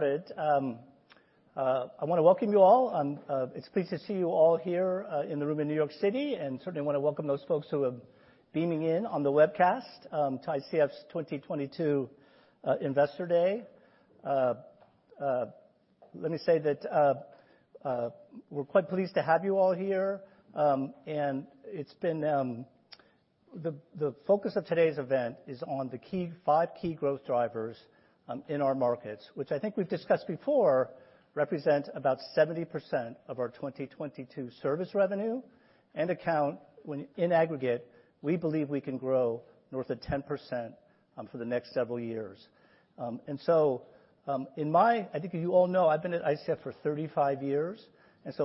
Get started. I wanna welcome you all. I'm excited to see you all here in the room in New York City, and certainly wanna welcome those folks who are beaming in on the webcast to ICF's 2022 Investor Day. Let me say that we're quite pleased to have you all here. The focus of today's event is on the five key growth drivers in our markets, which I think we've discussed before, represent about 70% of our 2022 service revenue and, when in aggregate, we believe we can grow north of 10% for the next several years. I think you all know I've been at ICF for 35 years,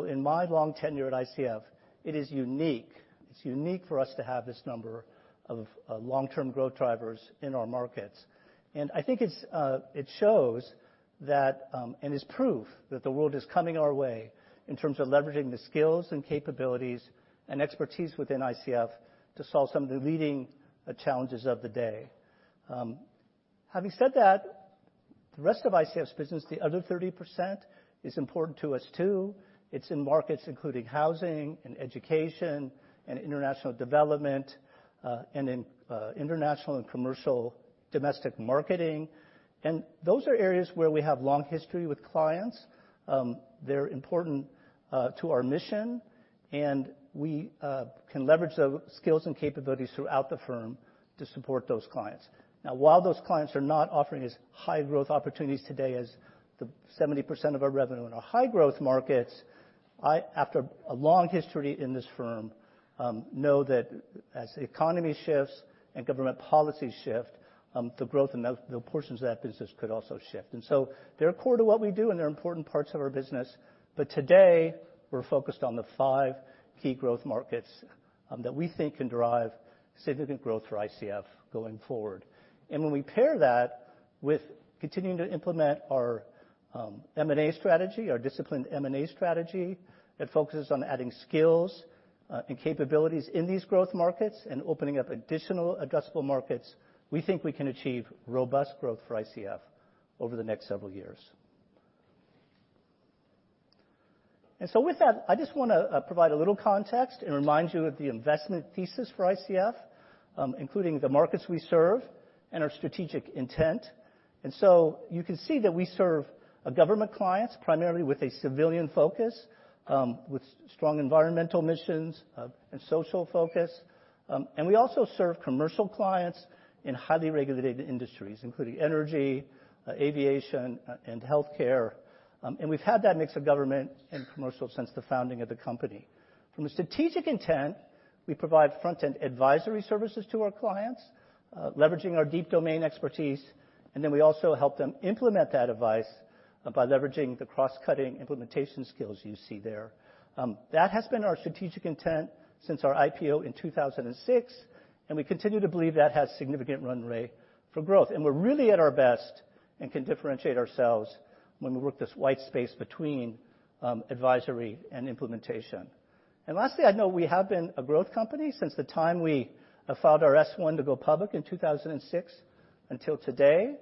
in my long tenure at ICF, it is unique. It's unique for us to have this number of long-term growth drivers in our markets. I think it shows that and is proof that the world is coming our way in terms of leveraging the skills and capabilities and expertise within ICF to solve some of the leading challenges of the day. Having said that, the rest of ICF's business, the other 30% is important to us too. It's in markets including housing and education and international development and in international and commercial domestic marketing. Those are areas where we have long history with clients. They're important to our mission, and we can leverage those skills and capabilities throughout the firm to support those clients. Now, while those clients are not offering as high growth opportunities today as the 70% of our revenue in our high growth markets, I, after a long history in this firm, know that as the economy shifts and government policies shift, the growth in those portions of that business could also shift. They're core to what we do, and they're important parts of our business. Today, we're focused on the five key growth markets that we think can drive significant growth for ICF going forward. When we pair that with continuing to implement our M&A strategy, our disciplined M&A strategy, it focuses on adding skills and capabilities in these growth markets and opening up additional addressable markets. We think we can achieve robust growth for ICF over the next several years. With that, I just wanna provide a little context and remind you of the investment thesis for ICF, including the markets we serve and our strategic intent. You can see that we serve government clients primarily with a civilian focus, with strong environmental missions, and social focus. We also serve commercial clients in highly regulated industries, including energy, aviation, and healthcare. We've had that mix of government and commercial since the founding of the company. From a strategic intent, we provide front-end advisory services to our clients, leveraging our deep domain expertise, and then we also help them implement that advice by leveraging the cross-cutting implementation skills you see there. That has been our strategic intent since our IPO in 2006, and we continue to believe that has significant runway for growth. We're really at our best and can differentiate ourselves when we work this wide space between advisory and implementation. Lastly, I know we have been a growth company since the time we filed our S-1 to go public in 2006 until today.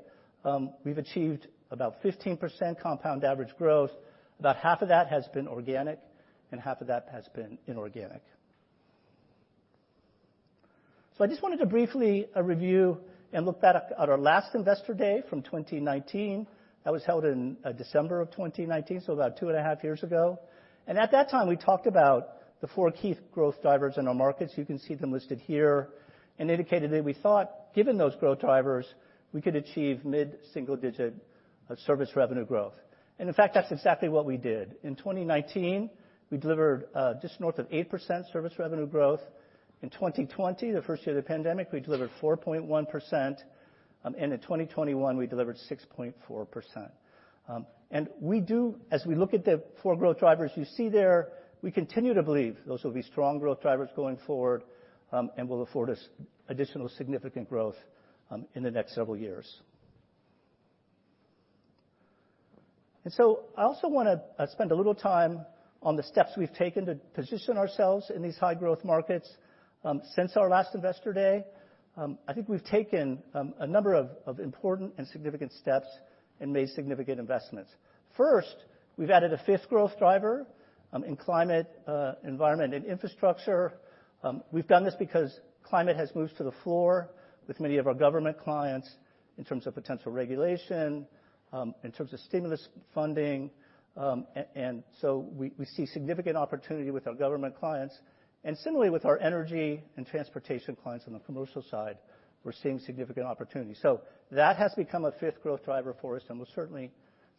We've achieved about 15% compound average growth. About half of that has been organic, and half of that has been inorganic. I just wanted to briefly review and look back at our last Investor Day from 2019. That was held in December 2019, so about 2.5 years ago. At that time, we talked about the four key growth drivers in our markets. You can see them listed here, and indicated that we thought, given those growth drivers, we could achieve mid-single digit service revenue growth. In fact, that's exactly what we did. In 2019, we delivered just north of 8% service revenue growth. In 2020, the first year of the pandemic, we delivered 4.1%. In 2021, we delivered 6.4%. As we look at the four growth drivers you see there, we continue to believe those will be strong growth drivers going forward, and will afford us additional significant growth in the next several years. I also wanna spend a little time on the steps we've taken to position ourselves in these high-growth markets. Since our last Investor Day, I think we've taken a number of important and significant steps and made significant investments. First, we've added a fifth growth driver in climate, environment and infrastructure. We've done this because climate has moved to the floor with many of our government clients in terms of potential regulation, in terms of stimulus funding, and so we see significant opportunity with our government clients. Similarly with our energy and transportation clients on the commercial side, we're seeing significant opportunities. That has become a fifth growth driver for us, and we'll certainly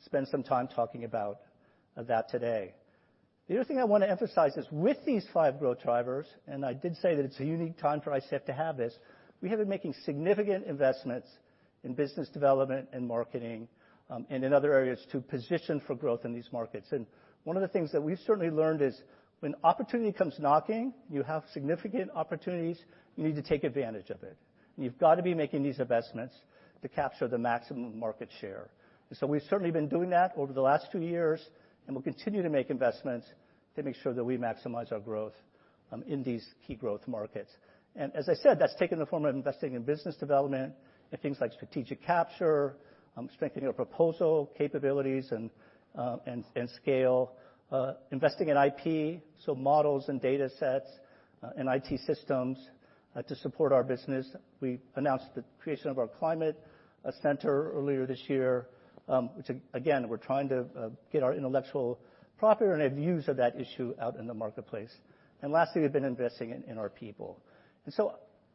spend some time talking about that today. The other thing I wanna emphasize is with these five growth drivers, and I did say that it's a unique time for ICF to have this, we have been making significant investments in business development and marketing, and in other areas to position for growth in these markets. One of the things that we've certainly learned is when opportunity comes knocking, you have significant opportunities, you need to take advantage of it. You've got to be making these investments to capture the maximum market share. We've certainly been doing that over the last two years, and we'll continue to make investments to make sure that we maximize our growth in these key growth markets. As I said, that's taken the form of investing in business development and things like strategic capture, strengthening our proposal capabilities and scale, investing in IP, so models and data sets, and IT systems to support our business. We announced the creation of our Climate Center earlier this year, which again, we're trying to get our intellectual property and the views of that issue out in the marketplace. Lastly, we've been investing in our people.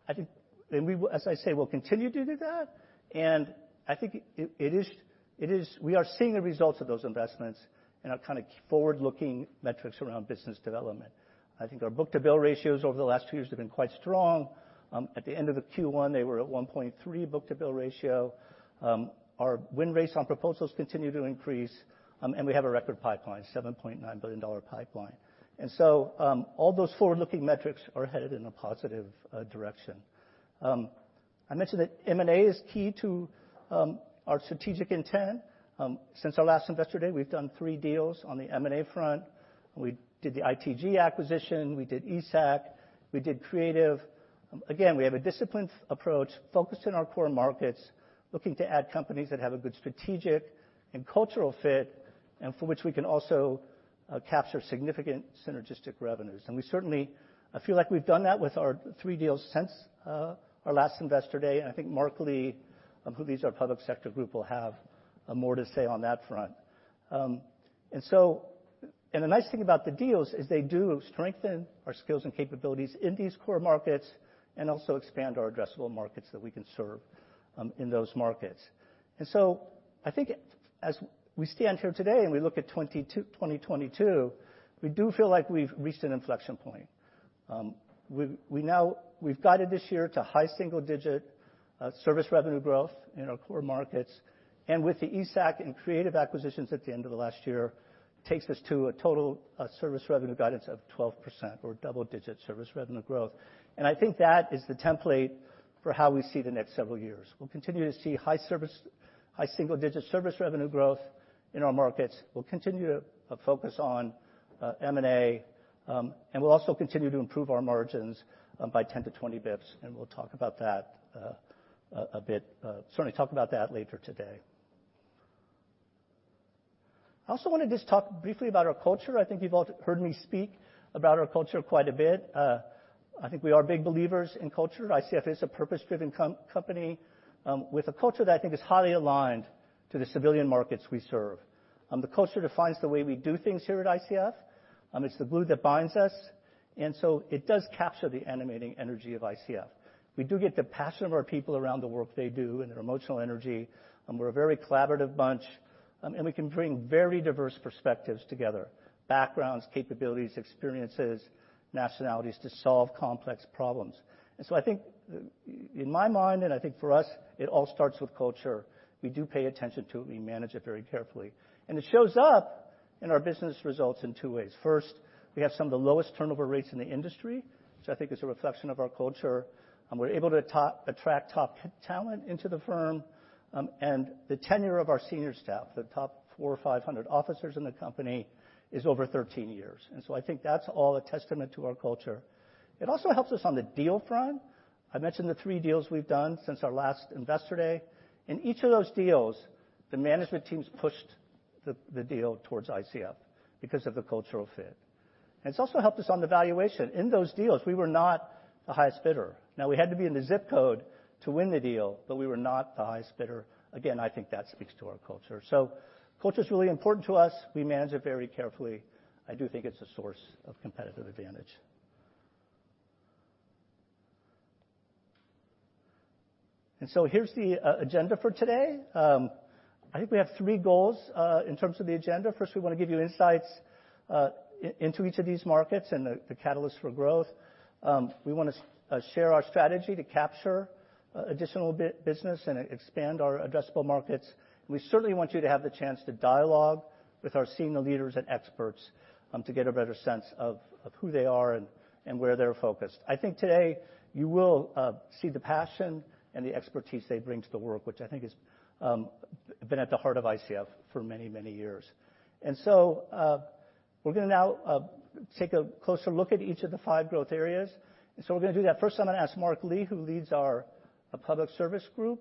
I think we will, as I say, continue to do that, and I think it is we are seeing the results of those investments in our kind of forward-looking metrics around business development. I think our book-to-bill ratios over the last two years have been quite strong. At the end of the Q1, they were at 1.3 book-to-bill ratio. Our win rates on proposals continue to increase, and we have a record pipeline, $7.9 billion pipeline. All those forward-looking metrics are headed in a positive direction. I mentioned that M&A is key to our strategic intent. Since our last Investor Day, we have done three deals on the M&A front. We did the ITG acquisition, we did ESAC, we did Creative. Again, we have a disciplined approach focused on our core markets, looking to add companies that have a good strategic and cultural fit, and for which we can also capture significant synergistic revenues. We certainly, I feel like we've done that with our three deals since our last Investor Day. I think Mark Lee, who leads our Public Sector Group, will have more to say on that front. The nice thing about the deals is they do strengthen our skills and capabilities in these core markets and also expand our addressable markets that we can serve in those markets. I think as we stand here today and we look at 2022, we do feel like we've reached an inflection point. We've guided this year to high single-digit service revenue growth in our core markets. With the ESAC and Creative acquisitions at the end of the last year, takes us to a total service revenue guidance of 12% or double-digit service revenue growth. I think that is the template for how we see the next several years. We'll continue to see high single-digit service revenue growth in our markets. We'll continue to focus on M&A, and we'll also continue to improve our margins by 10-20 basis points, and we'll talk about that a bit, certainly talk about that later today. I also wanna just talk briefly about our culture. I think you've all heard me speak about our culture quite a bit. I think we are big believers in culture. ICF is a purpose-driven company with a culture that I think is highly aligned to the civilian markets we serve. The culture defines the way we do things here at ICF. It's the glue that binds us, and so it does capture the animating energy of ICF. We do get the passion of our people around the work they do and their emotional energy, and we're a very collaborative bunch. We can bring very diverse perspectives together, backgrounds, capabilities, experiences, nationalities to solve complex problems. I think in my mind, and I think for us, it all starts with culture. We do pay attention to it. We manage it very carefully. It shows up in our business results in two ways. First, we have some of the lowest turnover rates in the industry, which I think is a reflection of our culture. We're able to attract top talent into the firm. The tenure of our senior staff, the top 400 or 500 officers in the company, is over 13 years. I think that's all a testament to our culture. It also helps us on the deal front. I mentioned the 3 deals we've done since our last Investor Day. In each of those deals, the management teams pushed the deal towards ICF because of the cultural fit. It's also helped us on the valuation. In those deals, we were not the highest bidder. Now, we had to be in the zip code to win the deal, but we were not the highest bidder. Again, I think that speaks to our culture. Culture is really important to us. We manage it very carefully. I do think it's a source of competitive advantage. Here's the agenda for today. I think we have three goals in terms of the agenda. First, we want to give you insights into each of these markets and the catalyst for growth. We want to share our strategy to capture additional business and expand our addressable markets. We certainly want you to have the chance to dialogue with our senior leaders and experts to get a better sense of who they are and where they're focused. I think today you will see the passion and the expertise they bring to the work, which I think has been at the heart of ICF for many years. We're gonna now take a closer look at each of the five growth areas. We're gonna do that. First, I'm gonna ask Mark Lee, who leads our Public Sector Group,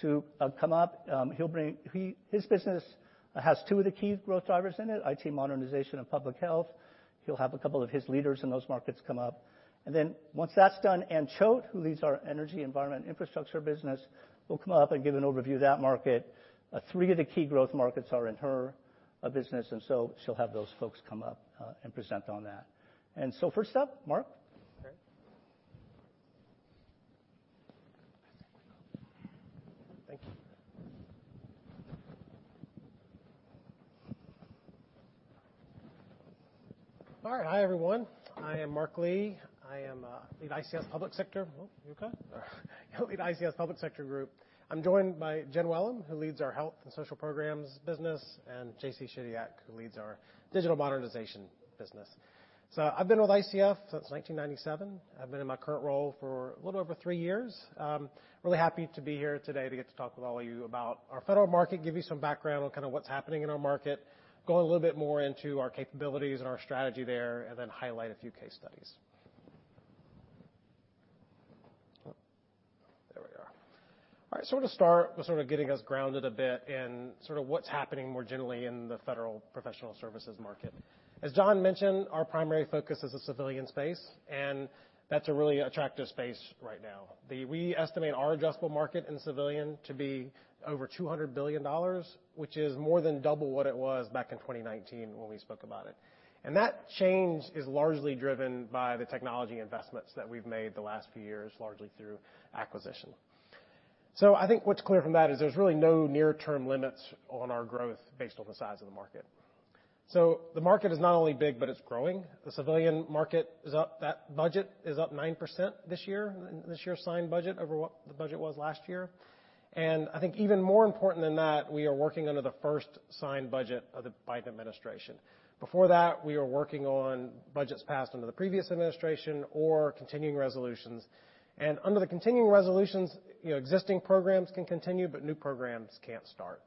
to come up. His business has two of the key growth drivers in it, IT modernization and public health. He'll have a couple of his leaders in those markets come up. Once that's done, Anne Choate, who leads our energy, environment, and infrastructure business, will come up and give an overview of that market. Three of the key growth markets are in her business, and so she'll have those folks come up and present on that. First up, Mark. All right. Thank you. All right. Hi, everyone. I am Mark Lee. I am lead ICF Public Sector Group. I'm joined by Jen Welham, who leads our health and social programs business, and J.C. Chidiac, who leads our digital modernization business. I've been with ICF since 1997. I've been in my current role for a little over three years. Really happy to be here today to get to talk with all of you about our federal market, give you some background on kind a what's happening in our market, go a little bit more into our capabilities and our strategy there, and then highlight a few case studies. There we are. All right. We'll start with sorta getting us grounded a bit in sorta what's happening more generally in the federal professional services market. As John mentioned, our primary focus is the civilian space, and that's a really attractive space right now. We estimate our addressable market in civilian to be over $200 billion, which is more than double what it was back in 2019 when we spoke about it. That change is largely driven by the technology investments that we've made the last few years, largely through acquisition. I think what's clear from that is there's really no near-term limits on our growth based on the size of the market. The market is not only big, but it's growing. The civilian market is up. That budget is up 9% this year, this year's signed budget over what the budget was last year. I think even more important than that, we are working under the first signed budget of the Biden administration. Before that, we were working on budgets passed under the previous administration or continuing resolutions. Under the continuing resolutions, you know, existing programs can continue, but new programs can't start.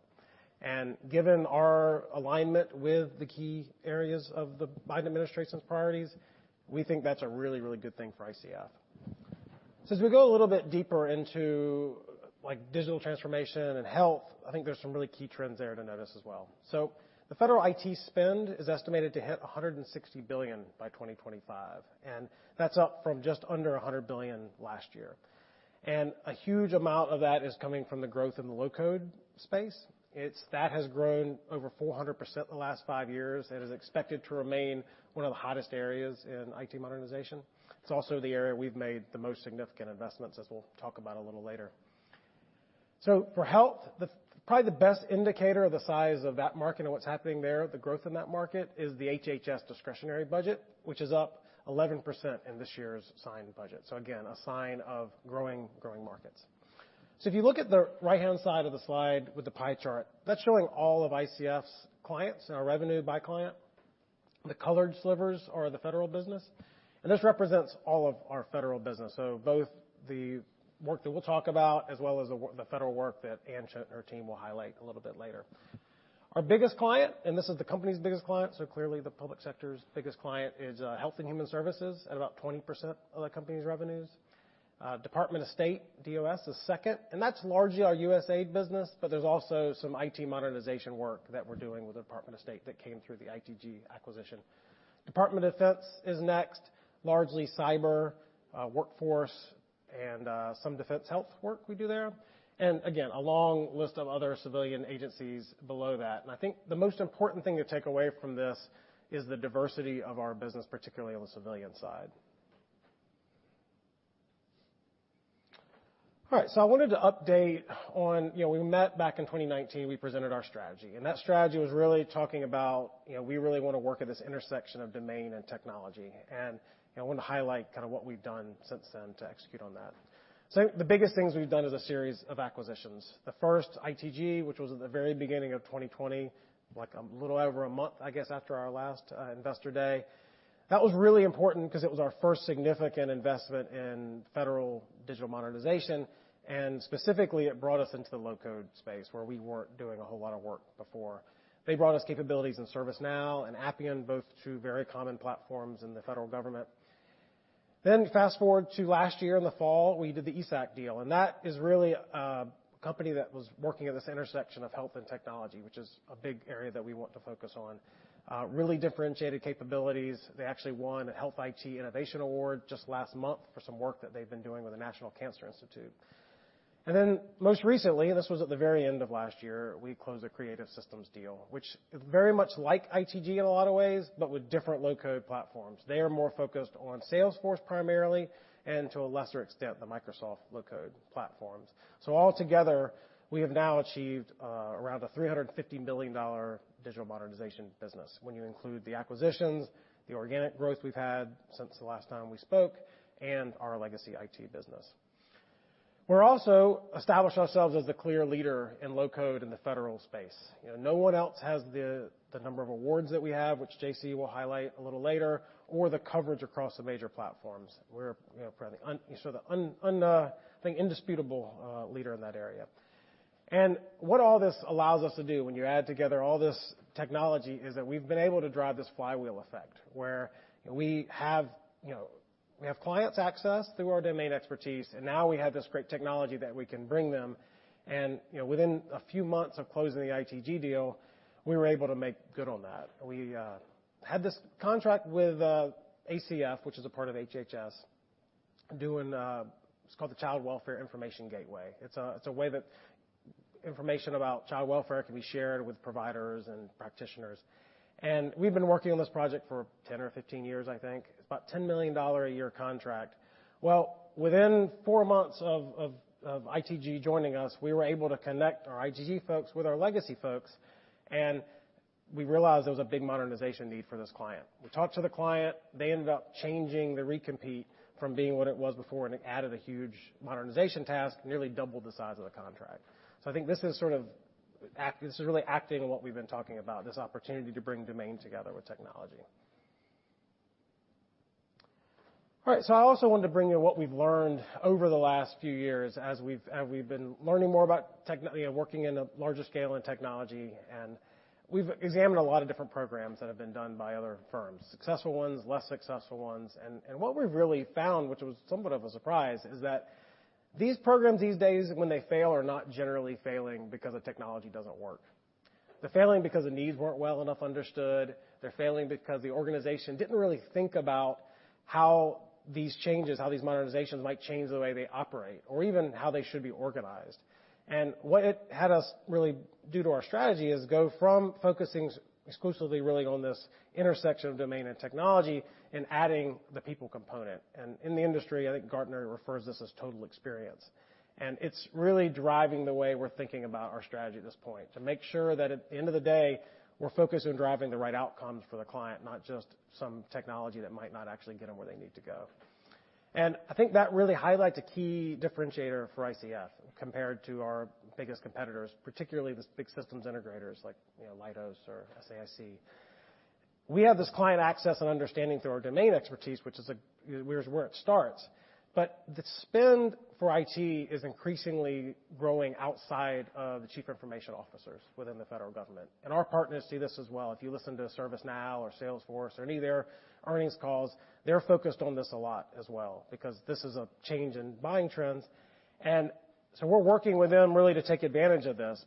Given our alignment with the key areas of the Biden administration's priorities, we think that's a really, really good thing for ICF. As we go a little bit deeper into, like, digital transformation and health, I think there's some really key trends there to notice as well. The federal IT spend is estimated to hit $160 billion by 2025, and that's up from just under $100 billion last year. A huge amount of that is coming from the growth in the low-code space. That has grown over 400% in the last 5 years, and is expected to remain one of the hottest areas in IT modernization. It's also the area we've made the most significant investments, as we'll talk about a little later. For health, probably the best indicator of the size of that market and what's happening there, the growth in that market, is the HHS discretionary budget, which is up 11% in this year's signed budget. Again, a sign of growing markets. If you look at the right-hand side of the slide with the pie chart, that's showing all of ICF's clients and our revenue by client. The colored slivers are the federal business, and this represents all of our federal business. Both the work that we'll talk about as well as the federal work that Anne Choate and her team will highlight a little bit later. Our biggest client, and this is the company's biggest client, so clearly the public sector's biggest client, is Health and Human Services at about 20% of the company's revenues. Department of State, DOS, is second, and that's largely our USAID business, but there's also some IT modernization work that we're doing with the Department of State that came through the ITG acquisition. Department of Defense is next, largely cyber, workforce and some defense health work we do there. Again, a long list of other civilian agencies below that. I think the most important thing to take away from this is the diversity of our business, particularly on the civilian side. All right. I wanted to update on, you know, we met back in 2019, we presented our strategy, and that strategy was really talking about, you know, we really wanna work at this intersection of domain and technology. You know, I wanna highlight kind of what we've done since then to execute on that. The biggest things we've done is a series of acquisitions. The first ITG, which was at the very beginning of 2020, like a little over a month, I guess, after our last investor day. That was really important because it was our first significant investment in federal digital modernization, and specifically, it brought us into the low-code space, where we weren't doing a whole lot of work before. They brought us capabilities in ServiceNow and Appian, both two very common platforms in the federal government. Fast-forward to last year in the fall, we did the ESAC deal, and that is really a company that was working at this intersection of health and technology, which is a big area that we want to focus on. Really differentiated capabilities. They actually won a Health IT Innovation Award just last month for some work that they've been doing with the National Cancer Institute. Most recently, this was at the very end of last year, we closed the Creative Systems deal, which is very much like ITG in a lot of ways, but with different low-code platforms. They are more focused on Salesforce primarily, and to a lesser extent, the Microsoft low-code platforms. All together, we have now achieved around a $350 billion digital modernization business when you include the acquisitions, the organic growth we've had since the last time we spoke, and our legacy IT business. We're also established ourselves as the clear leader in low-code in the federal space. You know, no one else has the number of awards that we have, which J.C. will highlight a little later, or the coverage across the major platforms. We're, you know, probably sort of the undisputed, I think indisputable leader in that area. What all this allows us to do when you add together all this technology is that we've been able to drive this flywheel effect where we have, you know, we have clients access through our domain expertise, and now we have this great technology that we can bring them. You know, within a few months of closing the ITG deal, we were able to make good on that. We had this contract with ACF, which is a part of HHS, doing what's called the Child Welfare Information Gateway. It's a way that information about child welfare can be shared with providers and practitioners. We've been working on this project for 10 or 15 years, I think. It's about a $10 million-a-year contract. Well, within four months of ITG joining us, we were able to connect our ITG folks with our legacy folks, and we realized there was a big modernization need for this client. We talked to the client, they ended up changing the recompete from being what it was before, and it added a huge modernization task, nearly doubled the size of the contract. I think this is really acting on what we've been talking about, this opportunity to bring domain together with technology. All right, so I also wanted to bring you what we've learned over the last few years as we've been learning more about working in a larger scale in technology. We've examined a lot of different programs that have been done by other firms, successful ones, less successful ones. What we've really found, which was somewhat of a surprise, is that these programs these days, when they fail, are not generally failing because the technology doesn't work. They're failing because the needs weren't well enough understood. They're failing because the organization didn't really think about how these changes, how these modernizations might change the way they operate or even how they should be organized. What it had us really do to our strategy is go from focusing exclusively really on this intersection of domain and technology and adding the people component. In the industry, I think Gartner refers to this as total experience, and it's really driving the way we're thinking about our strategy at this point to make sure that at the end of the day, we're focused on driving the right outcomes for the client, not just some technology that might not actually get them where they need to go. I think that really highlights a key differentiator for ICF compared to our biggest competitors, particularly the big systems integrators like, you know, Leidos or SAIC. We have this client access and understanding through our domain expertise, which is where it starts. The spend for IT is increasingly growing outside of the chief information officers within the federal government. Our partners see this as well. If you listen to ServiceNow or Salesforce or any of their earnings calls, they're focused on this a lot as well because this is a change in buying trends. We're working with them really to take advantage of this.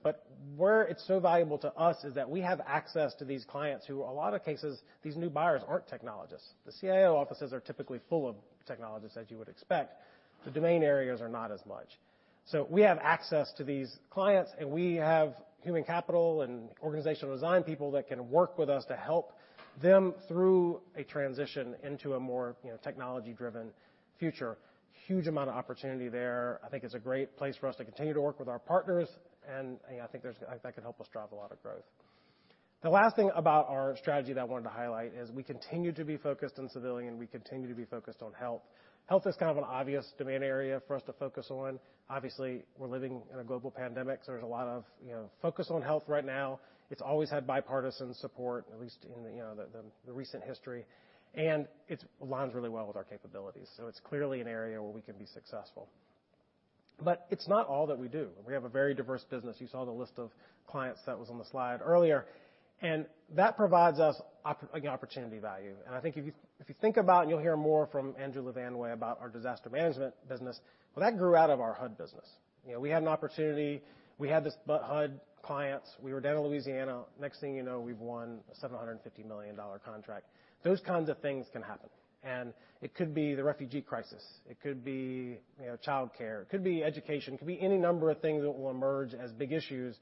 Where it's so valuable to us is that we have access to these clients who in a lot of cases, these new buyers aren't technologists. The CIO offices are typically full of technologists, as you would expect. The domain areas are not as much. We have access to these clients, and we have human capital and organizational design people that can work with us to help them through a transition into a more, you know, technology-driven future. Huge amount of opportunity there. I think it's a great place for us to continue to work with our partners, and I think that could help us drive a lot of growth. The last thing about our strategy that I wanted to highlight is we continue to be focused on civilian. We continue to be focused on health. Health is kind of an obvious domain area for us to focus on. Obviously, we're living in a global pandemic, so there's a lot of, you know, focus on health right now. It's always had bipartisan support, at least in, you know, the recent history, and it aligns really well with our capabilities. So it's clearly an area where we can be successful. But it's not all that we do. We have a very diverse business. You saw the list of clients that was on the slide earlier, and that provides us again, opportunity value. I think if you think about, and you'll hear more from Andrew LaVanway about our disaster management business. Well, that grew out of our HUD business. You know, we had an opportunity. We had this HUD clients. We were down in Louisiana. Next thing you know, we've won a $750 million contract. Those kinds of things can happen. It could be the refugee crisis, it could be, you know, childcare, it could be education, it could be any number of things that will emerge as big issues.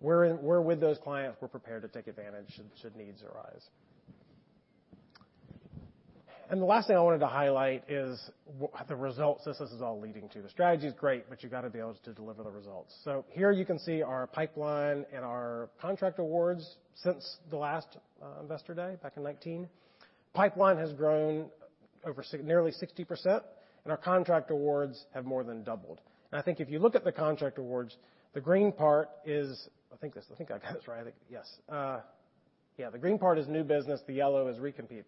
We're with those clients. We're prepared to take advantage should needs arise. The last thing I wanted to highlight is the results this is all leading to. The strategy is great, but you gotta be able to deliver the results. Here you can see our pipeline and our contract awards since the last Investor Day back in 2019. Pipeline has grown nearly 60%, and our contract awards have more than doubled. I think if you look at the contract awards, the green part is new business, the yellow is recompete.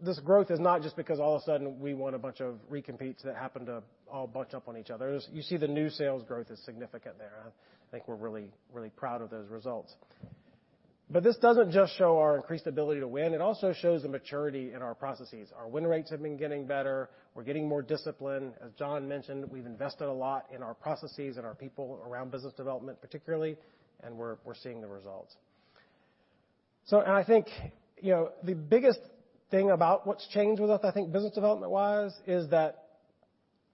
This growth is not just because all of a sudden we won a bunch of recompetes that happened to all bunch up on each other. You see the new sales growth is significant there. I think we're really, really proud of those results. This doesn't just show our increased ability to win, it also shows the maturity in our processes. Our win rates have been getting better. We're getting more discipline. As John mentioned, we've invested a lot in our processes and our people around business development, particularly, and we're seeing the results. I think, you know, the biggest thing about what's changed with us, I think business development-wise, is that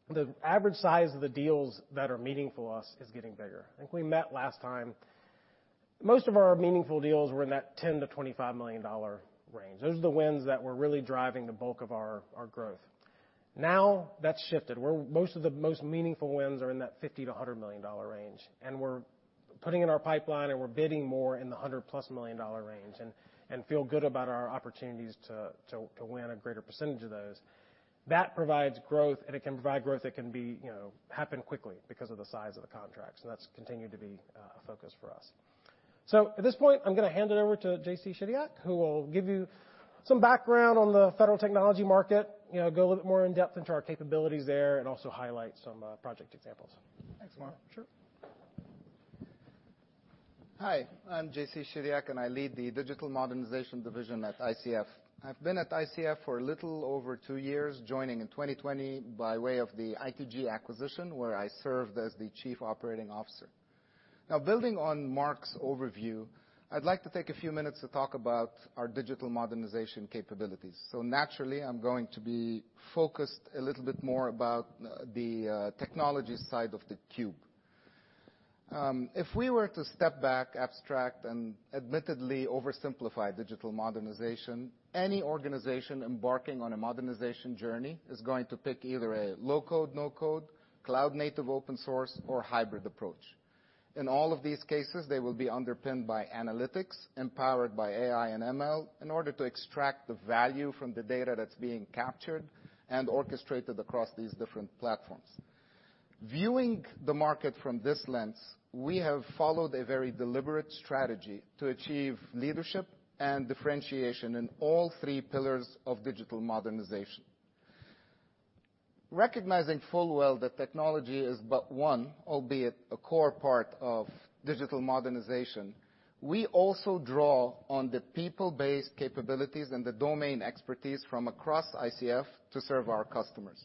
the average size of the deals that are meaningful to us is getting bigger. I think we met last time. Most of our meaningful deals were in that $10 million-$25 million range. Those are the wins that were really driving the bulk of our growth. Now that's shifted, where most meaningful wins are in that $50-$100 million range, and we're putting in our pipeline, and we're bidding more in the $100+ million range, and feel good about our opportunities to win a greater percentage of those. That provides growth, and it can provide growth that can be, you know, happen quickly because of the size of the contracts, and that's continued to be a focus for us. At this point, I'm gonna hand it over to J.C. Chidiac, who will give you some background on the federal technology market, you know, go a little bit more in-depth into our capabilities there, and also highlight some project examples. Thanks, Mark. Sure. Hi, I'm J.C. Chidiac, and I lead the digital modernization division at ICF. I've been at ICF for a little over two years, joining in 2020 by way of the ITG acquisition, where I served as the chief operating officer. Now, building on Mark's overview, I'd like to take a few minutes to talk about our digital modernization capabilities. Naturally, I'm going to be focused a little bit more about the technology side of the cube. If we were to step back, abstract, and admittedly oversimplify digital modernization, any organization embarking on a modernization journey is going to pick either a low-code/no-code, cloud-native open source, or hybrid approach. In all of these cases, they will be underpinned by analytics, empowered by AI and ML, in order to extract the value from the data that's being captured and orchestrated across these different platforms. Viewing the market from this lens, we have followed a very deliberate strategy to achieve leadership and differentiation in all three pillars of digital modernization. Recognizing full well that technology is but one, albeit a core part of digital modernization, we also draw on the people-based capabilities and the domain expertise from across ICF to serve our customers.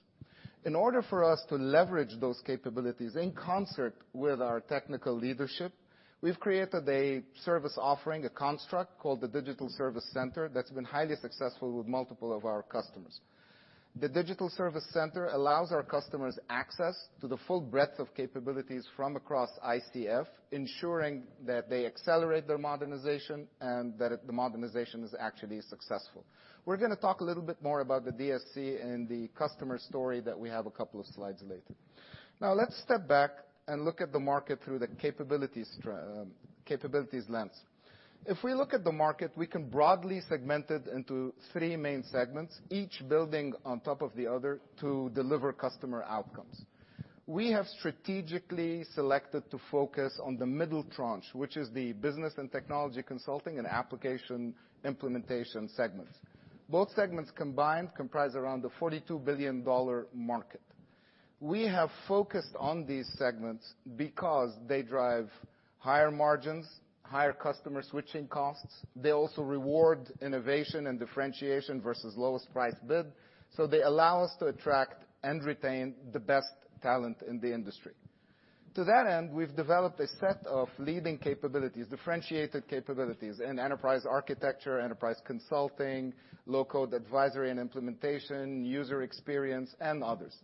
In order for us to leverage those capabilities in concert with our technical leadership, we've created a service offering, a construct called the Digital Services Center, that's been highly successful with multiple of our customers. The Digital Services Center allows our customers access to the full breadth of capabilities from across ICF, ensuring that they accelerate their modernization, and that the modernization is actually successful. We're gonna talk a little bit more about the DSC and the customer story that we have a couple of slides later. Now let's step back and look at the market through the capabilities lens. If we look at the market, we can broadly segment it into three main segments, each building on top of the other to deliver customer outcomes. We have strategically selected to focus on the middle tranche, which is the business and technology consulting and application implementation segments. Both segments combined comprise around the $42 billion market. We have focused on these segments because they drive higher margins, higher customer switching costs. They also reward innovation and differentiation versus lowest price bid, so they allow us to attract and retain the best talent in the industry. To that end, we've developed a set of leading capabilities, differentiated capabilities in enterprise architecture, enterprise consulting, low-code advisory and implementation, user experience, and others.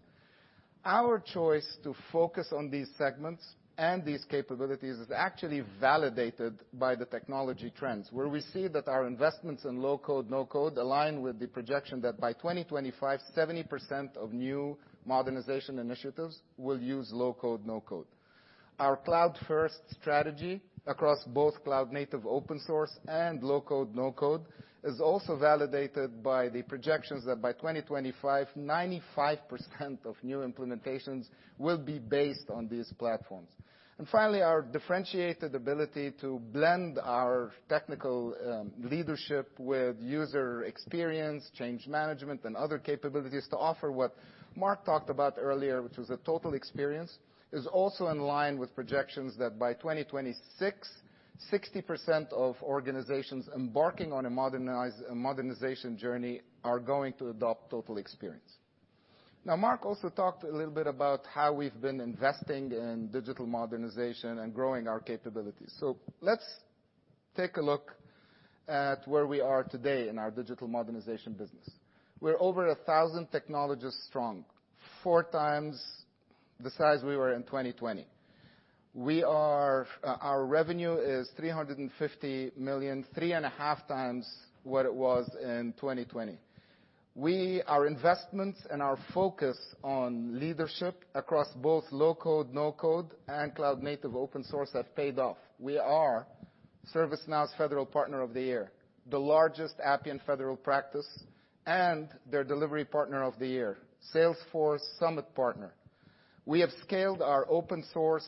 Our choice to focus on these segments and these capabilities is actually validated by the technology trends, where we see that our investments in low-code/no-code align with the projection that by 2025, 70% of new modernization initiatives will use low-code/no-code. Our cloud-first strategy across both cloud-native open source and low-code/no-code is also validated by the projections that by 2025, 95% of new implementations will be based on these platforms. Finally, our differentiated ability to blend our technical leadership with user experience, change management, and other capabilities to offer what Mark talked about earlier, which was a total experience, is also in line with projections that by 2026, 60% of organizations embarking on a modernization journey are going to adopt total experience. Now, Mark also talked a little bit about how we've been investing in digital modernization and growing our capabilities. Let's take a look at where we are today in our digital modernization business. We're over 1,000 technologists strong, four times the size we were in 2020. Our revenue is $350 million, 3.5x what it was in 2020. Our investments and our focus on leadership across both low-code/no-code and cloud-native open source have paid off. We are ServiceNow's Federal Partner of the Year, the largest Appian federal practice, and their Delivery Partner of the Year, Salesforce Summit Partner. We have scaled our open source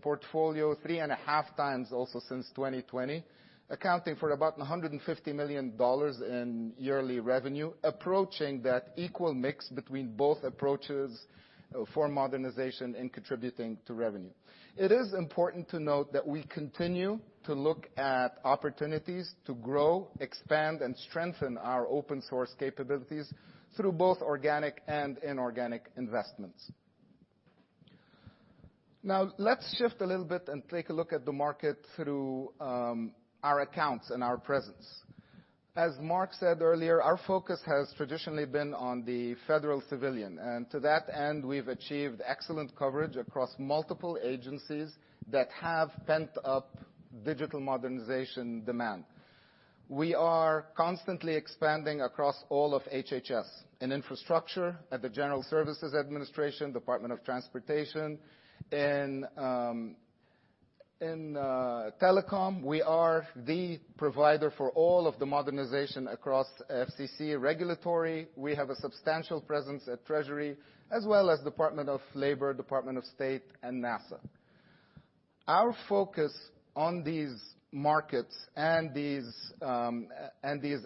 portfolio 3.5x also since 2020, accounting for about $150 million in yearly revenue, approaching that equal mix between both approaches for modernization and contributing to revenue. It is important to note that we continue to look at opportunities to grow, expand, and strengthen our open source capabilities through both organic and inorganic investments. Now, let's shift a little bit and take a look at the market through our accounts and our presence. As Mark said earlier, our focus has traditionally been on the federal civilian, and to that end, we've achieved excellent coverage across multiple agencies that have pent-up digital modernization demand. We are constantly expanding across all of HHS in infrastructure at the General Services Administration, Department of Transportation. In telecom, we are the provider for all of the modernization across FCC regulatory. We have a substantial presence at Treasury, as well as Department of Labor, Department of State, and NASA. Our focus on these markets and these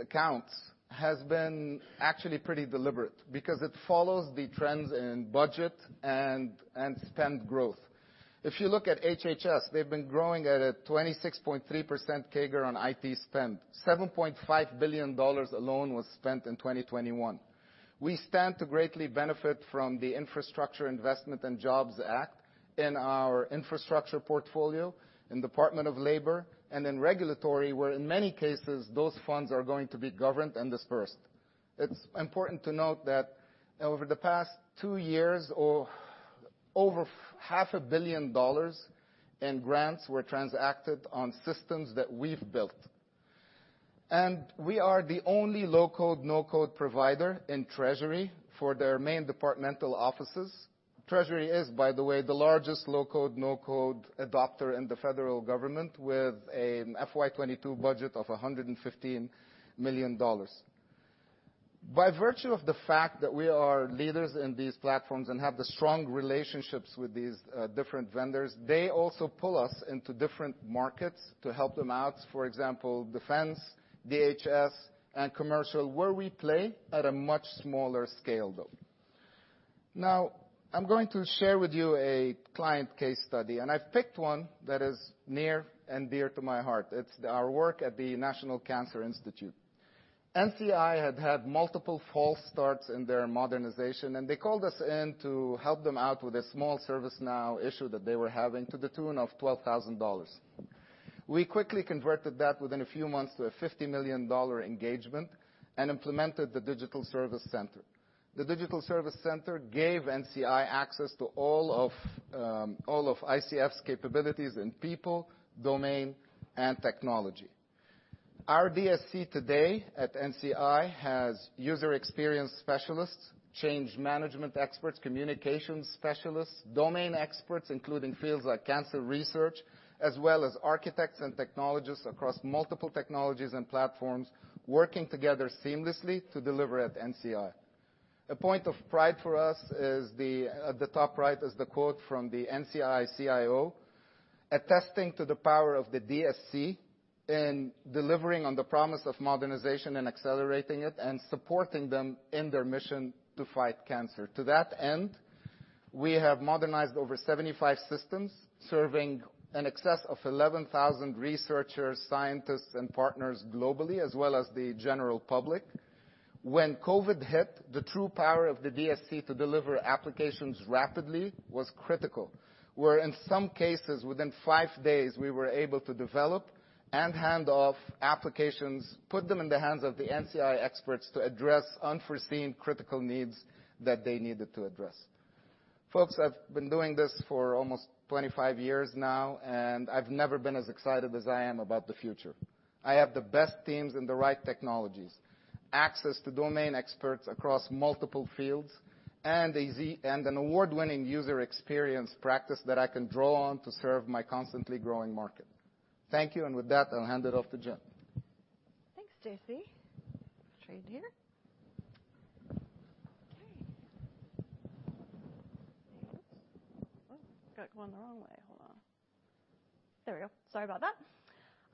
accounts has been actually pretty deliberate because it follows the trends in budget and spend growth. If you look at HHS, they've been growing at a 26.3% CAGR on IT spend. $7.5 billion alone was spent in 2021. We stand to greatly benefit from the Infrastructure Investment and Jobs Act in our infrastructure portfolio in Department of Labor and in regulatory, where in many cases those funds are going to be governed and dispersed. It's important to note that over the past two years, over half a billion dollars in grants were transacted on systems that we've built. We are the only low-code/no-code provider in Treasury for their main departmental offices. Treasury is, by the way, the largest low-code/no-code adopter in the federal government with an FY 2022 budget of $115 million. By virtue of the fact that we are leaders in these platforms and have the strong relationships with these, different vendors, they also pull us into different markets to help them out. For example, Defense, DHS, and commercial, where we play at a much smaller scale, though. Now, I'm going to share with you a client case study, and I've picked one that is near and dear to my heart. It's our work at the National Cancer Institute. NCI had had multiple false starts in their modernization, and they called us in to help them out with a small ServiceNow issue that they were having to the tune of $12,000. We quickly converted that within a few months to a $50 million engagement and implemented the Digital Services Center. The Digital Services Center gave NCI access to all of all of ICF's capabilities in people, domain, and technology. Our DSC today at NCI has user experience specialists, change management experts, communications specialists, domain experts, including fields like cancer research, as well as architects and technologists across multiple technologies and platforms working together seamlessly to deliver at NCI. A point of pride for us is that at the top right is the quote from the NCI CIO attesting to the power of the DSC in delivering on the promise of modernization and accelerating it and supporting them in their mission to fight cancer. To that end, we have modernized over 75 systems, serving in excess of 11,000 researchers, scientists, and partners globally, as well as the general public. When COVID hit, the true power of the DSC to deliver applications rapidly was critical, where in some cases within 5 days, we were able to develop and hand off applications, put them in the hands of the NCI experts to address unforeseen critical needs that they needed to address. Folks, I've been doing this for almost 25 years now, and I've never been as excited as I am about the future. I have the best teams and the right technologies, access to domain experts across multiple fields and an award-winning user experience practice that I can draw on to serve my constantly growing market. Thank you. With that, I'll hand it off to Jennifer Welham. Thanks, J.C.. Okay.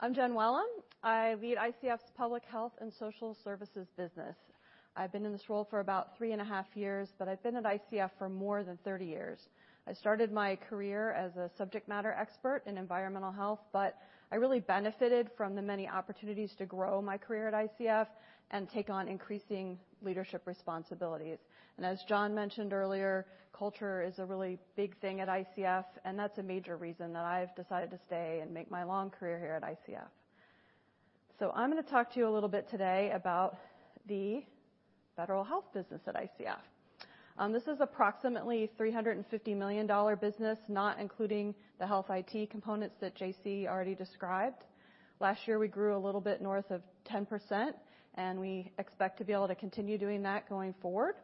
I'm Jen Welham. I lead ICF's Public Health and Social Services business. I've been in this role for about 3.5 years, but I've been at ICF for more than 30 years. I started my career as a subject matter expert in environmental health, but I really benefited from the many opportunities to grow my career at ICF and take on increasing leadership responsibilities. As John mentioned earlier, culture is a really big thing at ICF, and that's a major reason that I've decided to stay and make my long career here at ICF. I'm gonna talk to you a little bit today about the federal health business at ICF. This is approximately $350 million business, not including the health IT components that J.C. already described. Last year, we grew a little bit north of 10%, and we expect to be able to continue doing that going forward.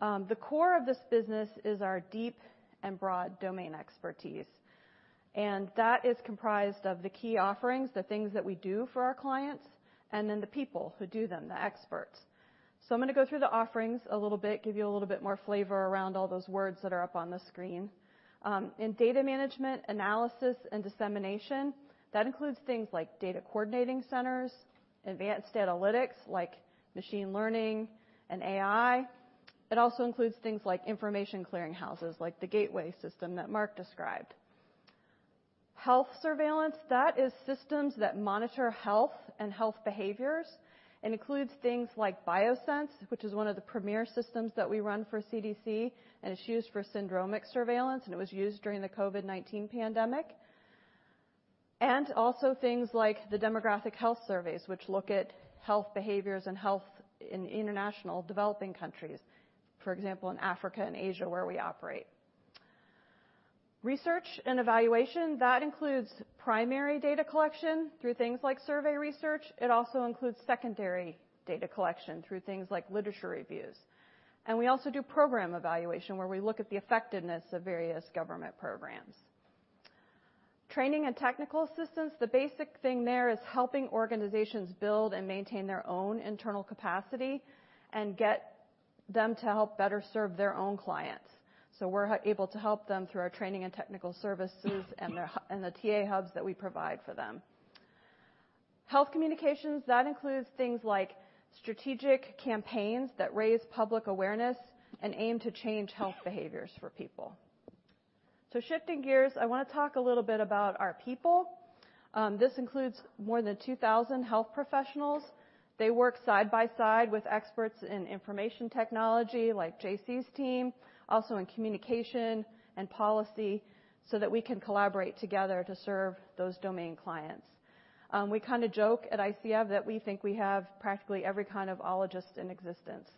The core of this business is our deep and broad domain expertise, and that is comprised of the key offerings, the things that we do for our clients, and then the people who do them, the experts. I'm gonna go through the offerings a little bit, give you a little bit more flavor around all those words that are up on the screen. In data management, analysis, and dissemination, that includes things like data coordinating centers, advanced analytics like machine learning and AI. It also includes things like information clearing houses, like the gateway system that Mark described. Health surveillance, that is systems that monitor health and health behaviors, and includes things like BioSense, which is one of the premier systems that we run for CDC, and it's used for syndromic surveillance, and it was used during the COVID-19 pandemic. Also things like the Demographic and Health Surveys, which look at health behaviors and health in international developing countries, for example, in Africa and Asia, where we operate. Research and evaluation, that includes primary data collection through things like survey research. It also includes secondary data collection through things like literature reviews. We also do program evaluation, where we look at the effectiveness of various government programs. Training and technical assistance. The basic thing there is helping organizations build and maintain their own internal capacity and get them to help better serve their own clients. We're able to help them through our training and technical services and the TA hubs that we provide for them. Health communications, that includes things like strategic campaigns that raise public awareness and aim to change health behaviors for people. Shifting gears, I wanna talk a little bit about our people. This includes more than 2,000 health professionals. They work side by side with experts in information technology like J.C.'s team, also in communication and policy, so that we can collaborate together to serve those domain clients. We kinda joke at ICF that we think we have practically every kind of ologist in existence,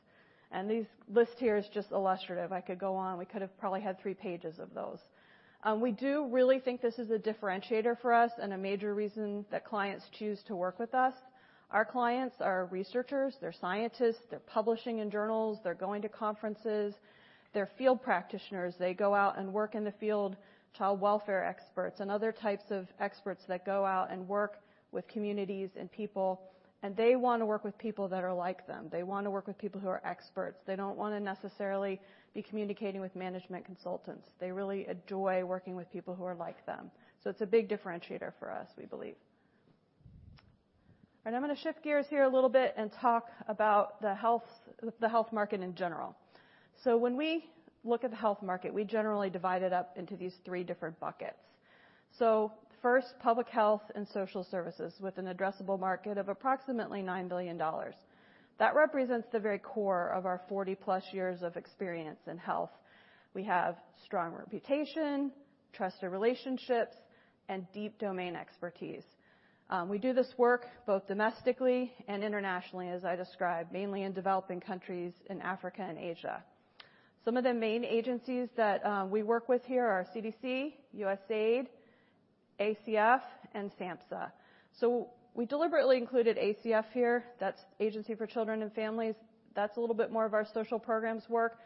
and this list here is just illustrative. I could go on. We could have probably had three pages of those. We do really think this is a differentiator for us and a major reason that clients choose to work with us. Our clients are researchers. They're scientists. They're publishing in journals. They're going to conferences. They're field practitioners. They go out and work in the field. Child welfare experts and other types of experts that go out and work with communities and people, and they wanna work with people that are like them. They wanna work with people who are experts. They don't wanna necessarily be communicating with management consultants. They really enjoy working with people who are like them. It's a big differentiator for us, we believe. I'm gonna shift gears here a little bit and talk about the health, the health market in general. When we look at the health market, we generally divide it up into these three different buckets. First, public health and social services, with an addressable market of approximately $9 billion. That represents the very core of our 40-+ years of experience in health. We have strong reputation, trusted relationships, and deep domain expertise. We do this work both domestically and internationally, as I described, mainly in developing countries in Africa and Asia. Some of the main agencies that we work with here are CDC, USAID, ACF, and SAMHSA. We deliberately included ACF here. That's Administration for Children and Families. That's a little bit more of our social programs work,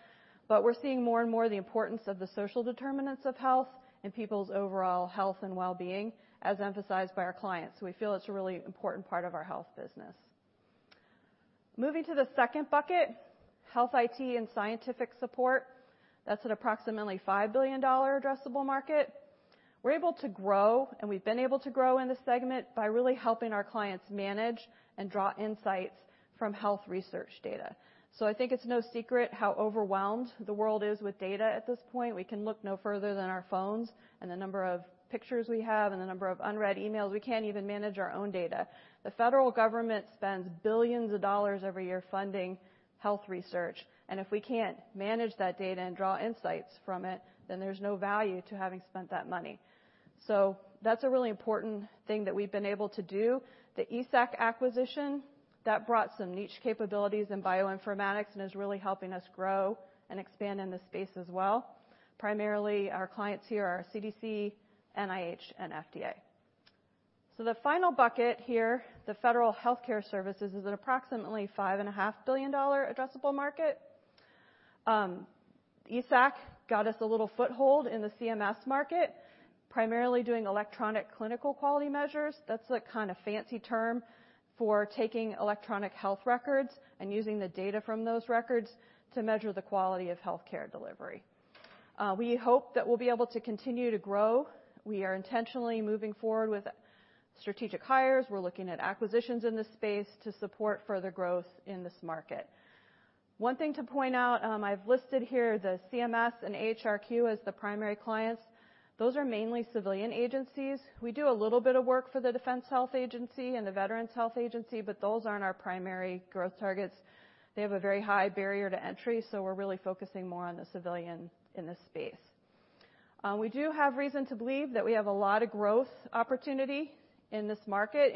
but we're seeing more and more the importance of the social determinants of health and people's overall health and wellbeing as emphasized by our clients. We feel it's a really important part of our health business. Moving to the second bucket, health IT and scientific support. That's an approximately $5 billion addressable market. We're able to grow, and we've been able to grow in this segment by really helping our clients manage and draw insights from health research data. I think it's no secret how overwhelmed the world is with data at this point. We can look no further than our phones and the number of pictures we have and the number of unread emails. We can't even manage our own data. The federal government spends billions of dollars every year funding health research, and if we can't manage that data and draw insights from it, then there's no value to having spent that money. That's a really important thing that we've been able to do. The Enterprise Science and Computing acquisition, that brought some niche capabilities in bioinformatics and is really helping us grow and expand in this space as well. Primarily, our clients here are CDC, NIH, and FDA. The final bucket here, the federal healthcare services, is an approximately $5.5 billion addressable market. ESAC got us a little foothold in the CMS market, primarily doing electronic clinical quality measures. That's a kinda fancy term for taking electronic health records and using the data from those records to measure the quality of healthcare delivery. We hope that we'll be able to continue to grow. We are intentionally moving forward with strategic hires. We're looking at acquisitions in this space to support further growth in this market. One thing to point out, I've listed here the CMS and AHRQ as the primary clients. Those are mainly civilian agencies. We do a little bit of work for the Defense Health Agency and the Veterans Health Administration, but those aren't our primary growth targets. They have a very high barrier to entry, so we're really focusing more on the civilian in this space. We do have reason to believe that we have a lot of growth opportunity in this market,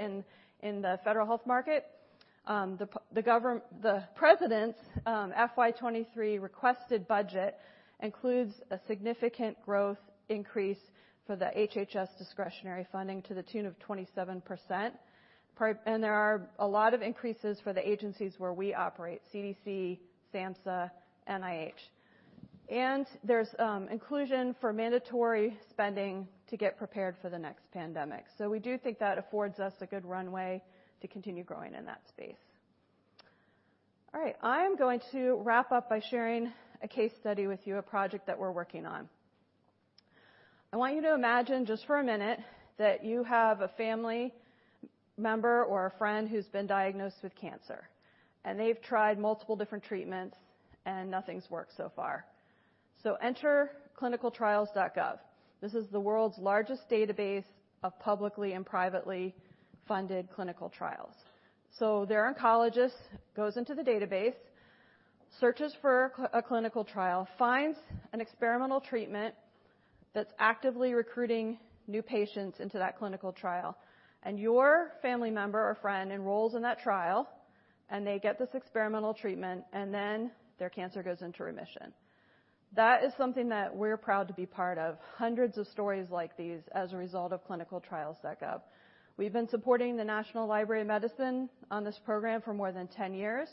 in the federal health market. The President's FY 2023 requested budget includes a significant growth increase for the HHS discretionary funding to the tune of 27%. There are a lot of increases for the agencies where we operate, CDC, SAMHSA, NIH. There's inclusion for mandatory spending to get prepared for the next pandemic. We do think that affords us a good runway to continue growing in that space. All right, I am going to wrap up by sharing a case study with you, a project that we're working on. I want you to imagine just for a minute that you have a family member or a friend who's been diagnosed with cancer, and they've tried multiple different treatments, and nothing's worked so far. Enter ClinicalTrials.gov. This is the world's largest database of publicly and privately funded clinical trials. Their oncologist goes into the database, searches for a clinical trial, finds an experimental treatment that's actively recruiting new patients into that clinical trial, and your family member or friend enrolls in that trial, and they get this experimental treatment, and then their cancer goes into remission. That is something that we're proud to be part of, hundreds of stories like these as a result of ClinicalTrials.gov. We've been supporting the National Library of Medicine on this program for more than 10 years.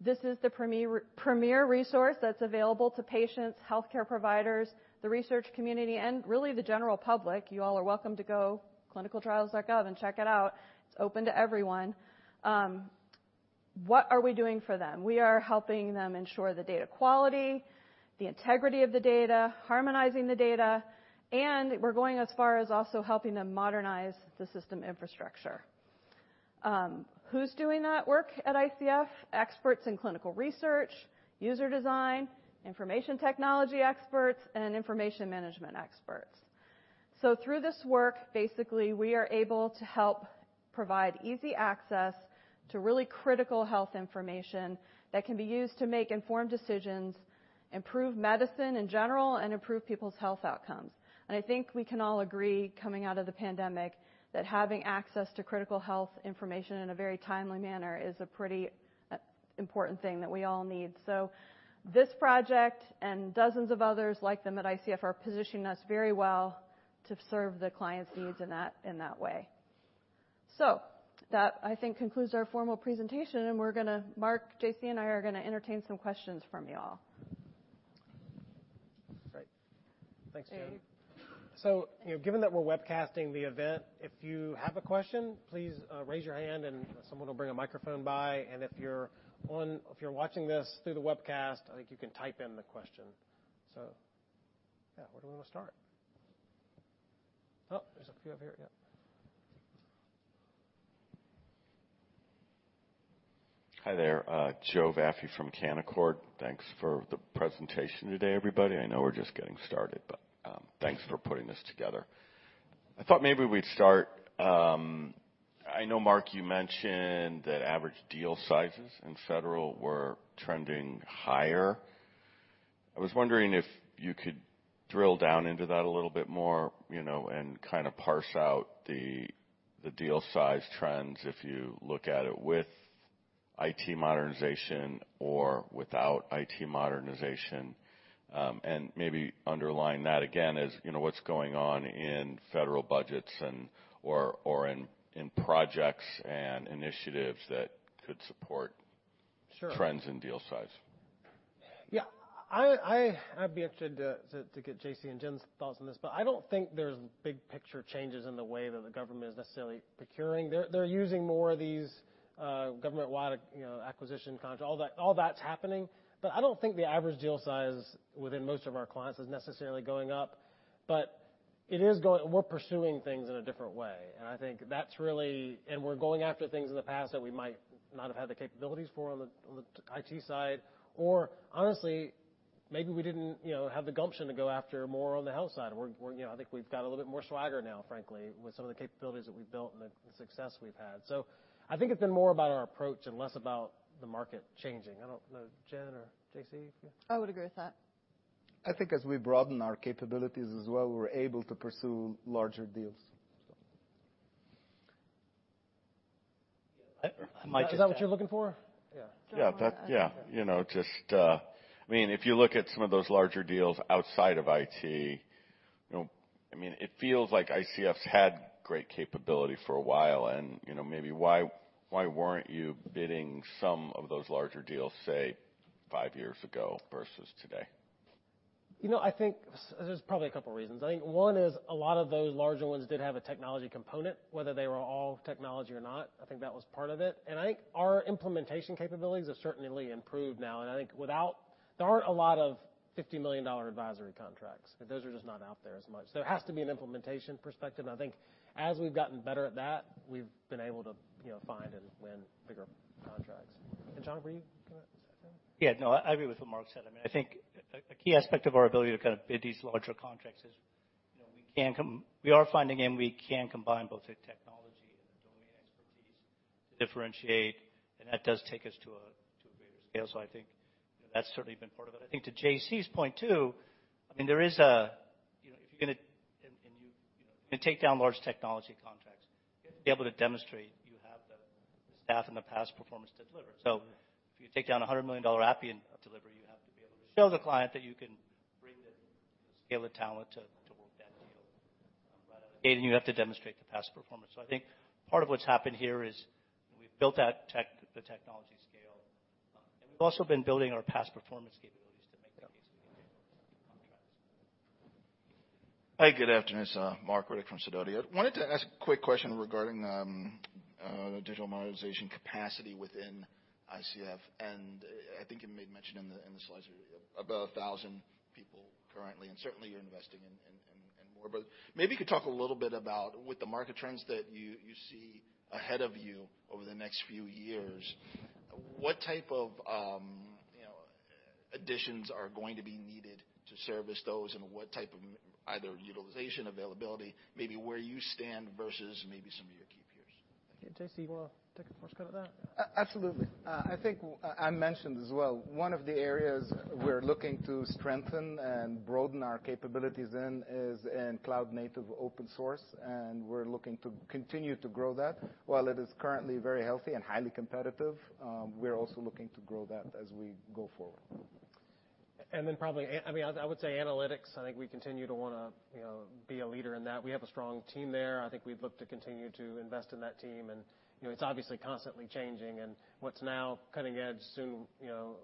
This is the premier resource that's available to patients, healthcare providers, the research community, and really the general public. You all are welcome to go ClinicalTrials.gov and check it out. It's open to everyone. What are we doing for them? We are helping them ensure the data quality, the integrity of the data, harmonizing the data, and we're going as far as also helping them modernize the system infrastructure. Who's doing that work at ICF? Experts in clinical research, user design, information technology experts, and information management experts. Through this work, basically, we are able to help provide easy access to really critical health information that can be used to make informed decisions, improve medicine in general, and improve people's health outcomes. I think we can all agree, coming out of the pandemic, that having access to critical health information in a very timely manner is a pretty important thing that we all need. This project and dozens of others like them at ICF are positioning us very well to serve the clients' needs in that, in that way. That, I think, concludes our formal presentation, and Mark Lee, J.C. Chidiac, and I are gonna entertain some questions from y'all. Great. Thanks, Jen. You know, given that we're webcasting the event, if you have a question, please, raise your hand and someone will bring a microphone by. If you're watching this through the webcast, I think you can type in the question. Yeah, where do we wanna start? Oh, there's a few up here. Yep. Hi there, Joe Vafi from Canaccord Genuity. Thanks for the presentation today, everybody. I know we're just getting started, but thanks for putting this together. I thought maybe we'd start. I know, Mark, you mentioned that average deal sizes in federal were trending higher. I was wondering if you could drill down into that a little bit more, you know, and kinda parse out the deal size trends if you look at it with IT modernization or without IT modernization. Maybe underline that again as, you know, what's going on in federal budgets or in projects and initiatives that could support. Sure. trends and deal size. Yeah. I'd be interested to get J.C. and Jen's thoughts on this, but I don't think there's big picture changes in the way that the government is necessarily procuring. They're using more of these government-wide, you know, acquisition contracts. All that's happening. I don't think the average deal size within most of our clients is necessarily going up. It is going. We're pursuing things in a different way, and I think that's really. We're going after things in the past that we might not have had the capabilities for on the IT side. Or honestly, maybe we didn't, you know, have the gumption to go after more on the health side. We're, you know, I think we've got a little bit more swagger now, frankly, with some of the capabilities that we've built and the success we've had. I think it's been more about our approach and less about the market changing. I don't know, Jen or J.C., if you- I would agree with that. I think as we broaden our capabilities as well, we're able to pursue larger deals. Mike, is that what you're looking for? Yeah. You know, just, I mean, if you look at some of those larger deals outside of IT, you know, I mean, it feels like ICF's had great capability for a while. You know, maybe why weren't you bidding some of those larger deals, say, five years ago versus today? You know, I think there's probably a couple reasons. I think one is a lot of those larger ones did have a technology component, whether they were all technology or not. I think that was part of it. I think our implementation capabilities have certainly improved now. There aren't a lot of $50 million advisory contracts. Those are just not out there as much. There has to be an implementation perspective. I think as we've gotten better at that, we've been able to, you know, find and win bigger contracts. John, were you gonna say something? Yeah. No, I agree with what Mark said. I mean, I think a key aspect of our ability to kind of bid these larger contracts is, you know, we are finding, and we can combine both the technology. To differentiate, that does take us to a greater scale. I think that's certainly been part of it. I think to J.C.'s point, too, I mean, there is a, you know, if you're gonna, you know, take down large technology contracts, you have to be able to demonstrate you have the staff and the past performance to deliver. If you take down a $100 million Appian delivery, you have to be able to show the client that you can bring the scale of talent to work that deal right out of the gate, and you have to demonstrate the past performance. I think part of what's happened here is we've built the technology scale, and we've also been building our past performance capabilities to make that case and get those contracts. Hi, good afternoon. It's Mark Riddick from Sidoti. I wanted to ask a quick question regarding digital modernization capacity within ICF. I think you may have mentioned in the slides about 1,000 people currently, and certainly you're investing in more. Maybe you could talk a little bit about with the market trends that you see ahead of you over the next few years, what type of you know additions are going to be needed to service those and what type of either utilization availability, maybe where you stand versus maybe some of your key peers. J.C., you wanna take a first cut at that? Absolutely. I think I mentioned as well, one of the areas we're looking to strengthen and broaden our capabilities in is in cloud-native open source, and we're looking to continue to grow that. While it is currently very healthy and highly competitive, we're also looking to grow that as we go forward. I mean, I would say analytics. I think we continue to wanna, you know, be a leader in that. We have a strong team there. I think we'd look to continue to invest in that team. You know, it's obviously constantly changing, and what's now cutting edge soon, you know,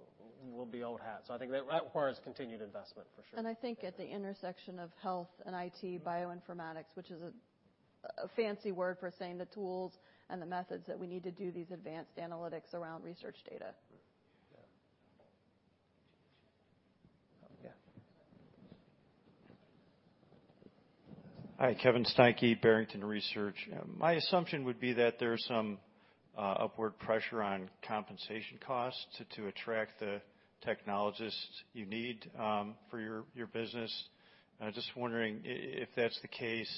will be old hat. I think that requires continued investment for sure. I think at the intersection of health and IT, bioinformatics, which is a fancy word for saying the tools and the methods that we need to do these advanced analytics around research data. Yeah. Hi, Kevin Steinke, Barrington Research. My assumption would be that there's some upward pressure on compensation costs to attract the technologists you need for your business. I'm just wondering if that's the case,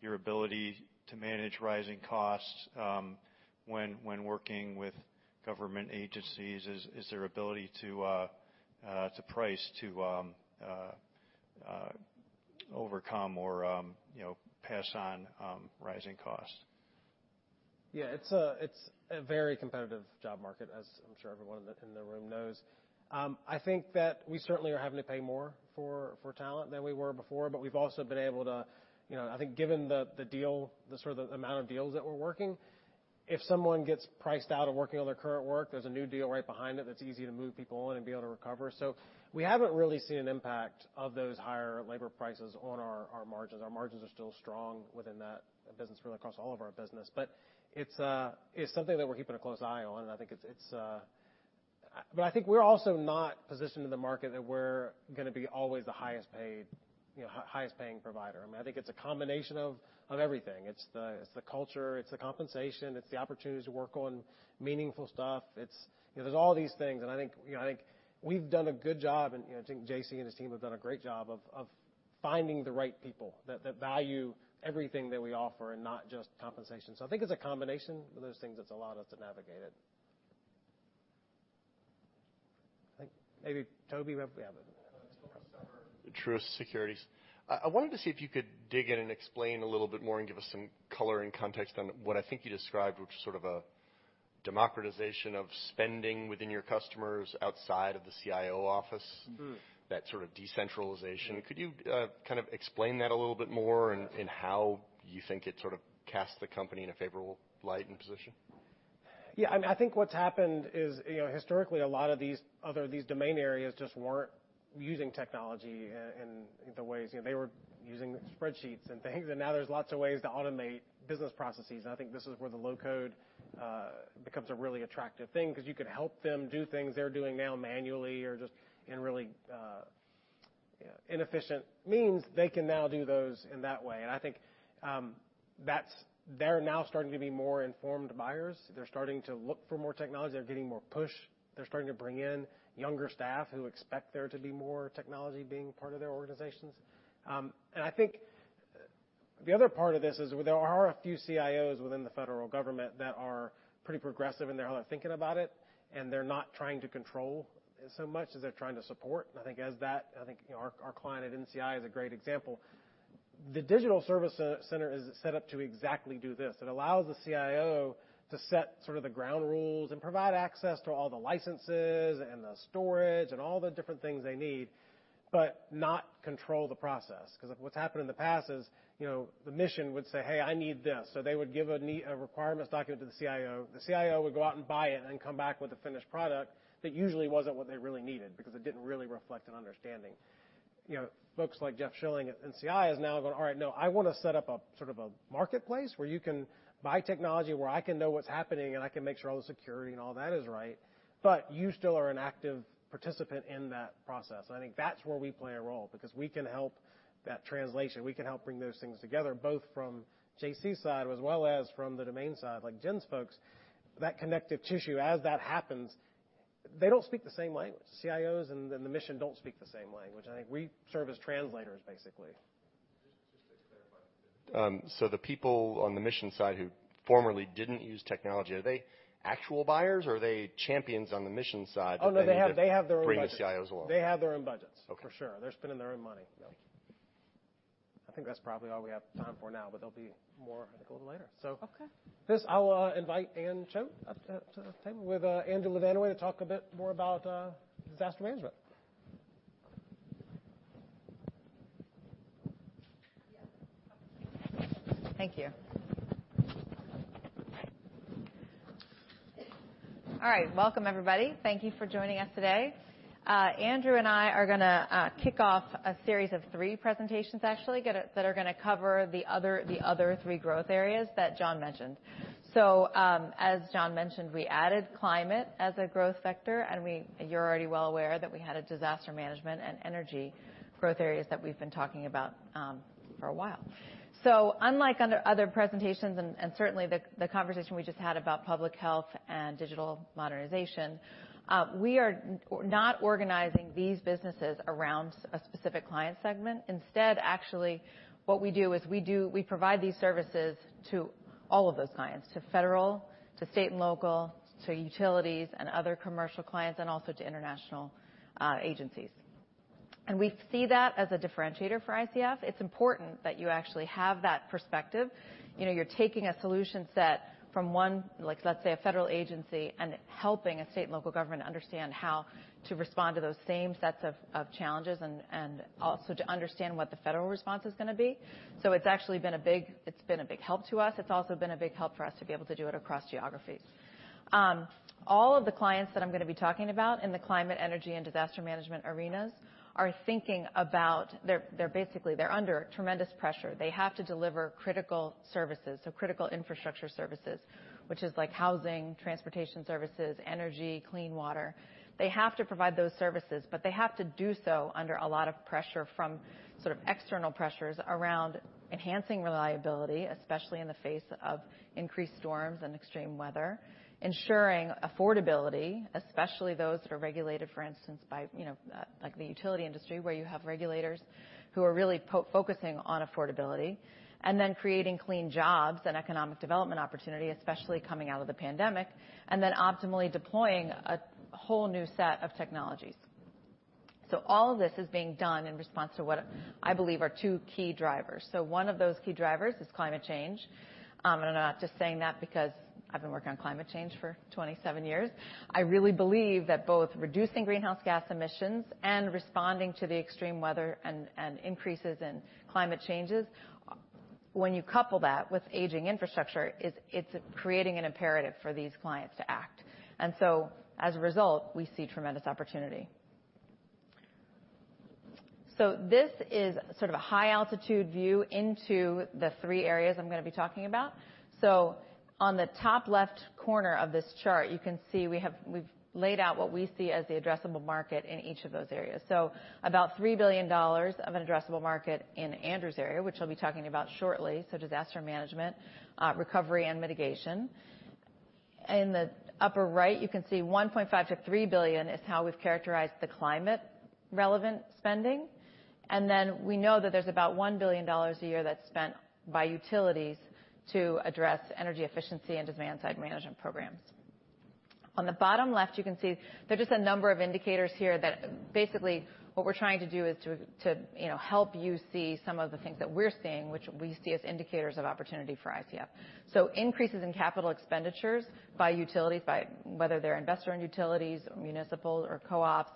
your ability to manage rising costs when working with government agencies, is there ability to price to overcome or you know pass on rising costs. Yeah, it's a very competitive job market, as I'm sure everyone in the room knows. I think that we certainly are having to pay more for talent than we were before, but we've also been able to, you know, I think given the deal, the sort of amount of deals that we're working, if someone gets priced out of working on their current work, there's a new deal right behind it that's easy to move people in and be able to recover. We haven't really seen an impact of those higher labor prices on our margins. Our margins are still strong within that business, really across all of our business. It's something that we're keeping a close eye on, and I think it's. I think we're also not positioned in the market that we're gonna be always the highest paid, you know, highest paying provider. I think it's a combination of everything. It's the culture, it's the compensation, it's the opportunity to work on meaningful stuff. You know, there's all these things. I think, you know, I think we've done a good job, and, you know, I think JC and his team have done a great job of finding the right people that value everything that we offer and not just compensation. I think it's a combination of those things that's allowed us to navigate it. I think maybe Tobey, we have a Sure. Truist Securities. I wanted to see if you could dig in and explain a little bit more and give us some color and context on what I think you described, which is sort of a democratization of spending within your customers outside of the CIO office? Mm. That sort of decentralization. Could you kind of explain that a little bit more and how you think it sort of casts the company in a favorable light and position? Yeah, I mean, I think what's happened is, you know, historically, a lot of these domain areas just weren't using technology in the ways, you know, they were using spreadsheets and things, and now there's lots of ways to automate business processes. I think this is where the low-code becomes a really attractive thing because you could help them do things they're doing now manually or just in really inefficient means they can now do those in that way. I think that's they're now starting to be more informed buyers. They're starting to look for more technology. They're getting more push. They're starting to bring in younger staff who expect there to be more technology being part of their organizations. I think the other part of this is there are a few CIOs within the federal government that are pretty progressive in their thinking about it, and they're not trying to control so much as they're trying to support. I think you know, our client at NCI is a great example. The Digital Services Center is set up to exactly do this. It allows the CIO to set sort of the ground rules and provide access to all the licenses and the storage and all the different things they need, but not control the process. 'Cause what's happened in the past is, you know, the mission would say, "Hey, I need this." They would give a requirements document to the CIO. The CIO would go out and buy it and then come back with a finished product that usually wasn't what they really needed because it didn't really reflect an understanding. You know, folks like Jeff Shilling at NCI is now going, "All right, no, I wanna set up a sort of a marketplace where you can buy technology, where I can know what's happening, and I can make sure all the security and all that is right. But you still are an active participant in that process." I think that's where we play a role because we can help that translation. We can help bring those things together, both from JC's side as well as from the domain side, like Jen's folks. That connective tissue, as that happens, they don't speak the same language. CIOs and then the mission don't speak the same language. I think we serve as translators, basically. The people on the mission side who formerly didn't use technology, are they actual buyers or are they champions on the mission side that they need to? Oh, no, they have their own budgets. Bring the CIOs along. They have their own budgets. Okay. For sure. They're spending their own money. Yeah. I think that's probably all we have time for now, but there'll be more I think a little later. Okay. I'll invite Anne Choate up to the table with Andrew LaVanway to talk a bit more about disaster management. Thank you. All right. Welcome, everybody. Thank you for joining us today. Andrew and I are gonna kick off a series of three presentations, actually, that are gonna cover the other three growth areas that John mentioned. As John mentioned, we added climate as a growth sector, and you're already well aware that we had a disaster management and energy growth areas that we've been talking about for a while. Unlike other presentations and certainly the conversation we just had about public health and digital modernization, we are not organizing these businesses around a specific client segment. Instead, actually, what we do is we provide these services to all of those clients, to federal, to state and local, to utilities and other commercial clients, and also to international agencies. We see that as a differentiator for ICF. It's important that you actually have that perspective. You know, you're taking a solution set from one, like, let's say, a federal agency, and helping a state and local government understand how to respond to those same sets of challenges and also to understand what the federal response is gonna be. It's actually been a big help to us. It's also been a big help for us to be able to do it across geographies. All of the clients that I'm gonna be talking about in the climate, energy, and disaster management arenas are basically under tremendous pressure. They have to deliver critical services, so critical infrastructure services, which is like housing, transportation services, energy, clean water. They have to provide those services, but they have to do so under a lot of pressure from sort of external pressures around enhancing reliability, especially in the face of increased storms and extreme weather. Ensuring affordability, especially those that are regulated, for instance, by, you know, like the utility industry, where you have regulators who are really focusing on affordability. Then creating clean jobs and economic development opportunity, especially coming out of the pandemic, and then optimally deploying a whole new set of technologies. All this is being done in response to what I believe are two key drivers. One of those key drivers is climate change. I'm not just saying that because I've been working on climate change for 27 years. I really believe that both reducing greenhouse gas emissions and responding to the extreme weather and increases in climate changes, when you couple that with aging infrastructure, it's creating an imperative for these clients to act. As a result, we see tremendous opportunity. This is sort of a high altitude view into the three areas I'm gonna be talking about. On the top left corner of this chart, you can see we've laid out what we see as the addressable market in each of those areas. About $3 billion of an addressable market in Andrew's area, which he'll be talking about shortly, so disaster management, recovery and mitigation. In the upper right, you can see $1.5 billion-$3 billion is how we've characterized the climate relevant spending. We know that there's about $1 billion a year that's spent by utilities to address energy efficiency and demand side management programs. On the bottom left, you can see there are just a number of indicators here that basically what we're trying to do is to, you know, help you see some of the things that we're seeing, which we see as indicators of opportunity for ICF. Increases in capital expenditures by utilities, by whether they're investor-owned utilities, municipal or co-ops.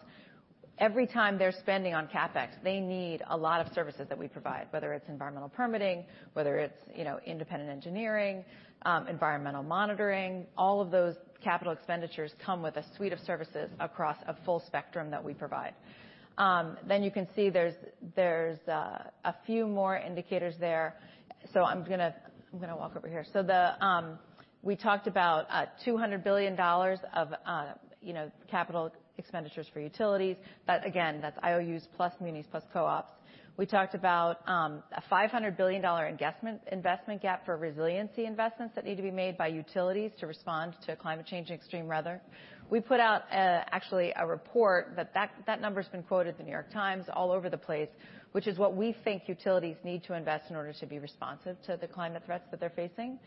Every time they're spending on CapEx, they need a lot of services that we provide, whether it's environmental permitting, whether it's, you know, independent engineering, environmental monitoring. All of those capital expenditures come with a suite of services across a full spectrum that we provide. You can see there's a few more indicators there. I'm gonna walk over here. We talked about $200 billion of you know capital expenditures for utilities. That again that's IOUs plus munis plus co-ops. We talked about a $500 billion investment gap for resiliency investments that need to be made by utilities to respond to climate change and extreme weather. We put out actually a report that number's been quoted in The New York Times all over the place, which is what we think utilities need to invest in order to be responsive to the climate threats that they're facing.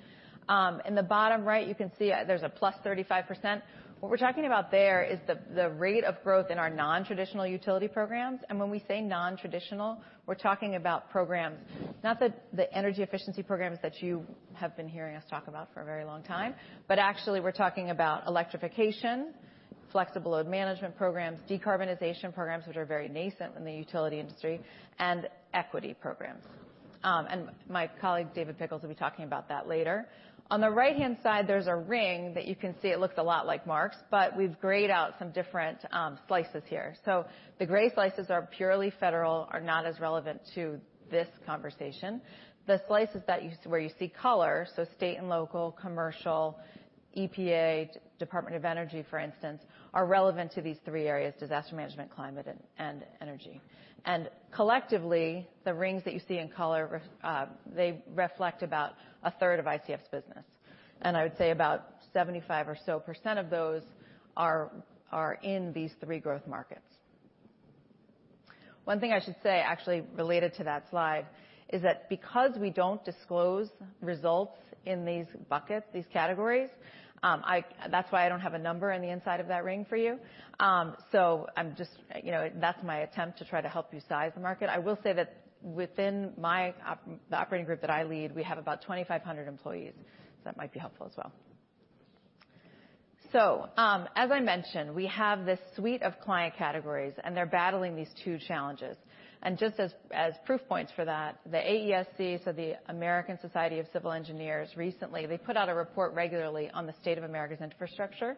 In the bottom right you can see there's a +35%. What we're talking about there is the rate of growth in our non-traditional utility programs. When we say non-traditional, we're talking about programs, not the energy efficiency programs that you have been hearing us talk about for a very long time, but actually we're talking about electrification, flexible load management programs, decarbonization programs, which are very nascent in the utility industry, and equity programs. My colleague, David Pickles, will be talking about that later. On the right-hand side, there's a ring that you can see. It looks a lot like Mark's, but we've grayed out some different slices here. The gray slices are purely federal, are not as relevant to this conversation. The slices where you see color, so state and local, commercial, EPA, Department of Energy, for instance, are relevant to these three areas, disaster management, climate, and energy. Collectively, the rings that you see in color they reflect about a third of ICF's business. I would say about 75% or so of those are in these three growth markets. One thing I should say, actually related to that slide, is that because we don't disclose results in these buckets, these categories, that's why I don't have a number on the inside of that ring for you. So I'm just, you know, that's my attempt to try to help you size the market. I will say that within my the operating group that I lead, we have about 2,500 employees. So that might be helpful as well. So, as I mentioned, we have this suite of client categories, and they're battling these two challenges. Just as proof points for that, the ASCE, so the American Society of Civil Engineers, recently they put out a report regularly on the state of America's infrastructure.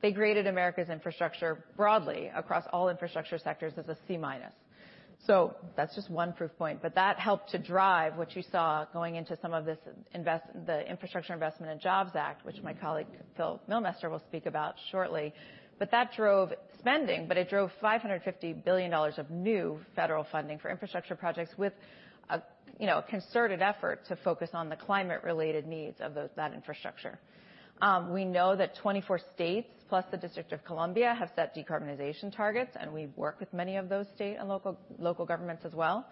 They graded America's infrastructure broadly across all infrastructure sectors as a C minus. That's just one proof point, but that helped to drive what you saw going into the Infrastructure Investment and Jobs Act, which my colleague, Phil Mihlmester, will speak about shortly. That drove spending, but it drove $550 billion of new federal funding for infrastructure projects with a you know concerted effort to focus on the climate-related needs of that infrastructure. We know that 24 states, plus the District of Columbia, have set decarbonization targets, and we work with many of those state and local governments as well.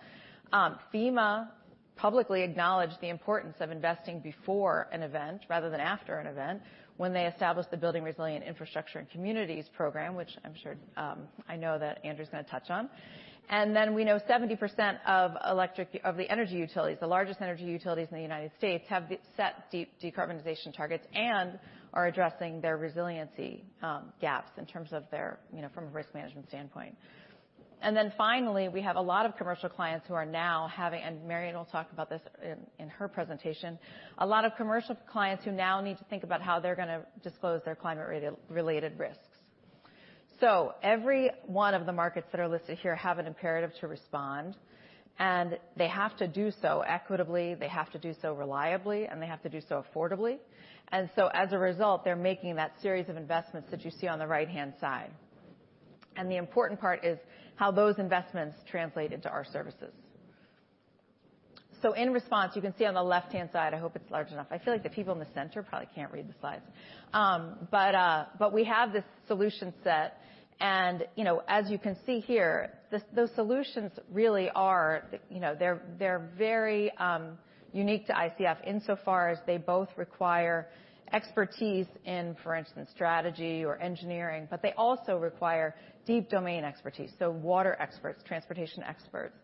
FEMA publicly acknowledged the importance of investing before an event rather than after an event when they established the Building Resilient Infrastructure and Communities program, which I'm sure, I know that Andrew's gonna touch on. We know 70% of the energy utilities, the largest energy utilities in the United States, have set deep decarbonization targets and are addressing their resiliency gaps in terms of their, you know, from a risk management standpoint. Finally, we have a lot of commercial clients who are now having, and Marianne will talk about this in her presentation, a lot of commercial clients who now need to think about how they're gonna disclose their climate-related risks. Every one of the markets that are listed here have an imperative to respond, and they have to do so equitably, they have to do so reliably, and they have to do so affordably. As a result, they're making that series of investments that you see on the right-hand side. The important part is how those investments translate into our services. In response, you can see on the left-hand side, I hope it's large enough. I feel like the people in the center probably can't read the slides. But we have this solution set and, you know, as you can see here, those solutions really are, you know, they're very unique to ICF insofar as they both require expertise in, for instance, strategy or engineering, but they also require deep domain expertise, so water experts, transportation experts.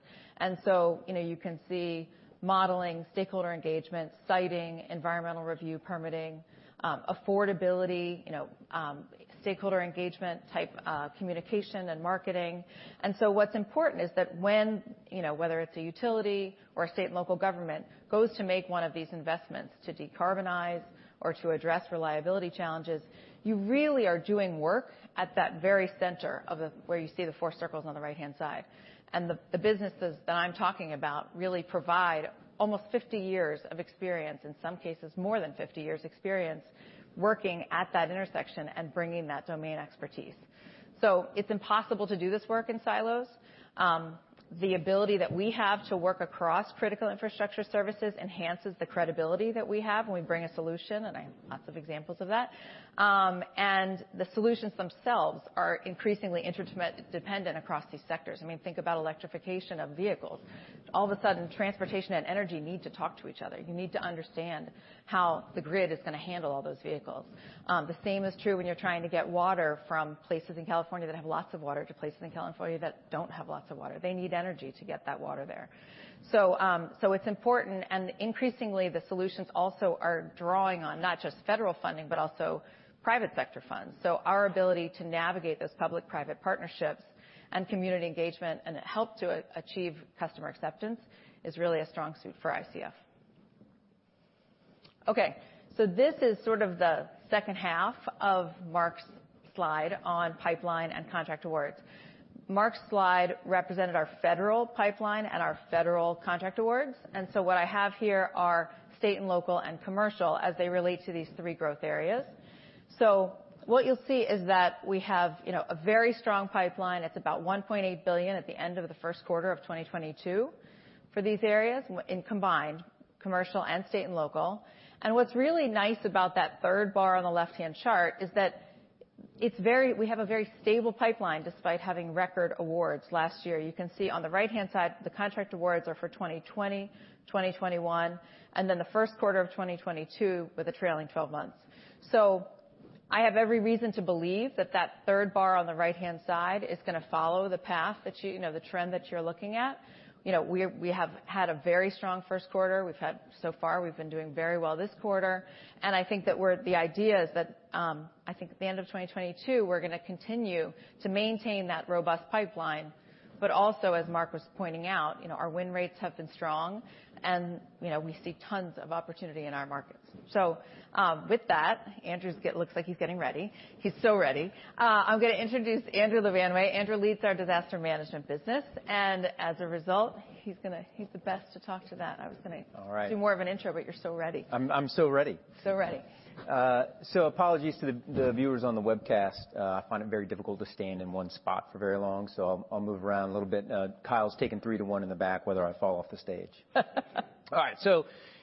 You know, you can see modeling, stakeholder engagement, siting, environmental review, permitting, affordability, you know, stakeholder engagement type, communication and marketing. What's important is that when, you know, whether it's a utility or a state and local government goes to make one of these investments to decarbonize or to address reliability challenges, you really are doing work at that very center of where you see the four circles on the right-hand side. The businesses that I'm talking about really provide almost 50 years of experience, in some cases more than 50 years experience, working at that intersection and bringing that domain expertise. It's impossible to do this work in silos. The ability that we have to work across critical infrastructure services enhances the credibility that we have when we bring a solution, and I have lots of examples of that. The solutions themselves are increasingly interdependent across these sectors. I mean, think about electrification of vehicles. All of a sudden, transportation and energy need to talk to each other. You need to understand how the grid is gonna handle all those vehicles. The same is true when you're trying to get water from places in California that have lots of water to places in California that don't have lots of water. They need energy to get that water there. It's important and increasingly the solutions also are drawing on not just federal funding, but also private sector funds. Our ability to navigate those public-private partnerships and community engagement and help to achieve customer acceptance is really a strong suit for ICF. Okay, this is sort of the second half of Mark's slide on pipeline and contract awards. Mark's slide represented our federal pipeline and our federal contract awards. What I have here are state and local and commercial as they relate to these three growth areas. What you'll see is that we have, you know, a very strong pipeline. It's about $1.8 billion at the end of the first quarter of 2022 for these areas in combined commercial and state and local. What's really nice about that third bar on the left-hand chart is that we have a very stable pipeline despite having record awards last year. You can see on the right-hand side, the contract awards are for 2020, 2021, and then the first quarter of 2022 with a trailing twelve months. I have every reason to believe that that third bar on the right-hand side is gonna follow the path that you know, the trend that you're looking at. You know, we have had a very strong first quarter. We've had so far, we've been doing very well this quarter, and I think that the idea is that I think at the end of 2022, we're gonna continue to maintain that robust pipeline. Also, as Mark was pointing out, you know, our win rates have been strong and, you know, we see tons of opportunity in our markets. With that, Andrew looks like he's getting ready. He's so ready. I'm gonna introduce Andrew LaVanway. Andrew leads our disaster management business, and as a result, he's the best to talk to that. All right. Do more of an intro, but you're so ready. I'm so ready. Ready. Apologies to the viewers on the webcast. I find it very difficult to stand in one spot for very long, so I'll move around a little bit. Kyle's taking three to one in the back whether I fall off the stage. All right,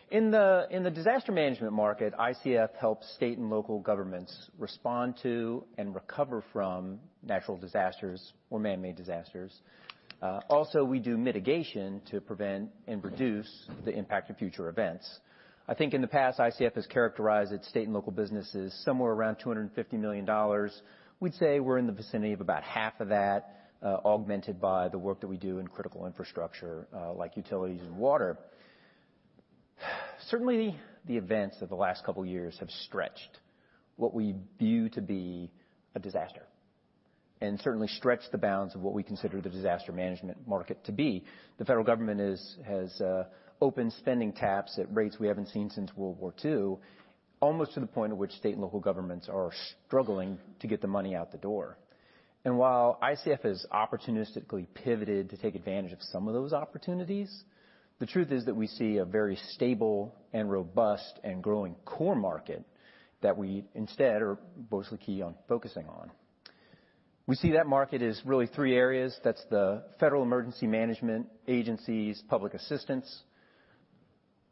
in the disaster management market, ICF helps state and local governments respond to and recover from natural disasters or manmade disasters. Also, we do mitigation to prevent and reduce the impact of future events. I think in the past, ICF has characterized its state and local businesses somewhere around $250 million. We'd say we're in the vicinity of about half of that, augmented by the work that we do in critical infrastructure, like utilities and water. Certainly, the events of the last couple years have stretched what we view to be a disaster, and certainly stretched the bounds of what we consider the disaster management market to be. The federal government has opened spending caps at rates we haven't seen since World War II, almost to the point at which state and local governments are struggling to get the money out the door. While ICF has opportunistically pivoted to take advantage of some of those opportunities, the truth is that we see a very stable and robust and growing core market that we instead are mostly keen on focusing on. We see that market as really three areas. That's the Federal Emergency Management Agency's public assistance,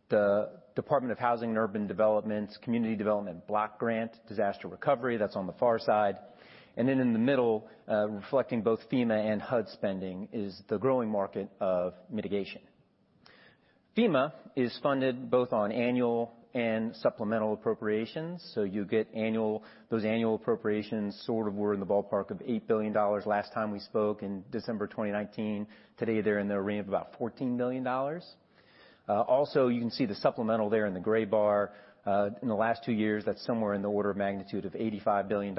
the Department of Housing and Urban Development's Community Development Block Grant disaster recovery, that's on the far side. In the middle, reflecting both FEMA and HUD spending is the growing market of mitigation. FEMA is funded both on annual and supplemental appropriations. Those annual appropriations sort of were in the ballpark of $8 billion last time we spoke in December 2019. Today, they're in the range of about $14 billion. Also you can see the supplemental there in the gray bar. In the last two years, that's somewhere in the order of magnitude of $85 billion.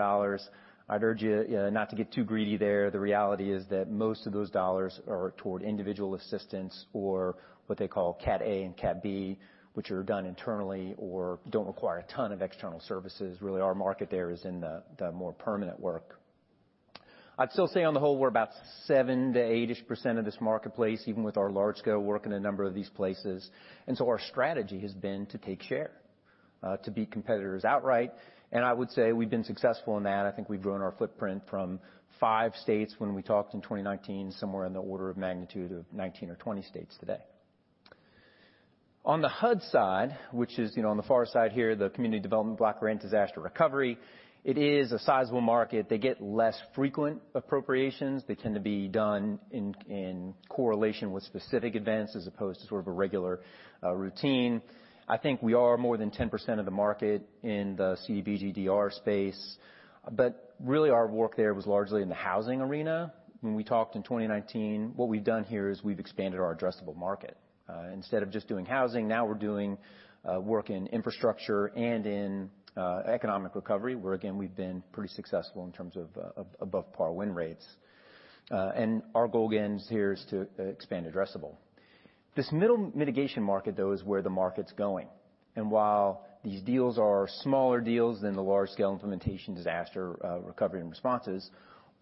I'd urge you, not to get too greedy there. The reality is that most of those dollars are toward individual assistance or what they call Cat A and Cat B, which are done internally or don't require a ton of external services. Really, our market there is in the more permanent work. I'd still say on the whole, we're about 7 to 8-ish% of this marketplace, even with our large-scale work in a number of these places. Our strategy has been to take share to beat competitors outright. I would say we've been successful in that. I think we've grown our footprint from 5 states when we talked in 2019, somewhere in the order of magnitude of 19 or 20 states today. On the HUD side, which is you know on the far side here, the Community Development Block Grant disaster recovery, it is a sizable market. They get less frequent appropriations. They tend to be done in correlation with specific events as opposed to sort of a regular routine. I think we are more than 10% of the market in the CDBG-DR space, but really our work there was largely in the housing arena when we talked in 2019. What we've done here is we've expanded our addressable market. Instead of just doing housing, now we're doing work in infrastructure and in economic recovery, where again, we've been pretty successful in terms of above par win rates. And our goal again here is to expand addressable. This middle mitigation market, though, is where the market's going. While these deals are smaller deals than the large scale implementation, disaster recovery, and responses,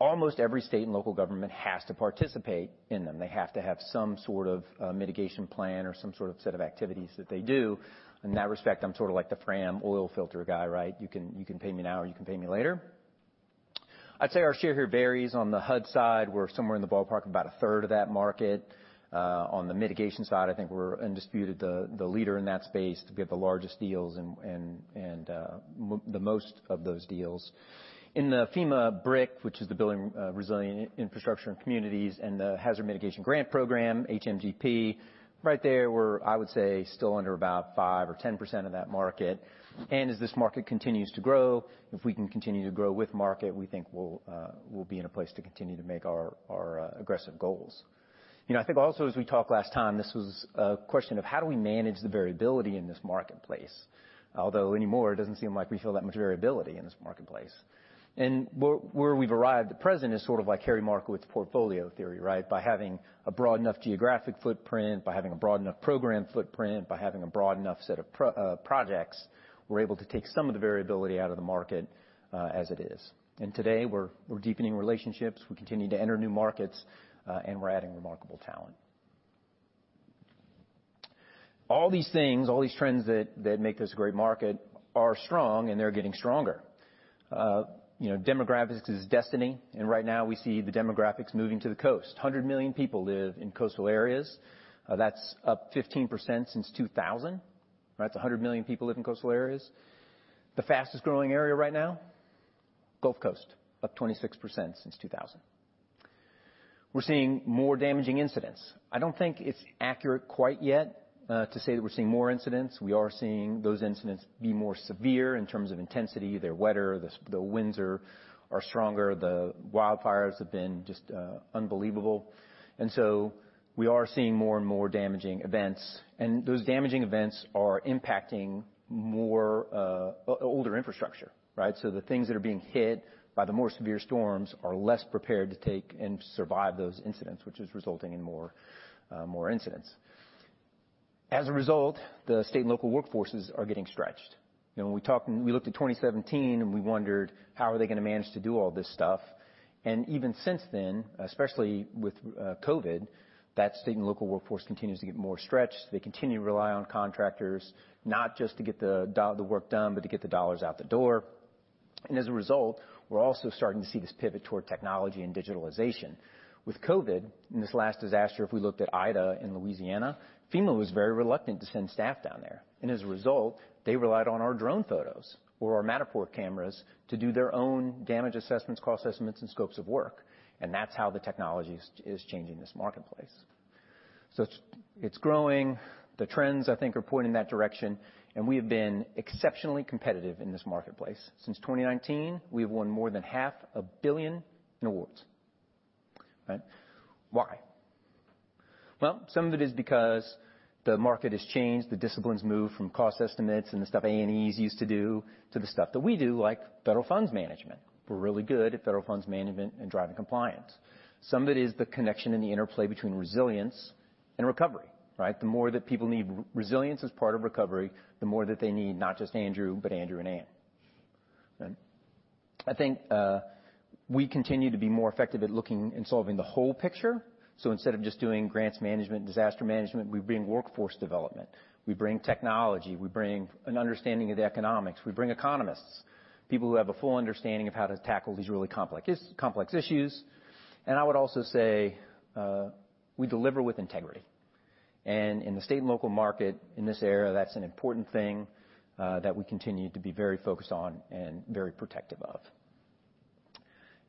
almost every state and local government has to participate in them. They have to have some sort of mitigation plan or some sort of set of activities that they do. In that respect, I'm sort of like the FRAM oil filter guy, right? You can pay me now or you can pay me later. I'd say our share here varies. On the HUD side, we're somewhere in the ballpark of about a third of that market. On the mitigation side, I think we're undisputed, the leader in that space to get the largest deals and the most of those deals. In the FEMA BRIC, which is the Building Resilient Infrastructure and Communities, and the Hazard Mitigation Grant Program, HMGP, right there, we're, I would say, still under about 5% or 10% of that market. As this market continues to grow, if we can continue to grow with market, we think we'll be in a place to continue to make our aggressive goals. You know, I think also as we talked last time, this was a question of how do we manage the variability in this marketplace? Although anymore, it doesn't seem like we feel that much variability in this marketplace. Where we've arrived at present is sort of like Harry Markowitz's portfolio theory, right? By having a broad enough geographic footprint, by having a broad enough program footprint, by having a broad enough set of projects, we're able to take some of the variability out of the market, as it is. Today, we're deepening relationships, we're continuing to enter new markets, and we're adding remarkable talent. All these things, all these trends that make this a great market are strong, and they're getting stronger. You know, demographics is destiny, and right now we see the demographics moving to the coast. 100 million people live in coastal areas. That's up 15% since 2000. Right? 100 million people live in coastal areas. The fastest growing area right now, Gulf Coast, up 26% since 2000. We're seeing more damaging incidents. I don't think it's accurate quite yet to say that we're seeing more incidents. We are seeing those incidents be more severe in terms of intensity. They're wetter, the winds are stronger, the wildfires have been just unbelievable. We are seeing more and more damaging events, and those damaging events are impacting more older infrastructure, right? The things that are being hit by the more severe storms are less prepared to take and survive those incidents, which is resulting in more incidents. As a result, the state and local workforces are getting stretched. You know, when we talked and we looked at 2017 and we wondered, "How are they gonna manage to do all this stuff?" Even since then, especially with COVID, that state and local workforce continues to get more stretched. They continue to rely on contractors, not just to get the work done, but to get the dollars out the door. As a result, we're also starting to see this pivot toward technology and digitalization. With COVID, in this last disaster, if we looked at Ida in Louisiana, FEMA was very reluctant to send staff down there. As a result, they relied on our drone photos or our Matterport cameras to do their own damage assessments, cost assessments, and scopes of work. That's how the technology is changing this marketplace. It's growing. The trends, I think, are pointing that direction, and we have been exceptionally competitive in this marketplace. Since 2019, we have won more than $ half a billion in awards. Right? Why? Well, some of it is because the market has changed, the discipline's moved from cost estimates and the stuff A&Es used to do, to the stuff that we do, like federal funds management. We're really good at federal funds management and driving compliance. Some of it is the connection and the interplay between resilience and recovery, right? The more that people need resilience as part of recovery, the more that they need, not just Andrew, but Andrew and Anne. Right? I think we continue to be more effective at looking and solving the whole picture. Instead of just doing grants management, disaster management, we bring workforce development, we bring technology, we bring an understanding of the economics. We bring economists, people who have a full understanding of how to tackle these really complex issues. I would also say we deliver with integrity. In the state and local market, in this era, that's an important thing that we continue to be very focused on and very protective of.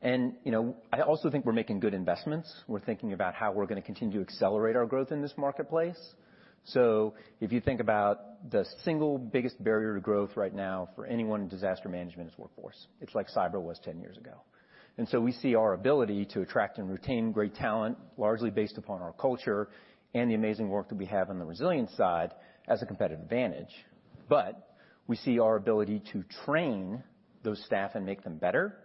You know, I also think we're making good investments. We're thinking about how we're gonna continue to accelerate our growth in this marketplace. If you think about the single biggest barrier to growth right now for anyone in disaster management is workforce. It's like cyber was 10 years ago. We see our ability to attract and retain great talent, largely based upon our culture and the amazing work that we have on the resilience side as a competitive advantage. We see our ability to train those staff and make them better,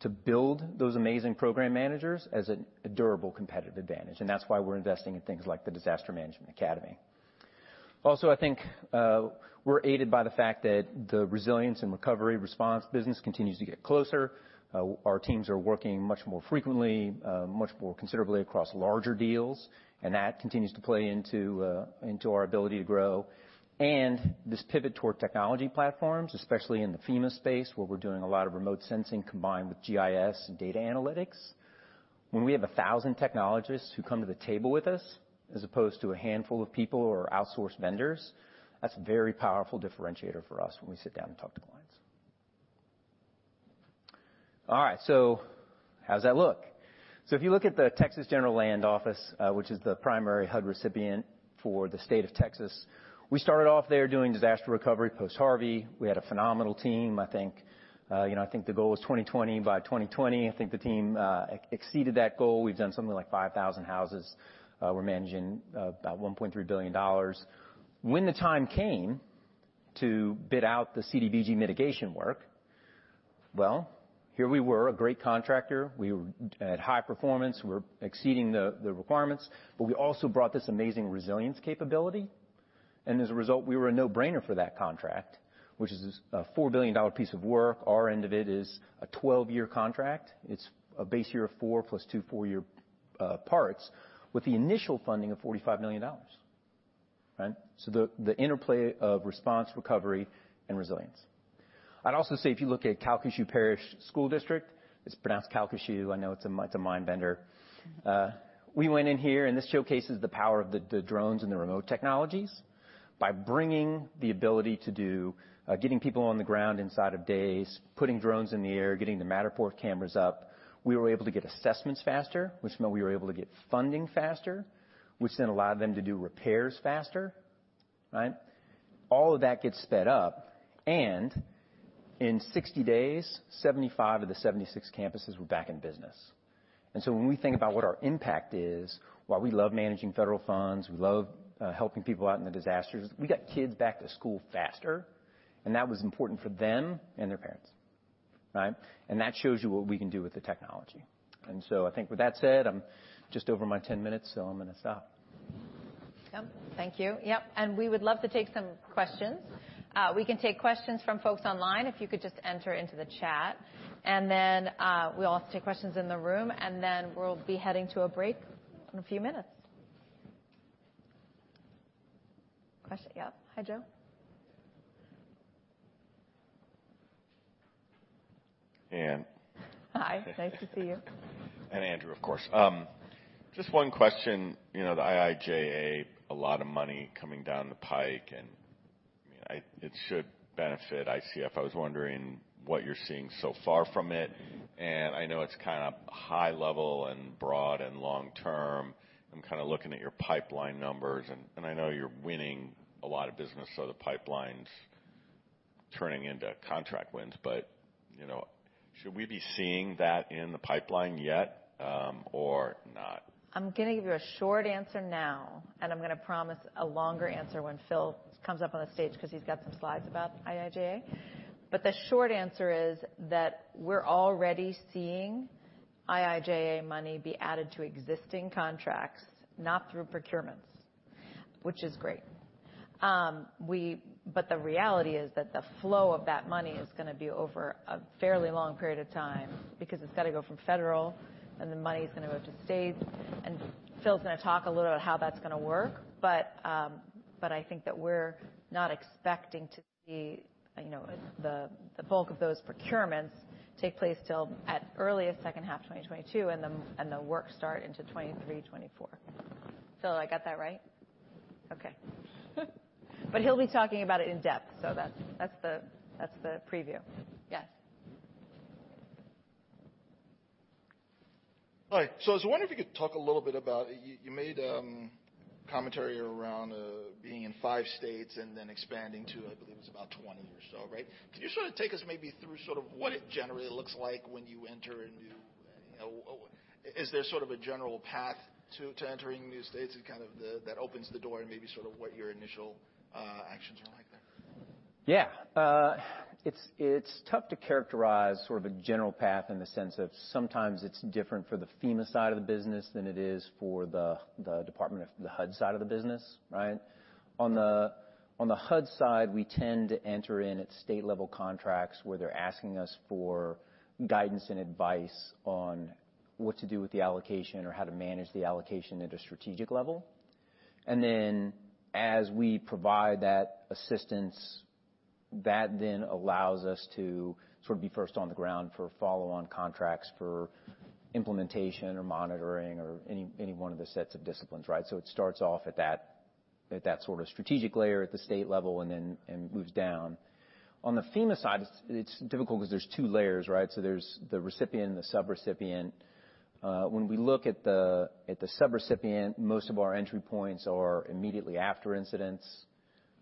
to build those amazing program managers as a durable competitive advantage. That's why we're investing in things like the Disaster Management division. I think we're aided by the fact that the resilience and recovery response business continues to get closer. Our teams are working much more frequently, much more considerably across larger deals, and that continues to play into our ability to grow. This pivot toward technology platforms, especially in the FEMA space, where we're doing a lot of remote sensing combined with GIS and data analytics. When we have a thousand technologists who come to the table with us as opposed to a handful of people or outsourced vendors, that's a very powerful differentiator for us when we sit down and talk to clients. All right, how's that look? If you look at the Texas General Land Office, which is the primary HUD recipient for the state of Texas, we started off there doing disaster recovery post-Harvey. We had a phenomenal team, I think. You know, I think the goal was 2020. By 2020, I think the team exceeded that goal. We've done something like 5,000 houses. We're managing about $1.3 billion. When the time came to bid out the CDBG mitigation work, well, here we were, a great contractor. We were at high performance. We're exceeding the requirements, but we also brought this amazing resilience capability. As a result, we were a no-brainer for that contract, which is a $4 billion piece of work. Our end of it is a 12-year contract. It's a base year of 4+ 2, 4-year parts with the initial funding of $45 million. Right? The interplay of response, recovery, and resilience. I'd also say if you look at Calcasieu Parish School Board, it's pronounced Calcasieu. I know it's a mind bender. We went in here, and this showcases the power of the drones and the remote technologies. By bringing the ability to do getting people on the ground inside of days, putting drones in the air, getting the Matterport cameras up, we were able to get assessments faster, which meant we were able to get funding faster, which then allowed them to do repairs faster, right? All of that gets sped up, and in 60 days, 75 of the 76 campuses were back in business. When we think about what our impact is, while we love managing federal funds, we love helping people out in the disasters, we got kids back to school faster, and that was important for them and their parents, right? That shows you what we can do with the technology. I think with that said, I'm just over my 10 minutes, so I'm gonna stop. Yep. Thank you. Yep, and we would love to take some questions. We can take questions from folks online, if you could just enter into the chat. We'll also take questions in the room, and then we'll be heading to a break in a few minutes. Question. Yep. Hi, Joe. Anne. Hi. Nice to see you. Andrew, of course. Just one question. You know, the IIJA, a lot of money coming down the pike, and, I mean, it should benefit ICF. I was wondering what you're seeing so far from it. I know it's kinda high level and broad and long term. I'm kinda looking at your pipeline numbers and I know you're winning a lot of business, so the pipeline's turning into contract wins. You know, should we be seeing that in the pipeline yet, or not? I'm gonna give you a short answer now, and I'm gonna promise a longer answer when Phil comes up on the stage because he's got some slides about IIJA. The short answer is that we're already seeing IIJA money be added to existing contracts, not through procurements, which is great. The reality is that the flow of that money is gonna be over a fairly long period of time because it's gotta go from federal, then the money's gonna go to states, and Phil's gonna talk a little about how that's gonna work. I think that we're not expecting to see, you know, the bulk of those procurements take place till at earliest second half of 2022, and the work start into 2023, 2024. Phil, I got that right? Okay. He'll be talking about it in depth. That's the preview. Yes. Hi. I was wondering if you could talk a little bit about, you made commentary around being in 5 states and then expanding to, I believe it's about 20 or so, right? Could you sort of take us maybe through sort of what it generally looks like when you enter a new. Is there sort of a general path to entering new states and kind of that opens the door and maybe sort of what your initial actions are like there? Yeah. It's tough to characterize sort of a general path in the sense of sometimes it's different for the FEMA side of the business than it is for the HUD side of the business, right? On the HUD side, we tend to enter in at state level contracts where they're asking us for guidance and advice on what to do with the allocation or how to manage the allocation at a strategic level. As we provide that assistance, that allows us to sort of be first on the ground for follow-on contracts, for implementation or monitoring or any one of the sets of disciplines, right? It starts off at that sort of strategic layer at the state level and then moves down. On the FEMA side, it's difficult 'cause there's two layers, right? There's the recipient and the sub-recipient. When we look at the sub-recipient, most of our entry points are immediately after incidents,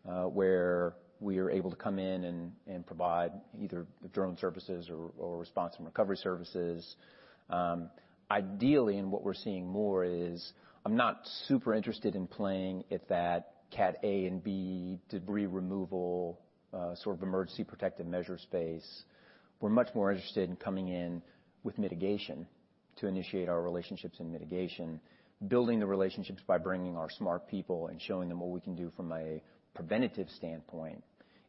where we are able to come in and provide either the drone services or response and recovery services. Ideally and what we're seeing more is I'm not super interested in playing at that Cat A and B debris removal, sort of emergency protective measure space. We're much more interested in coming in with mitigation to initiate our relationships in mitigation, building the relationships by bringing our smart people and showing them what we can do from a preventative standpoint.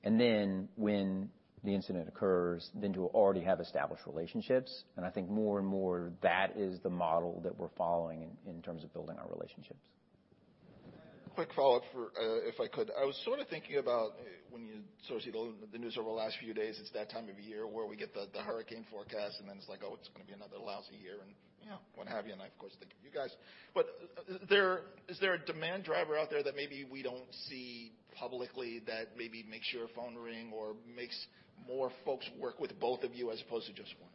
Then when the incident occurs, to already have established relationships. I think more and more that is the model that we're following in terms of building our relationships. Quick follow-up, if I could. I was sort of thinking about when you sort of see the news over the last few days. It's that time of year where we get the hurricane forecast and then it's like, "Oh, it's gonna be another lousy year," and, you know, what have you. I of course think of you guys. Is there a demand driver out there that maybe we don't see publicly that maybe makes your phone ring or makes more folks work with both of you as opposed to just one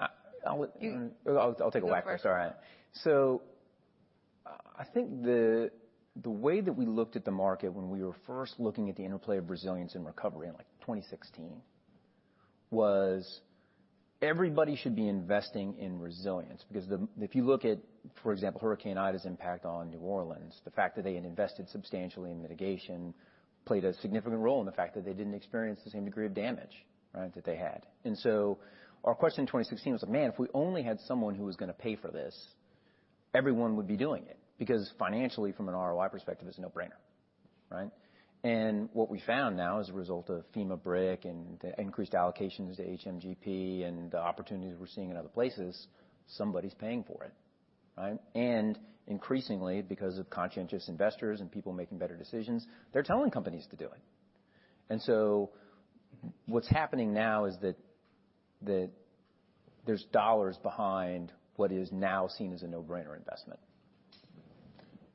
of you? I would- You- I'll take it first. Sorry. I think the way that we looked at the market when we were first looking at the interplay of resilience and recovery in like 2016, was everybody should be investing in resilience. Because if you look at, for example, Hurricane Ida's impact on New Orleans, the fact that they had invested substantially in mitigation played a significant role in the fact that they didn't experience the same degree of damage, right? That they had. Our question in 2016 was, "Man, if we only had someone who was gonna pay for this, everyone would be doing it." Because financially from an ROI perspective, it's a no-brainer, right? What we found now as a result of FEMA BRIC and the increased allocations to HMGP and the opportunities we're seeing in other places, somebody's paying for it, right? Increasingly, because of conscientious investors and people making better decisions, they're telling companies to do it. What's happening now is that there's dollars behind what is now seen as a no-brainer investment.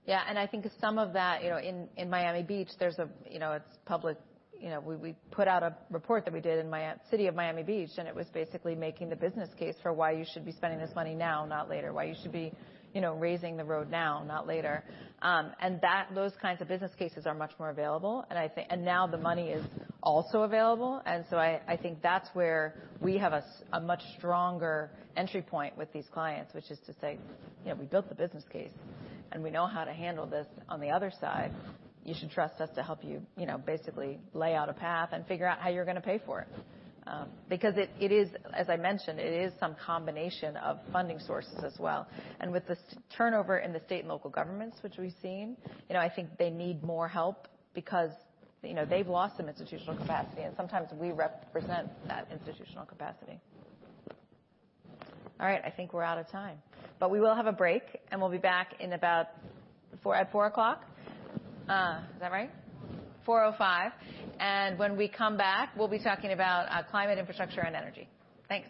Yeah. I think some of that, you know, in Miami Beach, there's a, you know, it's public, you know, we put out a report that we did in City of Miami Beach, and it was basically making the business case for why you should be spending this money now, not later. Why you should be, you know, raising the road now, not later. That, those kinds of business cases are much more available. I think and now the money is also available. I think that's where we have a much stronger entry point with these clients, which is to say, you know, we built the business case and we know how to handle this on the other side. You should trust us to help you know, basically lay out a path and figure out how you're gonna pay for it. Because it is, as I mentioned, it is some combination of funding sources as well. With the staff turnover in the state and local governments which we've seen, you know, I think they need more help because, you know, they've lost some institutional capacity, and sometimes we represent that institutional capacity. All right. I think we're out of time. We will have a break, and we'll be back in about four, at 4:00. Is that right? 4:05. When we come back, we'll be talking about climate, infrastructure, and energy. Thanks.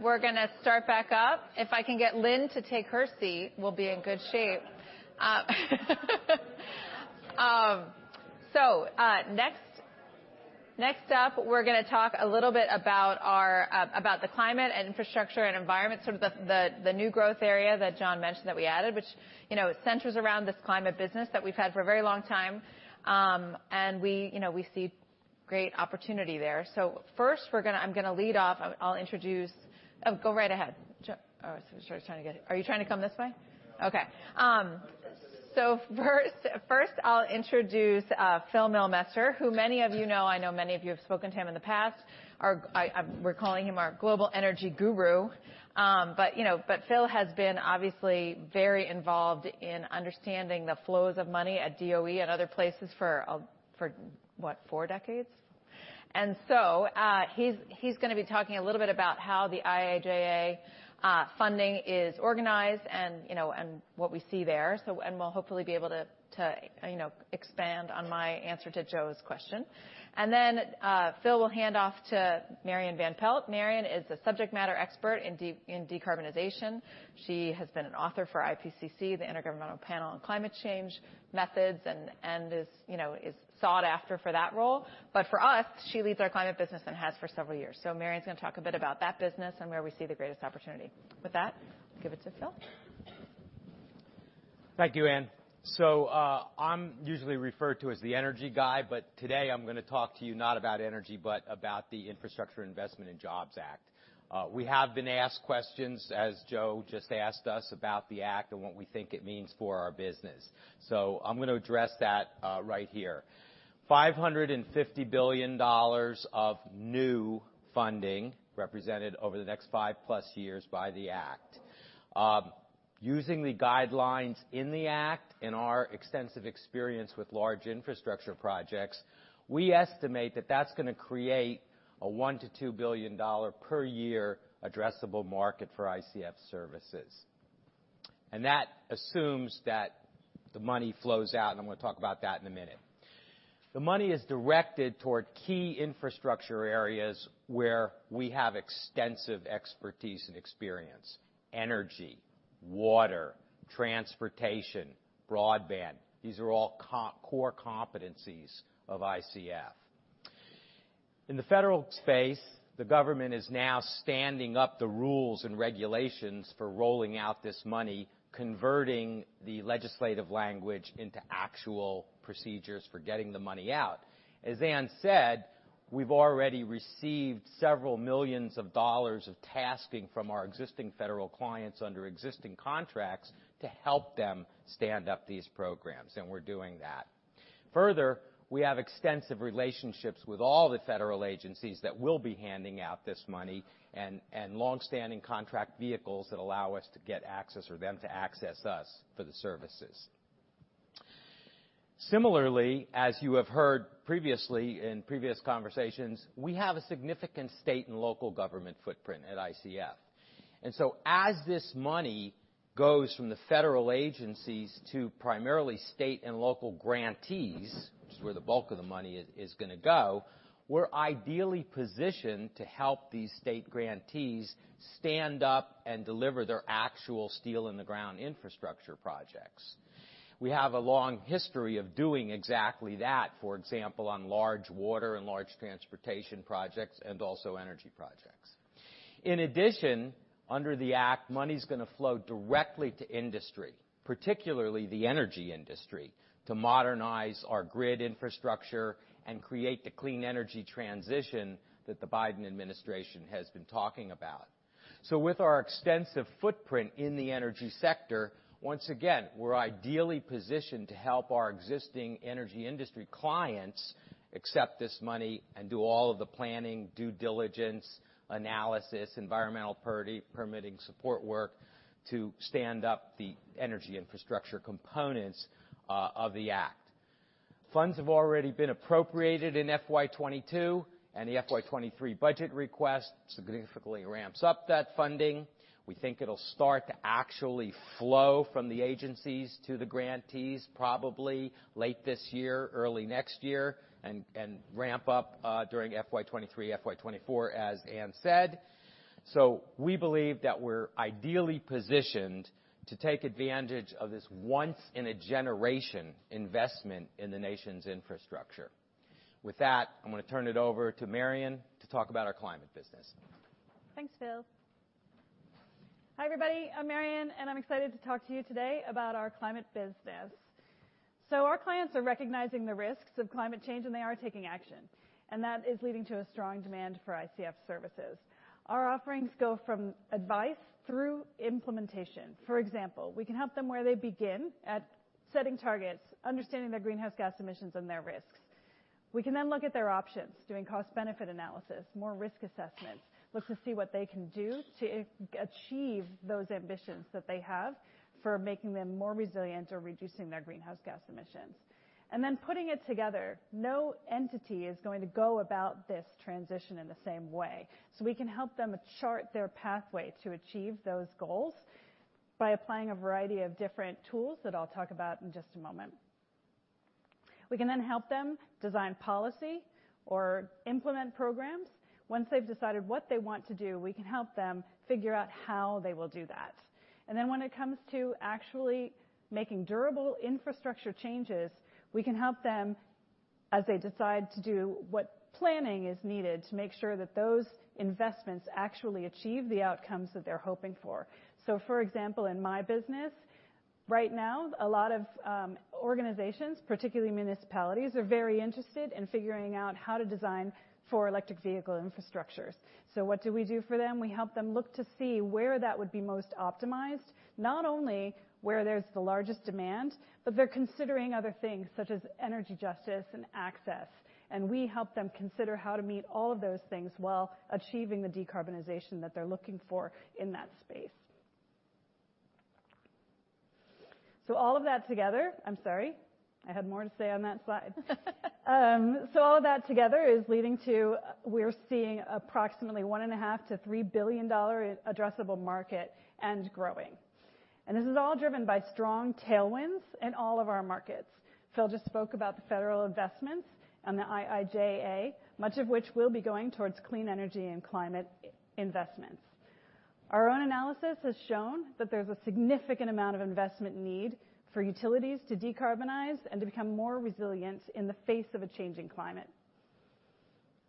We're gonna start back up. If I can get Lynn to take her seat, we'll be in good shape. Next up, we're gonna talk a little bit about our about the climate and infrastructure and environment, sort of the new growth area that John mentioned that we added, which, you know, centers around this climate business that we've had for a very long time. We, you know, we see great opportunity there. First, I'm gonna lead off. I'll introduce. Oh, go right ahead. Oh, I'm sure he's trying to get it. Are you trying to come this way? Okay. First I'll introduce Phil Mihlmester, who many of you know. I know many of you have spoken to him in the past. We're calling him our global energy guru. Phil has been obviously very involved in understanding the flows of money at DOE and other places for what? 4 decades. He's gonna be talking a little bit about how the IIJA funding is organized and, you know, and what we see there. We'll hopefully be able to, you know, expand on my answer to Joe's question. Phil will hand off to Marian Van Pelt. Marian is the subject matter expert in decarbonization. She has been an author for IPCC, the Intergovernmental Panel on Climate Change methods and is, you know, sought after for that role. For us, she leads our climate business and has for several years. Marian's gonna talk a bit about that business and where we see the greatest opportunity. With that, I'll give it to Phil. Thank you, Anne. I'm usually referred to as the energy guy, but today I'm gonna talk to you not about energy, but about the Infrastructure Investment and Jobs Act. We have been asked questions, as Joe just asked us about the act and what we think it means for our business. I'm gonna address that right here. $550 billion of new funding represented over the next 5+ years by the act. Using the guidelines in the act and our extensive experience with large infrastructure projects, we estimate that that's gonna create a $1 billion- $2 billion per year addressable market for ICF services. That assumes that the money flows out, and I'm gonna talk about that in a minute. The money is directed toward key infrastructure areas where we have extensive expertise and experience. Energy, water, transportation, broadband. These are all core competencies of ICF. In the federal space, the government is now standing up the rules and regulations for rolling out this money, converting the legislative language into actual procedures for getting the money out. As Anne said, we've already received $ several million of tasking from our existing federal clients under existing contracts to help them stand up these programs, and we're doing that. Further, we have extensive relationships with all the federal agencies that will be handing out this money and long-standing contract vehicles that allow us to get access or them to access us for the services. Similarly, as you have heard previously in previous conversations, we have a significant state and local government footprint at ICF. As this money goes from the federal agencies to primarily state and local grantees, which is where the bulk of the money is gonna go, we're ideally positioned to help these state grantees stand up and deliver their actual steel in the ground infrastructure projects. We have a long history of doing exactly that, for example, on large water and large transportation projects and also energy projects. In addition, under the act, money's gonna flow directly to industry, particularly the energy industry, to modernize our grid infrastructure and create the clean energy transition that the Biden administration has been talking about. With our extensive footprint in the energy sector, once again, we're ideally positioned to help our existing energy industry clients accept this money and do all of the planning, due diligence, analysis, environmental permitting support work to stand up the energy infrastructure components of the act. Funds have already been appropriated in FY 2022, and the FY 2023 budget request significantly ramps up that funding. We think it'll start to actually flow from the agencies to the grantees probably late this year, early next year, and ramp up during FY 2023, FY 2024, as Anne said. We believe that we're ideally positioned to take advantage of this once in a generation investment in the nation's infrastructure. With that, I'm gonna turn it over to Marian to talk about our climate business. Thanks, Phil. Hi, everybody. I'm Marian, and I'm excited to talk to you today about our climate business. Our clients are recognizing the risks of climate change, and they are taking action, and that is leading to a strong demand for ICF services. Our offerings go from advice through implementation. For example, we can help them where they begin at setting targets, understanding their greenhouse gas emissions and their risks. We can then look at their options, doing cost-benefit analysis, more risk assessments. Look to see what they can do to achieve those ambitions that they have for making them more resilient or reducing their greenhouse gas emissions. Putting it together, no entity is going to go about this transition in the same way, so we can help them chart their pathway to achieve those goals by applying a variety of different tools that I'll talk about in just a moment. We can then help them design policy or implement programs. Once they've decided what they want to do, we can help them figure out how they will do that. When it comes to actually making durable infrastructure changes, we can help them as they decide to do what planning is needed to make sure that those investments actually achieve the outcomes that they're hoping for. For example, in my business, right now, a lot of organizations, particularly municipalities, are very interested in figuring out how to design for electric vehicle infrastructures. What do we do for them? We help them look to see where that would be most optimized, not only where there's the largest demand, but they're considering other things such as energy justice and access, and we help them consider how to meet all of those things while achieving the decarbonization that they're looking for in that space. All of that together. I'm sorry. I had more to say on that slide. All of that together is leading to. We're seeing approximately $1.5 billion-$3 billion addressable market and growing. This is all driven by strong tailwinds in all of our markets. Phil just spoke about the federal investments and the IIJA, much of which will be going towards clean energy and climate investments. Our own analysis has shown that there's a significant amount of investment need for utilities to decarbonize and to become more resilient in the face of a changing climate.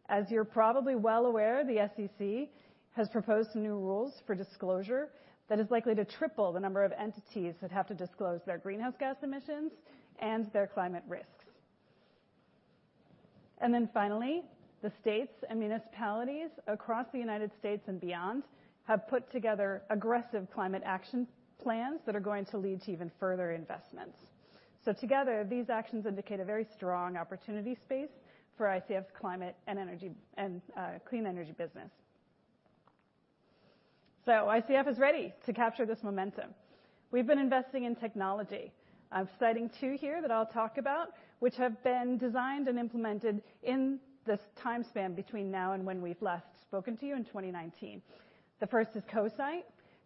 As you're probably well aware, the SEC has proposed some new rules for disclosure that is likely to triple the number of entities that have to disclose their greenhouse gas emissions and their climate risks. Finally, the states and municipalities across the United States and beyond have put together aggressive climate action plans that are going to lead to even further investments. Together, these actions indicate a very strong opportunity space for ICF's climate and energy and, clean energy business. ICF is ready to capture this momentum. We've been investing in technology. I'm citing two here that I'll talk about, which have been designed and implemented in this time span between now and when we've last spoken to you in 2019. The first is CoSight.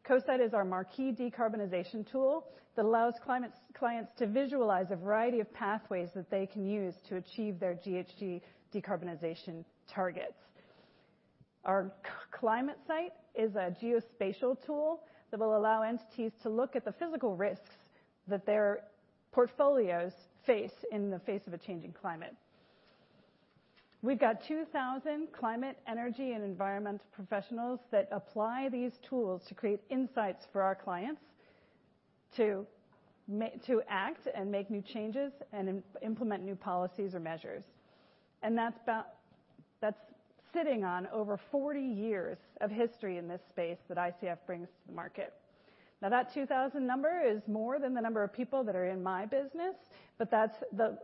CoSight is our marquee decarbonization tool that allows clients to visualize a variety of pathways that they can use to achieve their GHG decarbonization targets. Our ClimateSite is a geospatial tool that will allow entities to look at the physical risks that their portfolios face in the face of a changing climate. We've got 2,000 climate, energy, and environmental professionals that apply these tools to create insights for our clients to act and make new changes and implement new policies or measures. That's sitting on over 40 years of history in this space that ICF brings to the market. Now, that 2,000 number is more than the number of people that are in my business, but that's the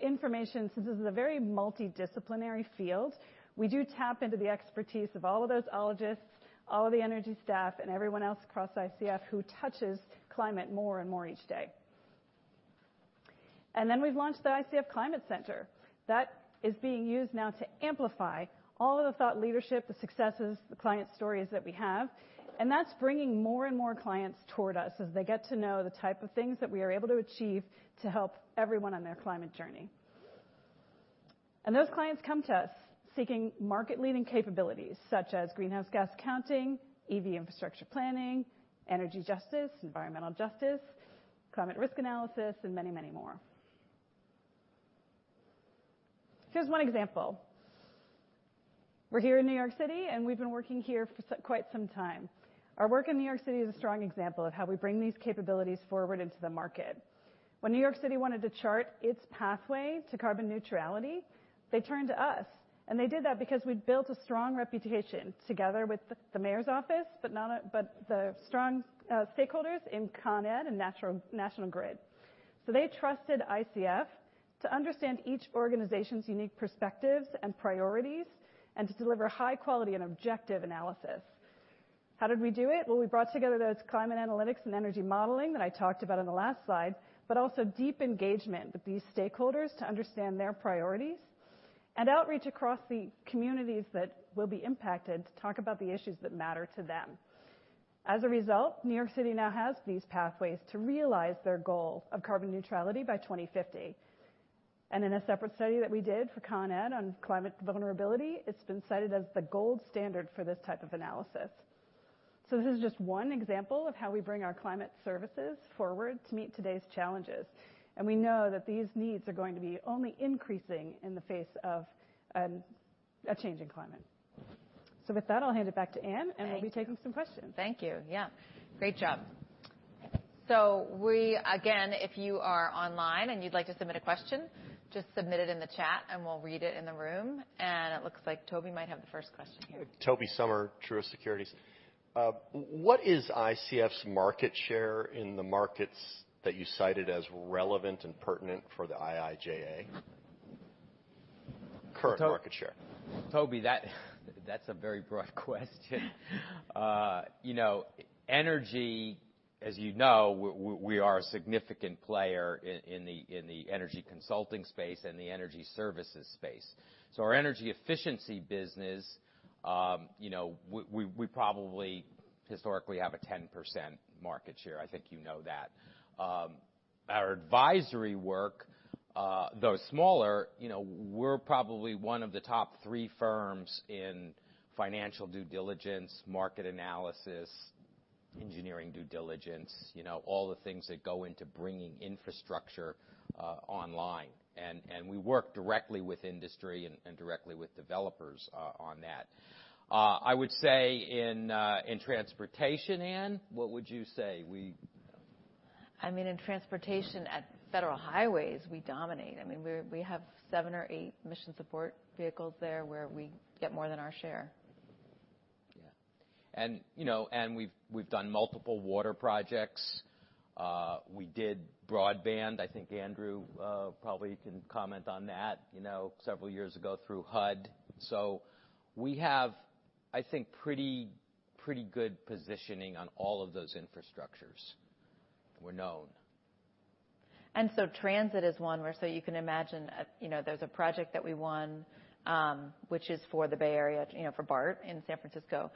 information. Since this is a very multidisciplinary field, we do tap into the expertise of all of those ologists, all of the energy staff and everyone else across ICF who touches climate more and more each day. Then we've launched the ICF Climate Center. That is being used now to amplify all of the thought leadership, the successes, the client stories that we have, and that's bringing more and more clients toward us as they get to know the type of things that we are able to achieve to help everyone on their climate journey. Those clients come to us seeking market-leading capabilities such as greenhouse gas accounting, EV infrastructure planning, energy justice, environmental justice, climate risk analysis, and many, many more. Here's one example. We're here in New York City, and we've been working here for quite some time. Our work in New York City is a strong example of how we bring these capabilities forward into the market. When New York City wanted to chart its pathway to carbon neutrality, they turned to us, and they did that because we'd built a strong reputation together with the mayor's office, but the strong stakeholders in Con Edison and National Grid. They trusted ICF to understand each organization's unique perspectives and priorities and to deliver high quality and objective analysis. How did we do it? Well, we brought together those climate analytics and energy modeling that I talked about on the last slide, but also deep engagement with these stakeholders to understand their priorities and outreach across the communities that will be impacted to talk about the issues that matter to them. As a result, New York City now has these pathways to realize their goal of carbon neutrality by 2050. In a separate study that we did for Con Edison on climate vulnerability, it's been cited as the gold standard for this type of analysis. This is just one example of how we bring our climate services forward to meet today's challenges, and we know that these needs are going to be only increasing in the face of a changing climate. With that, I'll hand it back to Anne, and we'll be taking some questions. Thank you. Yeah, great job. Again, if you are online and you'd like to submit a question, just submit it in the chat and we'll read it in the room. It looks like Tobey might have the first question here. Tobey Sommer, Truist Securities. What is ICF's market share in the markets that you cited as relevant and pertinent for the IIJA? Current market share. Tobey, that's a very broad question. You know, energy. As you know, we are a significant player in the energy consulting space and the energy services space. Our energy efficiency business, you know, we probably historically have a 10% market share. I think you know that. Our advisory work, though smaller, you know, we're probably one of the top three firms in financial due diligence, market analysis, engineering due diligence, you know, all the things that go into bringing infrastructure online. We work directly with industry and directly with developers on that. I would say in transportation, Anne, what would you say? We I mean, in transportation at federal highways, we dominate. I mean, we have seven or eight mission support vehicles there where we get more than our share. Yeah. You know, we've done multiple water projects. We did broadband. I think Andrew probably can comment on that, you know, several years ago through HUD. We have, I think, pretty good positioning on all of those infrastructures. We're known. Transit is one where, so you can imagine, you know, there's a project that we won, which is for the Bay Area, you know, for BART in San Francisco.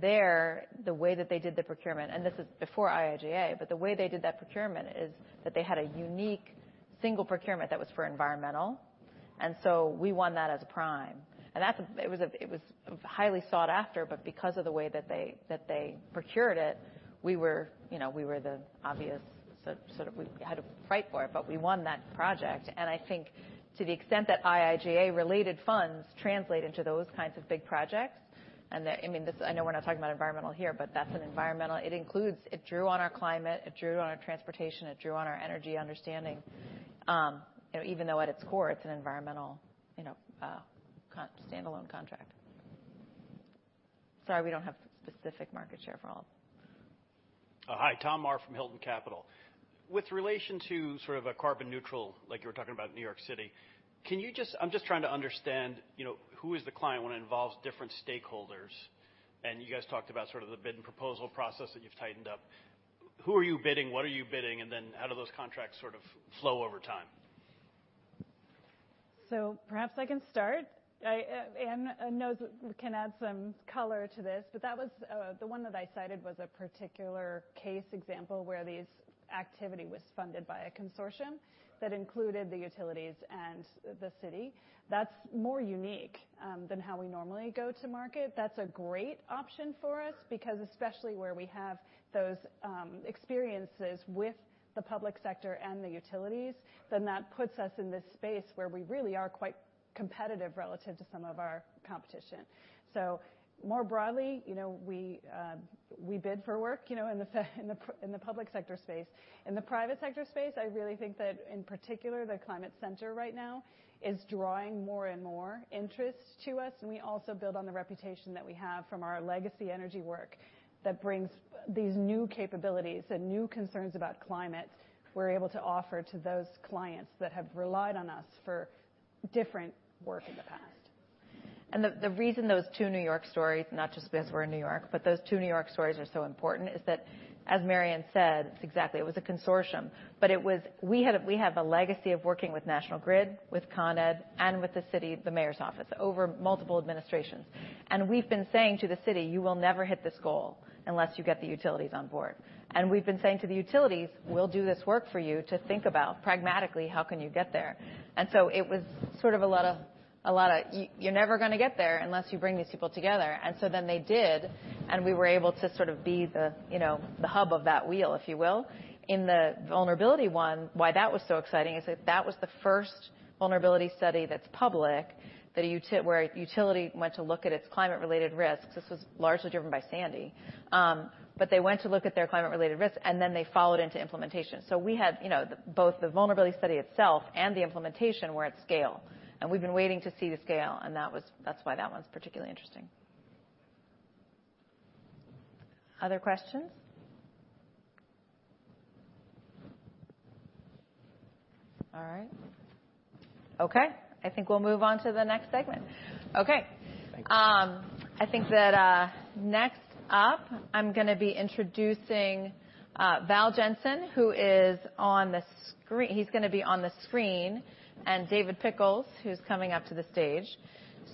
There, the way that they did the procurement, and this is before IIJA, but the way they did that procurement is that they had a unique single procurement that was for environmental. We won that as a prime. It was highly sought after, but because of the way that they procured it, we were, you know, we were the obvious sort of. We had to fight for it, but we won that project. I think to the extent that IIJA related funds translate into those kinds of big projects, I mean, this. I know we're not talking about environmental here, but that's an environmental. It drew on our climate, it drew on our transportation, it drew on our energy understanding, you know, even though at its core, it's an environmental, you know, standalone contract. Sorry, we don't have specific market share for all. Hi. Tom Maher from Hilton Capital Management. With relation to sort of a carbon neutral, like you were talking about New York City, can you just, I'm just trying to understand, you know, who is the client when it involves different stakeholders, and you guys talked about sort of the bid and proposal process that you've tightened up. Who are you bidding, what are you bidding, and then how do those contracts sort of flow over time? Perhaps I can start. I Anne knows can add some color to this, but that was the one that I cited was a particular case example where this activity was funded by a consortium that included the utilities and the city. That's more unique than how we normally go to market. That's a great option for us because especially where we have those experiences with the public sector and the utilities, then that puts us in this space where we really are quite competitive relative to some of our competition. More broadly, you know, we bid for work, you know, in the public sector space. In the private sector space, I really think that, in particular, the Climate Center right now is drawing more and more interest to us, and we also build on the reputation that we have from our legacy energy work that brings these new capabilities and new concerns about climate we're able to offer to those clients that have relied on us for different work in the past. The reason those two New York stories, not just because we're in New York, but those two New York stories are so important is that, as Marianne said, it was a consortium, but it was. We have a legacy of working with National Grid, with Con Ed, and with the city, the mayor's office, over multiple administrations. We've been saying to the city, "You will never hit this goal unless you get the utilities on board." We've been saying to the utilities, "We'll do this work for you to think about pragmatically, how can you get there?" It was sort of a lot of, "You're never gonna get there unless you bring these people together." They did, and we were able to sort of be the, you know, the hub of that wheel, if you will. In the vulnerability one, why that was so exciting is that that was the first vulnerability study that's public that a utility went to look at its climate-related risks. This was largely driven by Sandy, but they went to look at their climate-related risks, and then they followed into implementation. We had, you know, both the vulnerability study itself and the implementation were at scale. We've been waiting to see the scale, and that's why that one's particularly interesting. Other questions? All right. I think we'll move on to the next segment. I think that next up, I'm gonna be introducing Val Jensen, who is on the screen. He's gonna be on the screen, and David Pickles, who's coming up to the stage.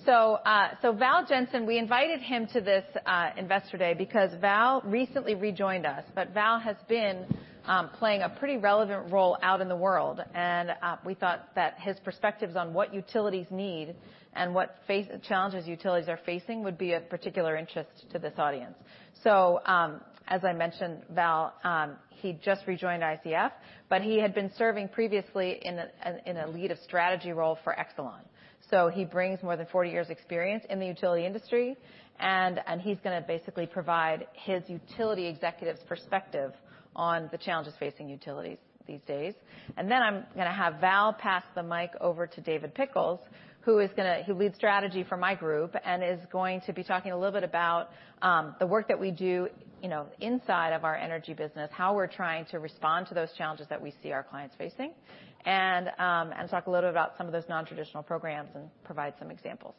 Val Jensen, we invited him to this investor day because Val recently rejoined us, but Val has been playing a pretty relevant role out in the world. We thought that his perspectives on what utilities need and what challenges utilities are facing would be of particular interest to this audience. As I mentioned, Val, he just rejoined ICF, but he had been serving previously in a lead of strategy role for Exelon. He brings more than 40 years experience in the utility industry, and he's gonna basically provide his utility executive's perspective on the challenges facing utilities these days. Then I'm gonna have Val pass the mic over to David Pickles, who leads strategy for my group and is going to be talking a little bit about the work that we do, you know, inside of our energy business, how we're trying to respond to those challenges that we see our clients facing, and talk a little bit about some of those non-traditional programs and provide some examples.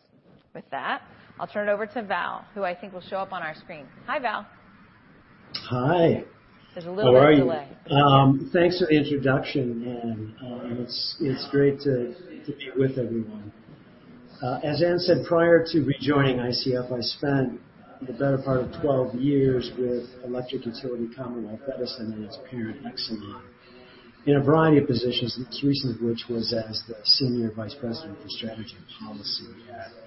With that, I'll turn it over to Val Jensen, who I think will show up on our screen. Hi, Val Jensen. Hi. There's a little bit of delay. How are you? Thanks for the introduction, Anne. It's great to be with everyone. As Anne said, prior to rejoining ICF, I spent the better part of 12 years with electric utility Commonwealth Edison and its parent, Exelon, in a variety of positions, the most recent of which was as the Senior Vice President of Strategy and Policy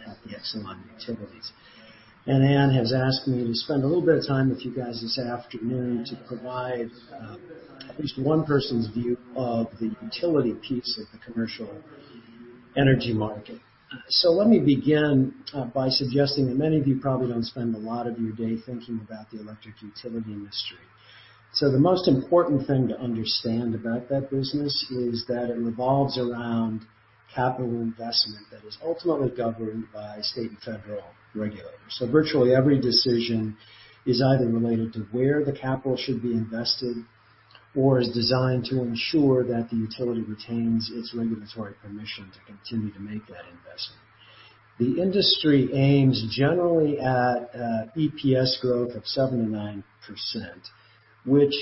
at the Exelon utilities. Anne has asked me to spend a little bit of time with you guys this afternoon to provide at least one person's view of the utility piece of the commercial energy market. Let me begin by suggesting that many of you probably don't spend a lot of your day thinking about the electric utility industry. The most important thing to understand about that business is that it revolves around capital investment that is ultimately governed by state and federal regulators. Virtually every decision is either related to where the capital should be invested or is designed to ensure that the utility retains its regulatory permission to continue to make that investment. The industry aims generally at EPS growth of 7%-9%, which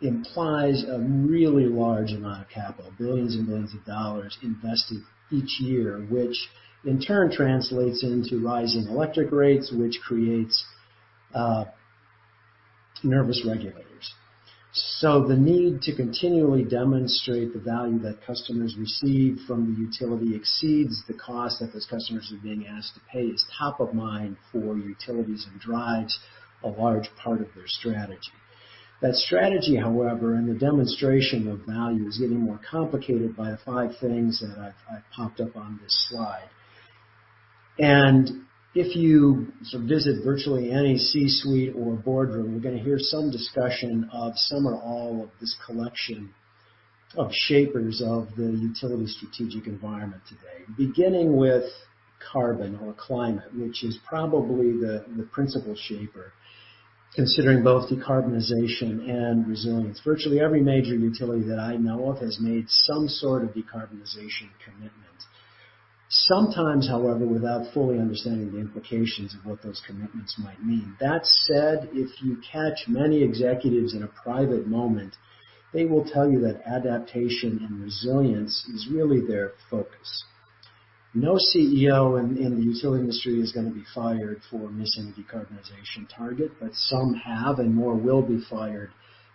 implies a really large amount of capital, $ billions and $ billions invested each year, which in turn translates into rising electric rates, which creates nervous regulators. The need to continually demonstrate the value that customers receive from the utility exceeds the cost that those customers are being asked to pay. It's top of mind for utilities and drives a large part of their strategy. That strategy, however, and the demonstration of value is getting more complicated by the five things that I've popped up on this slide. If you sort of visit virtually any C-suite or boardroom, you're gonna hear some discussion of some or all of this collection of shapers of the utility strategic environment today, beginning with carbon or climate, which is probably the principal shaper, considering both decarbonization and resilience. Virtually every major utility that I know of has made some sort of decarbonization commitment. Sometimes, however, without fully understanding the implications of what those commitments might mean. That said, if you catch many executives in a private moment, they will tell you that adaptation and resilience is really their focus. No CEO in the utility industry is gonna be fired for missing a decarbonization target, but some have and more will be fired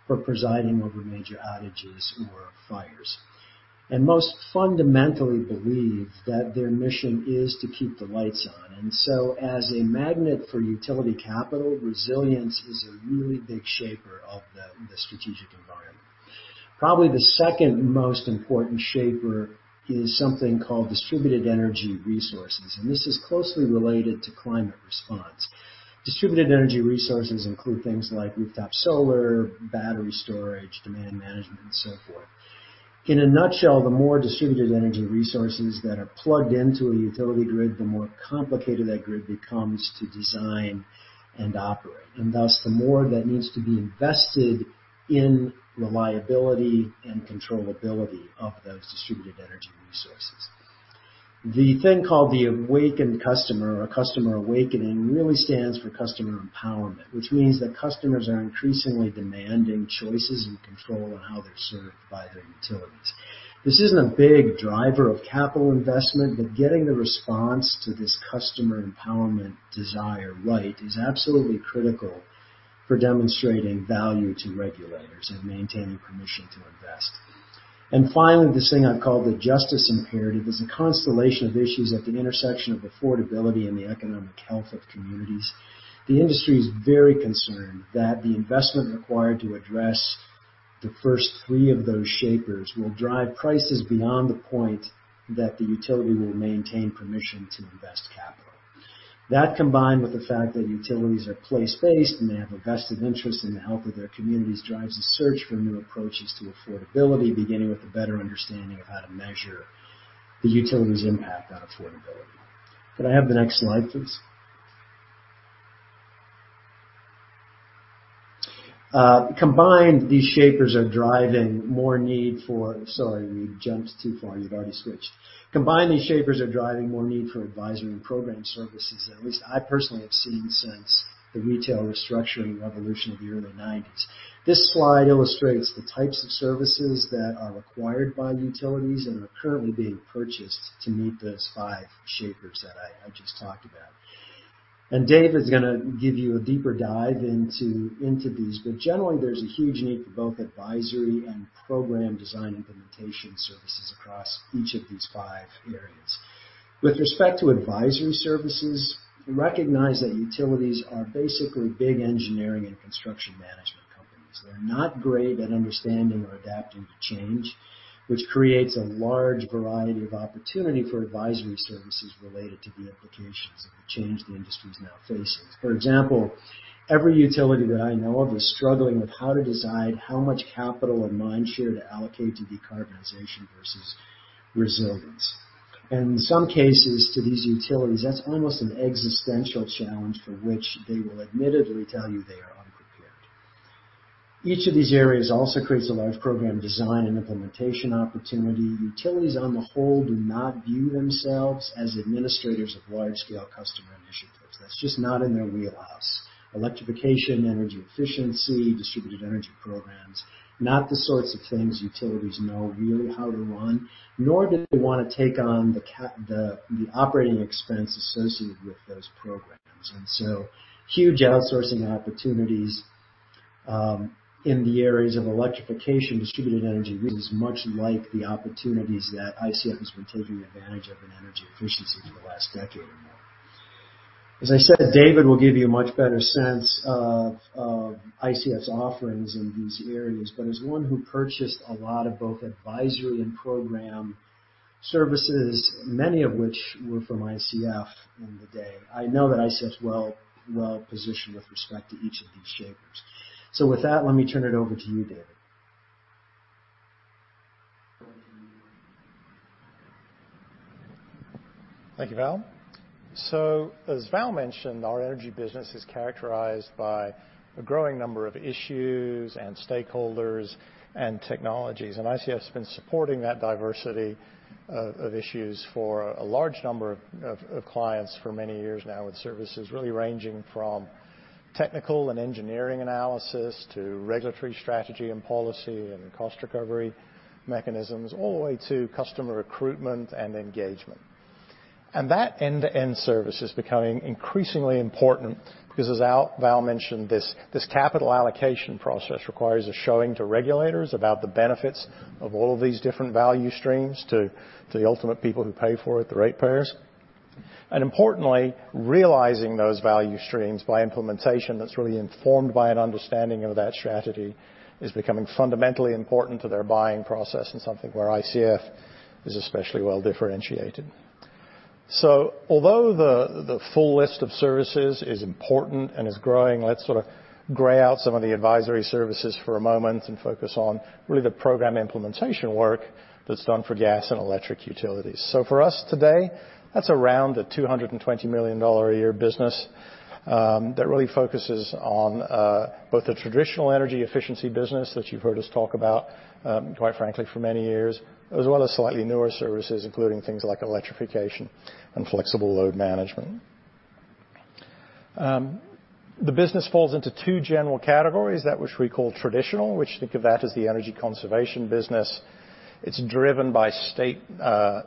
for presiding over major outages or fires. Most fundamentally believe that their mission is to keep the lights on. As a magnet for utility capital, resilience is a really big shaper of the strategic environment. Probably the second most important shaper is something called distributed energy resources, and this is closely related to climate response. Distributed energy resources include things like rooftop solar, battery storage, demand management, and so forth. In a nutshell, the more distributed energy resources that are plugged into a utility grid, the more complicated that grid becomes to design and operate, and thus the more that needs to be invested in reliability and controllability of those distributed energy resources. The thing called the awakened customer or customer awakening really stands for customer empowerment, which means that customers are increasingly demanding choices and control on how they're served by their utilities. This isn't a big driver of capital investment, but getting the response to this customer empowerment desire right is absolutely critical for demonstrating value to regulators and maintaining permission to invest. Finally, this thing I've called the justice imperative is a constellation of issues at the intersection of affordability and the economic health of communities. The industry is very concerned that the investment required to address the first three of those shapers will drive prices beyond the point that the utility will maintain permission to invest capital. That, combined with the fact that utilities are place-based, and they have a vested interest in the health of their communities, drives a search for new approaches to affordability, beginning with a better understanding of how to measure the utility's impact on affordability. Could I have the next slide, please? Combined, these shapers are driving more need for advisory program services than at least I personally have seen since the retail restructuring revolution of the early nineties. This slide illustrates the types of services that are required by utilities and are currently being purchased to meet those five shapers that I just talked about. David Speiser is gonna give you a deeper dive into these, but generally, there's a huge need for both advisory and program design implementation services across each of these five areas. With respect to advisory services, recognize that utilities are basically big engineering and construction management companies. They're not great at understanding or adapting to change, which creates a large variety of opportunity for advisory services related to the implications of the change the industry is now facing. For example, every utility that I know of is struggling with how to decide how much capital or mindshare to allocate to decarbonization versus resilience. In some cases, to these utilities, that's almost an existential challenge for which they will admittedly tell you they are unprepared. Each of these areas also creates a large program design and implementation opportunity. Utilities, on the whole, do not view themselves as administrators of wide-scale customer initiatives. That's just not in their wheelhouse. Electrification, energy efficiency, distributed energy programs, not the sorts of things utilities know really how to run, nor do they wanna take on the operating expense associated with those programs. Huge outsourcing opportunities in the areas of electrification, distributed energy, which is much like the opportunities that ICF has been taking advantage of in energy efficiency for the last decade or more. As I said, David will give you a much better sense of ICF's offerings in these areas. As one who purchased a lot of both advisory and program services, many of which were from ICF in the day, I know that ICF's well-positioned with respect to each of these shapers. With that, let me turn it over to you, David. Thank you, Val. As Val mentioned, our energy business is characterized by a growing number of issues, and stakeholders, and technologies. ICF has been supporting that diversity of issues for a large number of clients for many years now, with services really ranging from technical and engineering analysis to regulatory strategy and policy and cost recovery mechanisms, all the way to customer recruitment and engagement. That end-to-end service is becoming increasingly important because as Val mentioned, this capital allocation process requires a showing to regulators about the benefits of all of these different value streams to the ultimate people who pay for it, the ratepayers. Importantly, realizing those value streams by implementation that's really informed by an understanding of that strategy is becoming fundamentally important to their buying process and something where ICF is especially well-differentiated. Although the full list of services is important and is growing, let's sort of gray out some of the advisory services for a moment and focus on really the program implementation work that's done for gas and electric utilities. For us today, that's around a $220 million a year business, that really focuses on both the traditional energy efficiency business that you've heard us talk about, quite frankly for many years, as well as slightly newer services, including things like electrification and flexible load management. The business falls into two general categories, that which we call traditional, which think of that as the energy conservation business. It's driven by state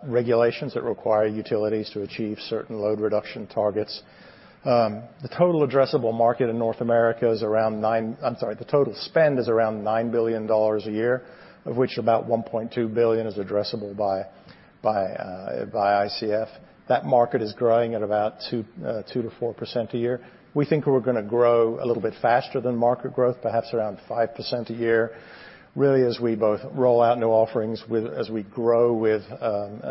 regulations that require utilities to achieve certain load reduction targets. The total spend is around $9 billion a year, of which about $1.2 billion is addressable by ICF. That market is growing at about 2%-4% a year. We think we're gonna grow a little bit faster than market growth, perhaps around 5% a year, really as we both roll out new offerings as we grow with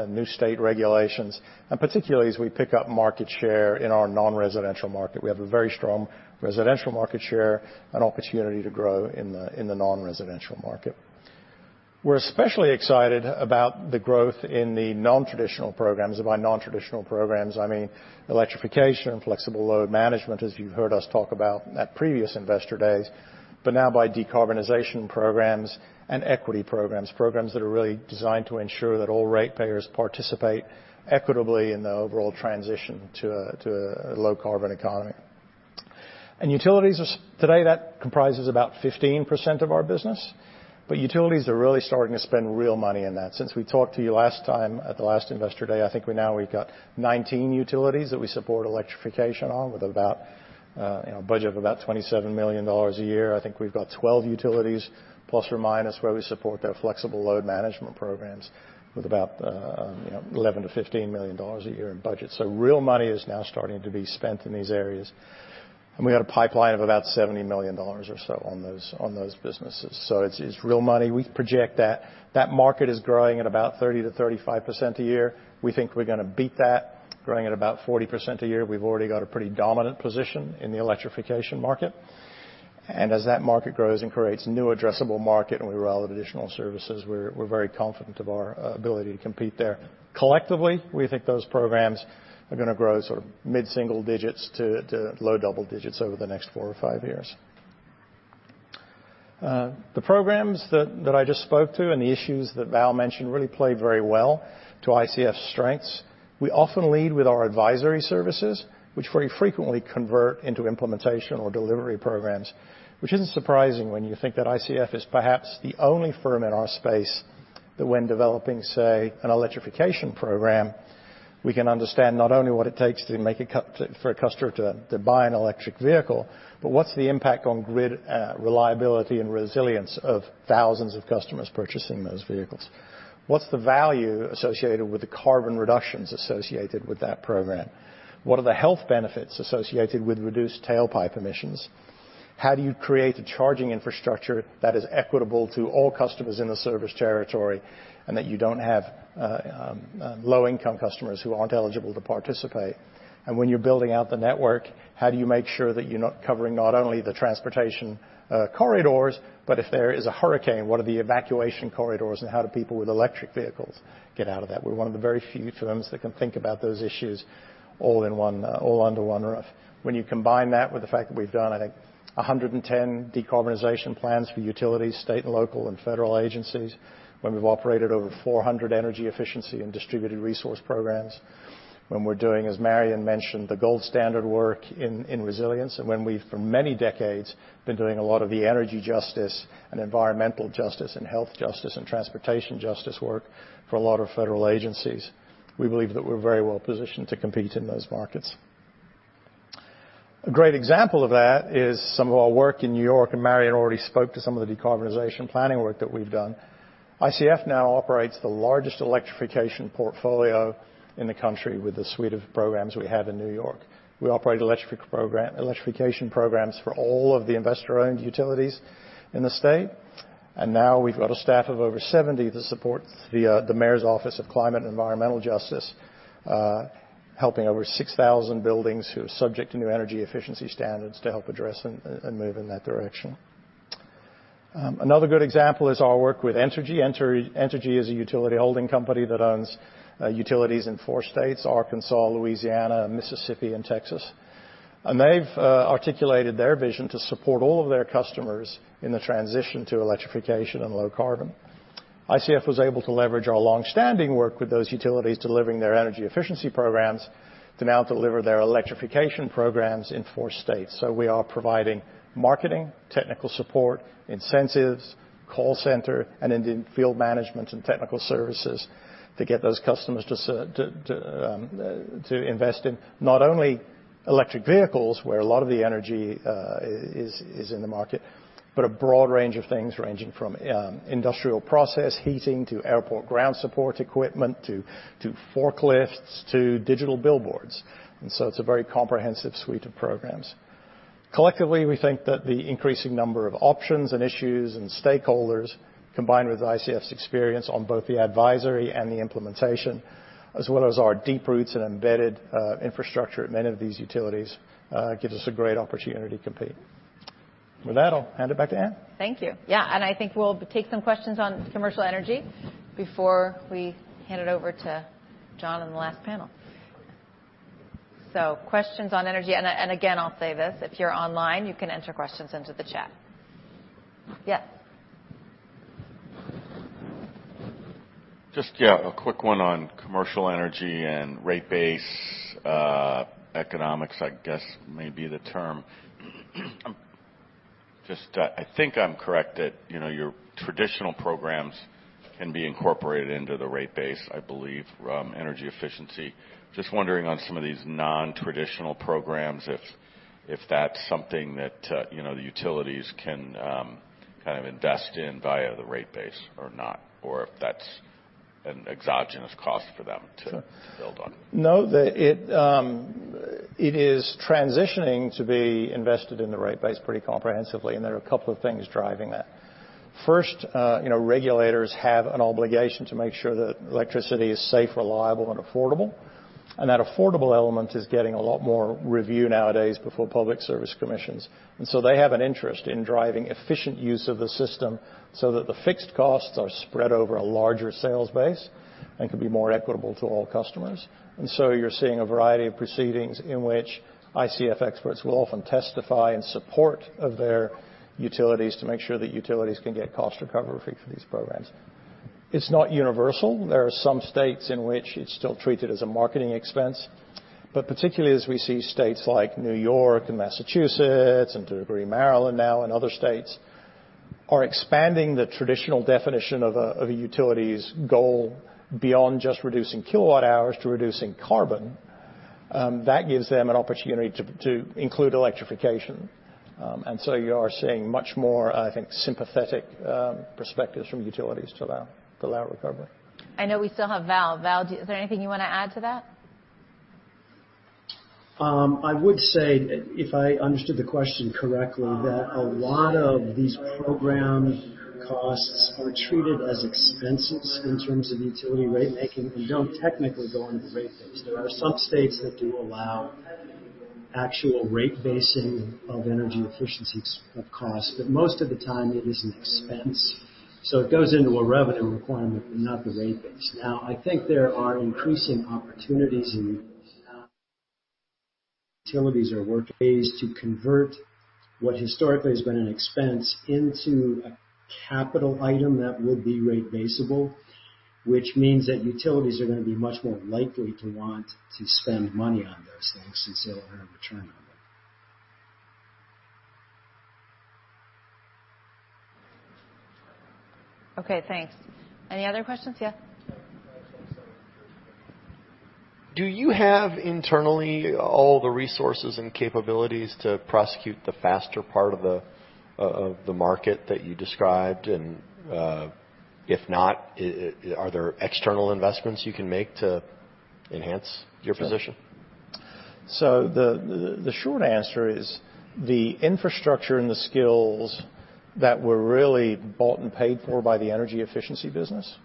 new state regulations, and particularly as we pick up market share in our non-residential market. We have a very strong residential market share and opportunity to grow in the non-residential market. We're especially excited about the growth in the nontraditional programs. By nontraditional programs, I mean electrification, flexible load management, as you've heard us talk about at previous investor days. Now by decarbonization programs and equity programs that are really designed to ensure that all ratepayers participate equitably in the overall transition to a low-carbon economy. In utilities, today that comprises about 15% of our business, but utilities are really starting to spend real money in that. Since we talked to you last time at the last investor day, I think we now have 19 utilities that we support electrification on with about a budget of about $27 million a year. I think we've got 12 utilities, plus or minus, where we support their flexible load management programs with about eleven to fifteen million dollars a year in budget. Real money is now starting to be spent in these areas. We've got a pipeline of about $70 million or so on those businesses. It's real money. We project that market is growing at about 30%-35% a year. We think we're gonna beat that, growing at about 40% a year. We've already got a pretty dominant position in the electrification market. As that market grows and creates new addressable market, and we roll out additional services, we're very confident of our ability to compete there. Collectively, we think those programs are gonna grow sort of mid-single digits to low double digits over the next four or five years. The programs that I just spoke to and the issues that Val mentioned really play very well to ICF's strengths. We often lead with our advisory services, which very frequently convert into implementation or delivery programs. Which isn't surprising when you think that ICF is perhaps the only firm in our space that when developing, say, an electrification program, we can understand not only what it takes for a customer to buy an electric vehicle, but what's the impact on grid reliability and resilience of thousands of customers purchasing those vehicles? What's the value associated with the carbon reductions associated with that program? What are the health benefits associated with reduced tailpipe emissions? How do you create a charging infrastructure that is equitable to all customers in the service territory and that you don't have low-income customers who aren't eligible to participate? When you're building out the network, how do you make sure that you're covering not only the transportation corridors, but if there is a hurricane, what are the evacuation corridors and how do people with electric vehicles get out of that? We're one of the very few firms that can think about those issues all under one roof. When you combine that with the fact that we've done, I think, 110 decarbonization plans for utilities, state and local and federal agencies, when we've operated over 400 energy efficiency and distributed resource programs, when we're doing, as Marion mentioned, the gold standard work in resilience, and when we've, for many decades, been doing a lot of the energy justice and environmental justice and health justice and transportation justice work for a lot of federal agencies, we believe that we're very well positioned to compete in those markets. A great example of that is some of our work in New York, and Marion already spoke to some of the decarbonization planning work that we've done. ICF now operates the largest electrification portfolio in the country with the suite of programs we have in New York. We operate electrification programs for all of the investor-owned utilities in the state. Now we've got a staff of over 70 to support the Mayor's Office of Climate & Environmental Justice, helping over 6,000 buildings who are subject to new energy efficiency standards to help address and move in that direction. Another good example is our work with Entergy. Entergy is a utility holding company that owns utilities in four states, Arkansas, Louisiana, Mississippi, and Texas. They've articulated their vision to support all of their customers in the transition to electrification and low carbon. ICF was able to leverage our long-standing work with those utilities delivering their energy efficiency programs to now deliver their electrification programs in four states. We are providing marketing, technical support, incentives, call center, and then field management and technical services to get those customers to invest in not only electric vehicles, where a lot of the energy is in the market, but a broad range of things, ranging from industrial process heating to airport ground support equipment to forklifts to digital billboards. It's a very comprehensive suite of programs. Collectively, we think that the increasing number of options and issues and stakeholders, combined with ICF's experience on both the advisory and the implementation, as well as our deep roots and embedded infrastructure at many of these utilities, gives us a great opportunity to compete. With that, I'll hand it back to Anne. Thank you. Yeah, and I think we'll take some questions on commercial energy before we hand it over to John on the last panel. Questions on energy, and again, I'll say this, if you're online, you can enter questions into the chat. Yes. Just yeah, a quick one on commercial energy and rate base economics, I guess maybe the term. Just, I think I'm correct that, you know, your traditional programs can be incorporated into the rate base, I believe, energy efficiency. Just wondering on some of these nontraditional programs if that's something that, you know, the utilities can kind of invest in via the rate base or not, or if that's an exogenous cost for them to build on. No. It is transitioning to be invested in the rate base pretty comprehensively, and there are a couple of things driving that. First, you know, regulators have an obligation to make sure that electricity is safe, reliable, and affordable. That affordable element is getting a lot more review nowadays before public service commissions. They have an interest in driving efficient use of the system so that the fixed costs are spread over a larger sales base and can be more equitable to all customers. You're seeing a variety of proceedings in which ICF experts will often testify in support of their utilities to make sure that utilities can get cost recovery for these programs. It's not universal. There are some states in which it's still treated as a marketing expense. Particularly as we see states like New York and Massachusetts, and to a degree, Maryland now, and other states, are expanding the traditional definition of a utility's goal beyond just reducing kilowatt hours to reducing carbon, that gives them an opportunity to include electrification. You are seeing much more, I think, sympathetic perspectives from utilities to allow recovery. I know we still have Val. Val, is there anything you wanna add to that? I would say if I understood the question correctly, that a lot of these program costs are treated as expenses in terms of utility ratemaking, and don't technically go into the rate base. There are some states that do allow actual rate basing of energy efficiency costs, but most of the time it is an expense. It goes into a revenue requirement but not the rate base. Now, I think there are increasing opportunities in the utilities space to convert what historically has been an expense into a capital item that will be rate basable, which means that utilities are gonna be much more likely to want to spend money on those things since they'll earn a return on them. Okay, thanks. Any other questions? Yeah. Do you have internally all the resources and capabilities to prosecute the faster part of the market that you described? If not, are there external investments you can make to enhance your position? The short answer is the infrastructure and the skills that were really bought and paid for by the energy efficiency business.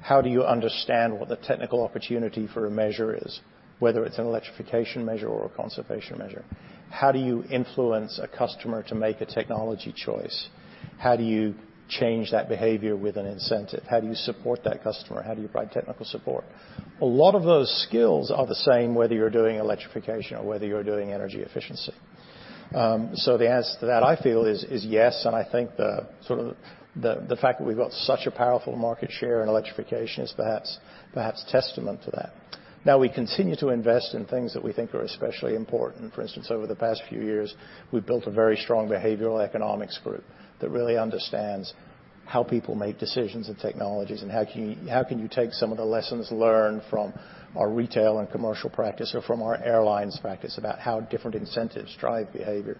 How do you understand what the technical opportunity for a measure is, whether it's an electrification measure or a conservation measure? How do you influence a customer to make a technology choice? How do you change that behavior with an incentive? How do you support that customer? How do you provide technical support? A lot of those skills are the same, whether you're doing electrification or whether you're doing energy efficiency. The answer to that, I feel, is yes, and I think the sort of the fact that we've got such a powerful market share in electrification is perhaps testament to that. Now, we continue to invest in things that we think are especially important. For instance, over the past few years, we've built a very strong behavioral economics group that really understands how people make decisions in technologies, and how can you take some of the lessons learned from our retail and commercial practice or from our airlines practice about how different incentives drive behavior.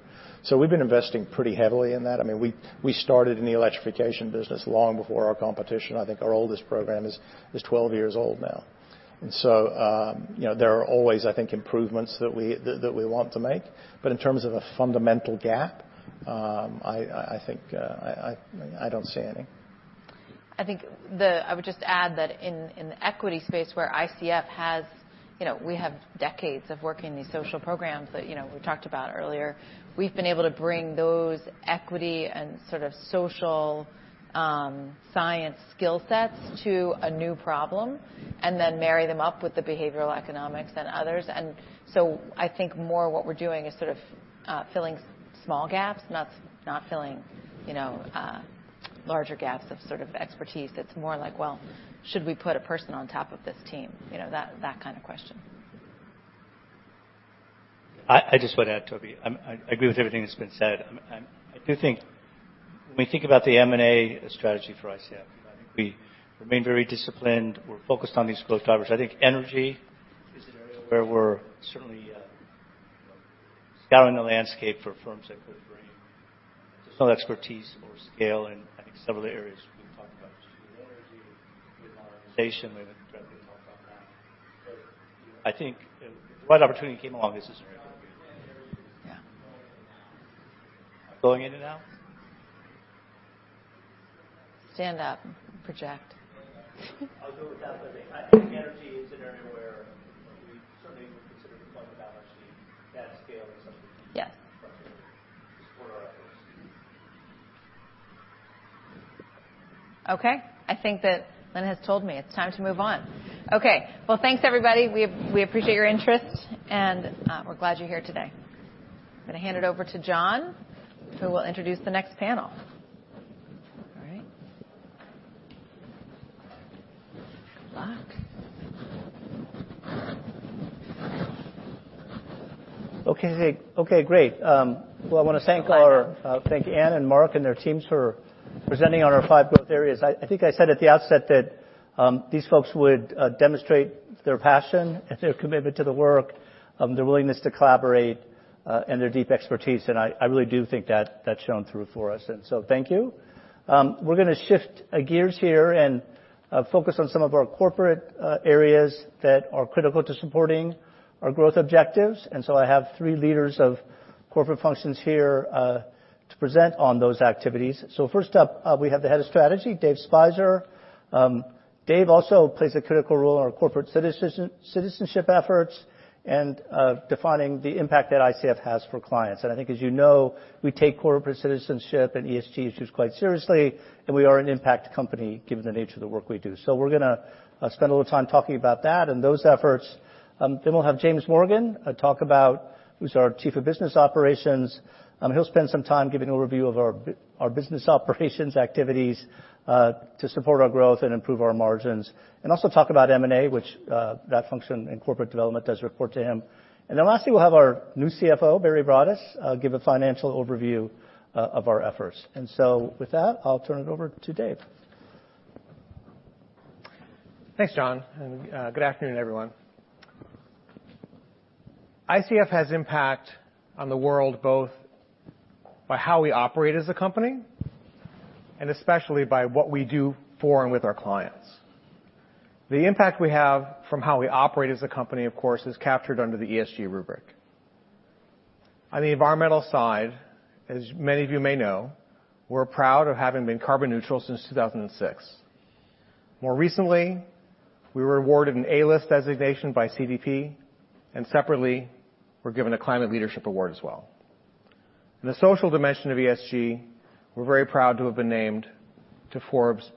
We've been investing pretty heavily in that. I mean, we started in the electrification business long before our competition. I think our oldest program is 12 years old now. You know, there are always, I think, improvements that we want to make. But in terms of a fundamental gap, I think I don't see any. I think I would just add that in the equity space where ICF has, you know, we have decades of working these social programs that, you know, we talked about earlier. We've been able to bring those equity and sort of social science skill sets to a new problem and then marry them up with the behavioral economics and others. I think more what we're doing is sort of filling small gaps, not filling, you know, larger gaps of sort of expertise. It's more like, well, should we put a person on top of this team? You know, that kind of question. I just want to add, Tobey, I agree with everything that's been said. I do think when we think about the M&A strategy for ICF, you know, I think we remain very disciplined. We're focused on these growth drivers. I think energy is an area where we're certainly, you know, scouting the landscape for firms that could bring some expertise or scale in, I think, several of the areas we've talked about. Just energy with modernization. We can definitely talk about that. I think if the right opportunity came along, this is an area we would. Yeah. Going in and out. Stand up. Project. I'll go with that. I think energy is an area where we certainly would consider the point of balance sheet, that scale is something- Yeah. To support our efforts. Okay. I think that Lynn has told me it's time to move on. Okay. Well, thanks, everybody. We appreciate your interest, and we're glad you're here today. I'm gonna hand it over to John, who will introduce the next panel. All right. Good luck. Okay, great. Well, I wanna thank all our- Okay. Thank Anne and Mark and their teams for presenting on our five growth areas. I think I said at the outset that these folks would demonstrate their passion and their commitment to the work, their willingness to collaborate, and their deep expertise, and I really do think that that's shown through for us. Thank you. We're gonna shift gears here and focus on some of our corporate areas that are critical to supporting our growth objectives. I have three leaders of corporate functions here to present on those activities. First up, we have the head of strategy, David Speiser. Dave also plays a critical role in our corporate citizenship efforts and defining the impact that ICF has for clients. I think, as you know, we take corporate citizenship and ESG issues quite seriously, and we are an impact company given the nature of the work we do. We're gonna spend a little time talking about that and those efforts. Then we'll have James Morgan talk about who's our chief of business operations. He'll spend some time giving an overview of our business operations activities to support our growth and improve our margins, and also talk about M&A, which that function and corporate development does report to him. Lastly, we'll have our new CFO, Barry Broaddus, give a financial overview of our efforts. With that, I'll turn it over to Dave. Thanks, John, and, good afternoon, everyone. ICF has impact on the world, both by how we operate as a company and especially by what we do for and with our clients. The impact we have from how we operate as a company, of course, is captured under the ESG rubric. On the environmental side, as many of you may know, we're proud of having been carbon neutral since 2006. More recently, we were awarded an A-list designation by CDP, and separately, were given a Climate Leadership Award as well. In the social dimension of ESG, we're very proud to have been named to Forbes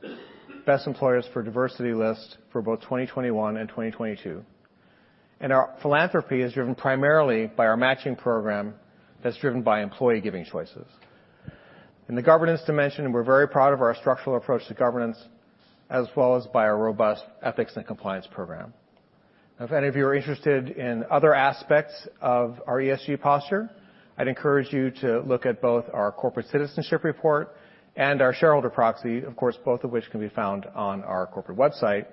Best Employers for Diversity list for both 2021 and 2022. Our philanthropy is driven primarily by our matching program that's driven by employee giving choices. In the governance dimension, we're very proud of our structural approach to governance, as well as by our robust ethics and compliance program. If any of you are interested in other aspects of our ESG posture, I'd encourage you to look at both our corporate citizenship report and our shareholder proxy. Of course, both of which can be found on our corporate website.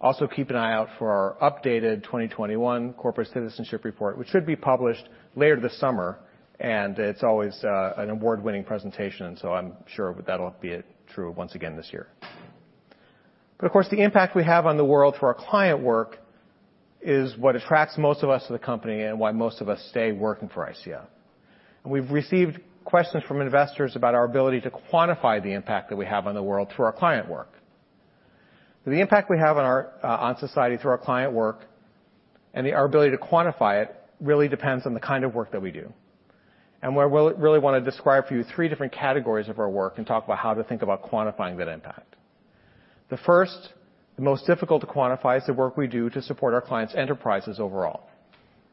Also, keep an eye out for our updated 2021 corporate citizenship report, which should be published later this summer. It's always an award-winning presentation, so I'm sure that'll be true once again this year. Of course, the impact we have on the world through our client work is what attracts most of us to the company and why most of us stay working for ICF. We've received questions from investors about our ability to quantify the impact that we have on the world through our client work. The impact we have on our society through our client work and our ability to quantify it really depends on the kind of work that we do. What I really wanna describe for you, three different categories of our work and talk about how to think about quantifying that impact. The first, the most difficult to quantify, is the work we do to support our clients' enterprises overall.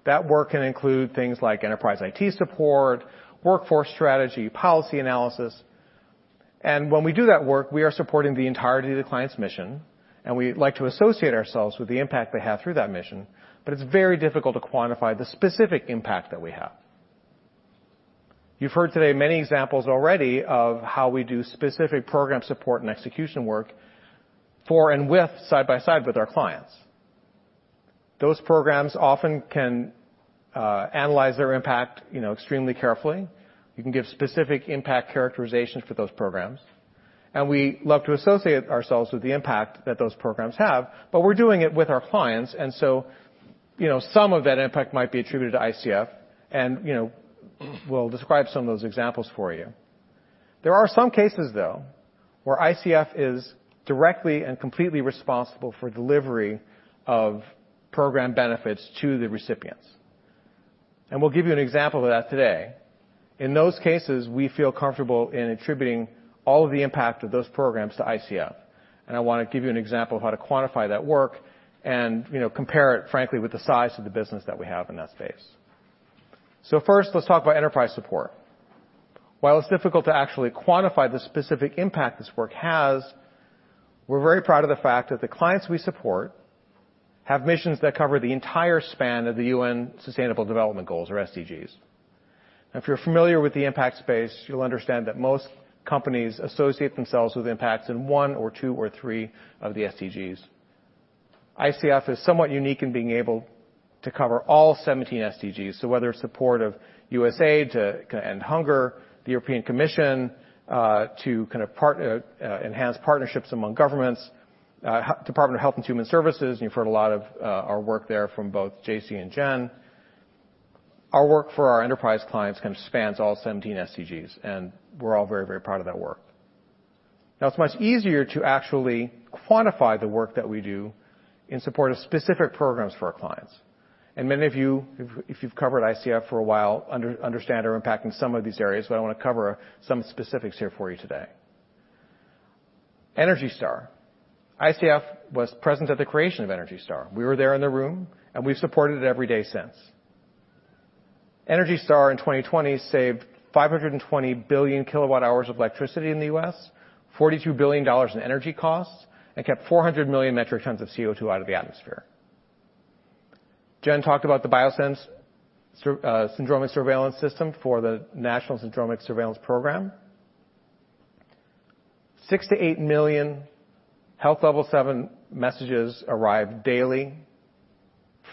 That work can include things like enterprise IT support, workforce strategy, policy analysis. When we do that work, we are supporting the entirety of the client's mission, and we like to associate ourselves with the impact they have through that mission, but it's very difficult to quantify the specific impact that we have. You've heard today many examples already of how we do specific program support and execution work for and with side by side with our clients. Those programs often can analyze their impact, you know, extremely carefully. We can give specific impact characterizations for those programs, and we love to associate ourselves with the impact that those programs have, but we're doing it with our clients. You know, some of that impact might be attributed to ICF and, you know, we'll describe some of those examples for you. There are some cases, though, where ICF is directly and completely responsible for delivery of program benefits to the recipients, and we'll give you an example of that today. In those cases, we feel comfortable in attributing all of the impact of those programs to ICF. I wanna give you an example of how to quantify that work and, you know, compare it, frankly, with the size of the business that we have in that space. First, let's talk about enterprise support. While it's difficult to actually quantify the specific impact this work has, we're very proud of the fact that the clients we support have missions that cover the entire span of the UN Sustainable Development Goals or SDGs. If you're familiar with the impact space, you'll understand that most companies associate themselves with impacts in one or two or three of the SDGs. ICF is somewhat unique in being able to cover all 17 SDGs. Whether it's support of USAID to end hunger, the European Commission to kind of enhance partnerships among governments, Department of Health and Human Services, and you've heard a lot of our work there from both JC and Jen. Our work for our enterprise clients kind of spans all 17 SDGs, and we're all very, very proud of that work. Now, it's much easier to actually quantify the work that we do in support of specific programs for our clients. Many of you, if you've covered ICF for a while, understand we're impacting some of these areas, but I wanna cover some specifics here for you today. ENERGY STAR. ICF was present at the creation of ENERGY STAR. We were there in the room, and we've supported it every day since. ENERGY STAR in 2020 saved 520 billion kWh of electricity in the U.S., $42 billion in energy costs, and kept 400 million metric tons of CO₂ out of the atmosphere. Jen talked about the BioSense Syndromic Surveillance System for the National Syndromic Surveillance Program. 6 to 8 million Health Level 7 messages arrive daily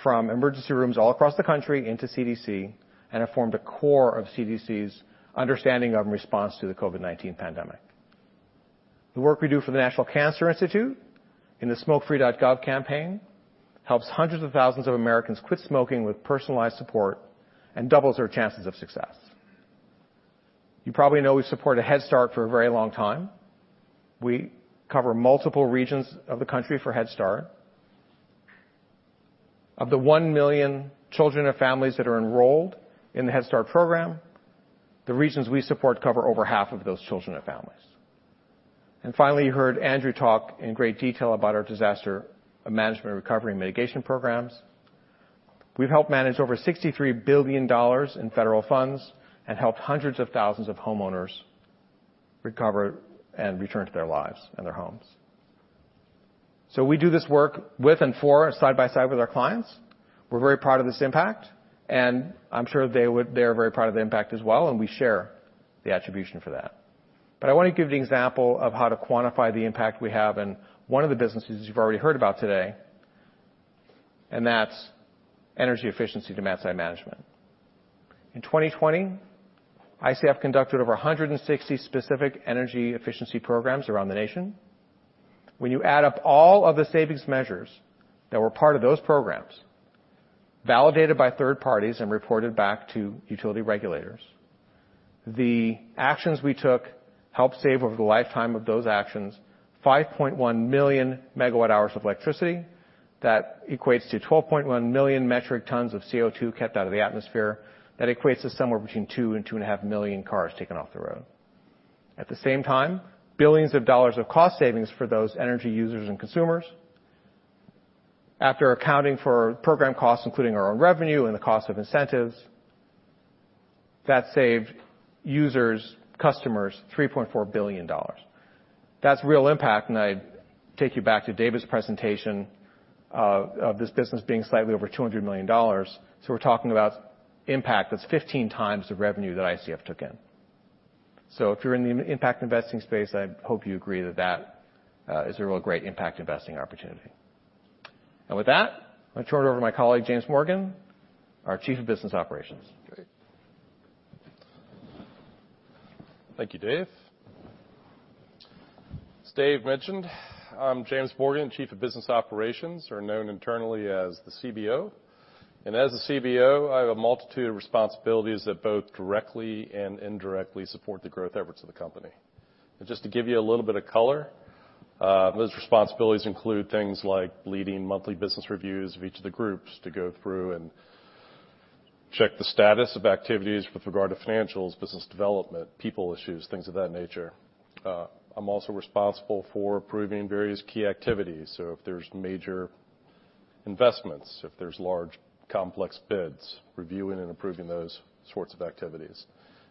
from emergency rooms all across the country into CDC and have formed a core of CDC's understanding of and response to the COVID-19 pandemic. The work we do for the National Cancer Institute in the Smokefree.gov campaign helps hundreds of thousands of Americans quit smoking with personalized support and doubles their chances of success. You probably know we support Head Start for a very long time. We cover multiple regions of the country for Head Start. Of the 1 million children or families that are enrolled in the Head Start program, the regions we support cover over half of those children and families. Finally, you heard Andrew talk in great detail about our disaster management recovery mitigation programs. We've helped manage over $63 billion in federal funds and helped hundreds of thousands of homeowners recover and return to their lives and their homes. We do this work with and for side by side with our clients. We're very proud of this impact, and I'm sure they are very proud of the impact as well, and we share the attribution for that. I want to give you an example of how to quantify the impact we have in one of the businesses you've already heard about today, and that's energy efficiency demand-side management. In 2020, ICF conducted over 160 specific energy efficiency programs around the nation. When you add up all of the savings measures that were part of those programs, validated by third parties, and reported back to utility regulators, the actions we took helped save over the lifetime of those actions, 5.1 million MWh of electricity. That equates to 12.1 million metric tons of CO2 kept out of the atmosphere. That equates to somewhere between 2 and 2.5 million cars taken off the road. At the same time, billions of dollars of cost savings for those energy users and consumers. After accounting for program costs, including our own revenue and the cost of incentives, that saved users, customers $3.4 billion. That's real impact. I take you back to David's presentation of this business being slightly over $200 million. We're talking about impact that's 15x the revenue that ICF took in. If you're in the impact investing space, I hope you agree that is a real great impact investing opportunity. With that, I turn it over to my colleague, James Morgan, our Chief Operating and Financial Officer. Great. Thank you, Dave. As Dave mentioned, I'm James Morgan, Chief of Business Operations, or known internally as the CBO. As the CBO, I have a multitude of responsibilities that both directly and indirectly support the growth efforts of the company. Just to give you a little bit of color, those responsibilities include things like leading monthly business reviews of each of the groups to go through and check the status of activities with regard to financials, business development, people issues, things of that nature. I'm also responsible for approving various key activities. If there's major investments, if there's large complex bids, reviewing and approving those sorts of activities.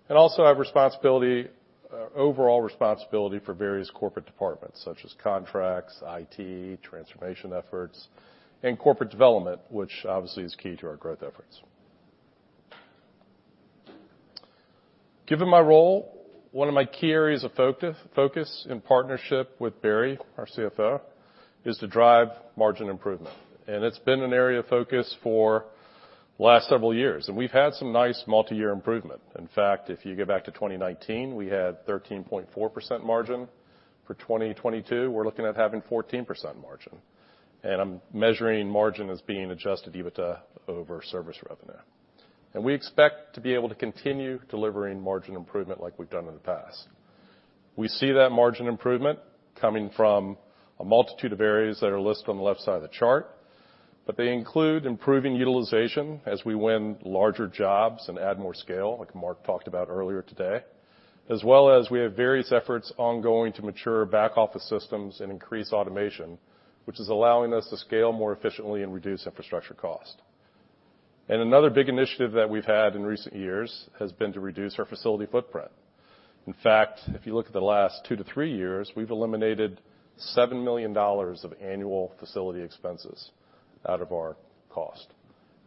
Also, I have responsibility, overall responsibility for various corporate departments such as contracts, IT, transformation efforts, and corporate development, which obviously is key to our growth efforts. Given my role, one of my key areas of focus in partnership with Barry, our CFO, is to drive margin improvement. It's been an area of focus for the last several years, and we've had some nice multi-year improvement. In fact, if you go back to 2019, we had 13.4% margin. For 2022, we're looking at having 14% margin. I'm measuring margin as being Adjusted EBITDA over service revenue. We expect to be able to continue delivering margin improvement like we've done in the past. We see that margin improvement coming from a multitude of areas that are listed on the left side of the chart, but they include improving utilization as we win larger jobs and add more scale, like Mark talked about earlier today. As well as we have various efforts ongoing to mature back-office systems and increase automation, which is allowing us to scale more efficiently and reduce infrastructure cost. Another big initiative that we've had in recent years has been to reduce our facility footprint. In fact, if you look at the last 2-3 years, we've eliminated $7 million of annual facility expenses out of our cost.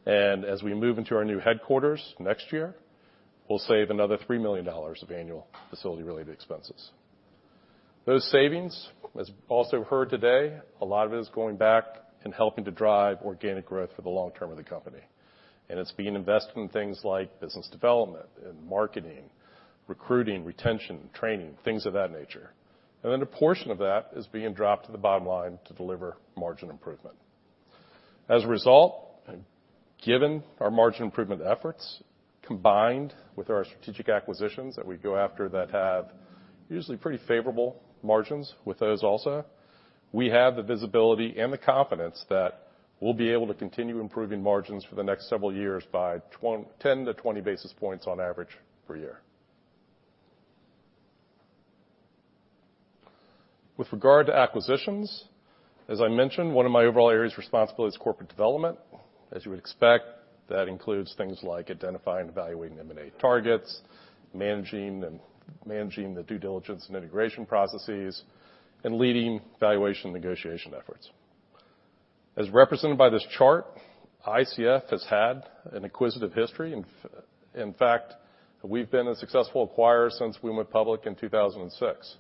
As we move into our new headquarters next year, we'll save another $3 million of annual facility-related expenses. Those savings, as you've also heard today, a lot of it is going back and helping to drive organic growth for the long term of the company. It's being invested in things like business development and marketing, recruiting, retention, training, things of that nature. Then a portion of that is being dropped to the bottom line to deliver margin improvement. As a result, given our margin improvement efforts, combined with our strategic acquisitions that we go after that have usually pretty favorable margins with those also, we have the visibility and the confidence that we'll be able to continue improving margins for the next several years by 10-20 basis points on average per year. With regard to acquisitions, as I mentioned, one of my overall areas of responsibility is corporate development. As you would expect, that includes things like identifying and evaluating M&A targets, managing the due diligence and integration processes, and leading valuation negotiation efforts. As represented by this chart, ICF has had an acquisitive history. In fact, we've been a successful acquirer since we went public in 2006.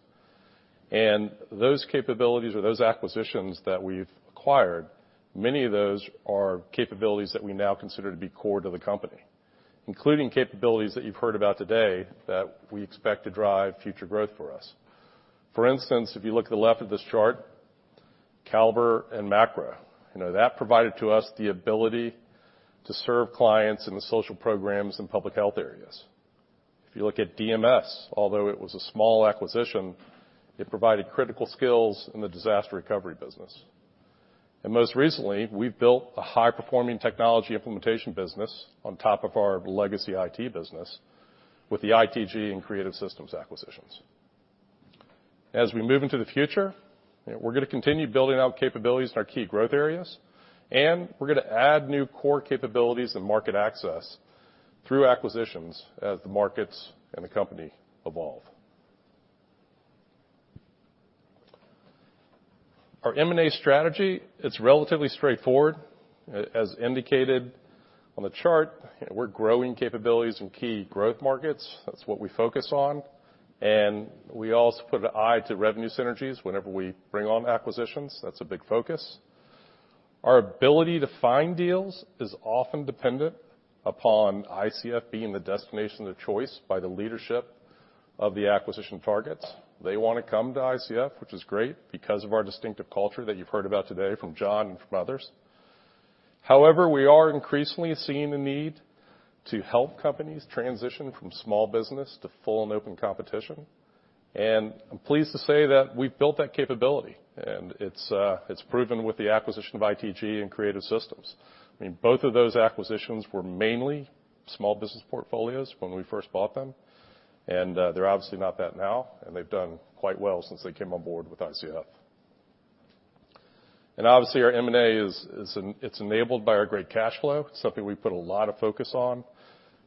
Those capabilities or those acquisitions that we've acquired, many of those are capabilities that we now consider to be core to the company, including capabilities that you've heard about today that we expect to drive future growth for us. For instance, if you look at the left of this chart, Caliber and Macro. You know, that provided to us the ability to serve clients in the social programs and public health areas. If you look at DMS, although it was a small acquisition, it provided critical skills in the disaster recovery business. Most recently, we've built a high-performing technology implementation business on top of our legacy IT business with the ITG and Creative Systems acquisitions. As we move into the future, we're gonna continue building out capabilities in our key growth areas, and we're gonna add new core capabilities and market access through acquisitions as the markets and the company evolve. Our M&A strategy, it's relatively straightforward. As indicated on the chart, we're growing capabilities in key growth markets. That's what we focus on. We also keep an eye on revenue synergies whenever we bring on acquisitions. That's a big focus. Our ability to find deals is often dependent upon ICF being the destination of choice by the leadership of the acquisition targets. They wanna come to ICF, which is great, because of our distinctive culture that you've heard about today from John and from others. However, we are increasingly seeing the need to help companies transition from small business to full and open competition. I'm pleased to say that we've built that capability, and it's proven with the acquisition of ITG and Creative Systems. I mean, both of those acquisitions were mainly small business portfolios when we first bought them, and they're obviously not that now, and they've done quite well since they came on board with ICF. Obviously, our M&A is enabled by our great cash flow, something we put a lot of focus on,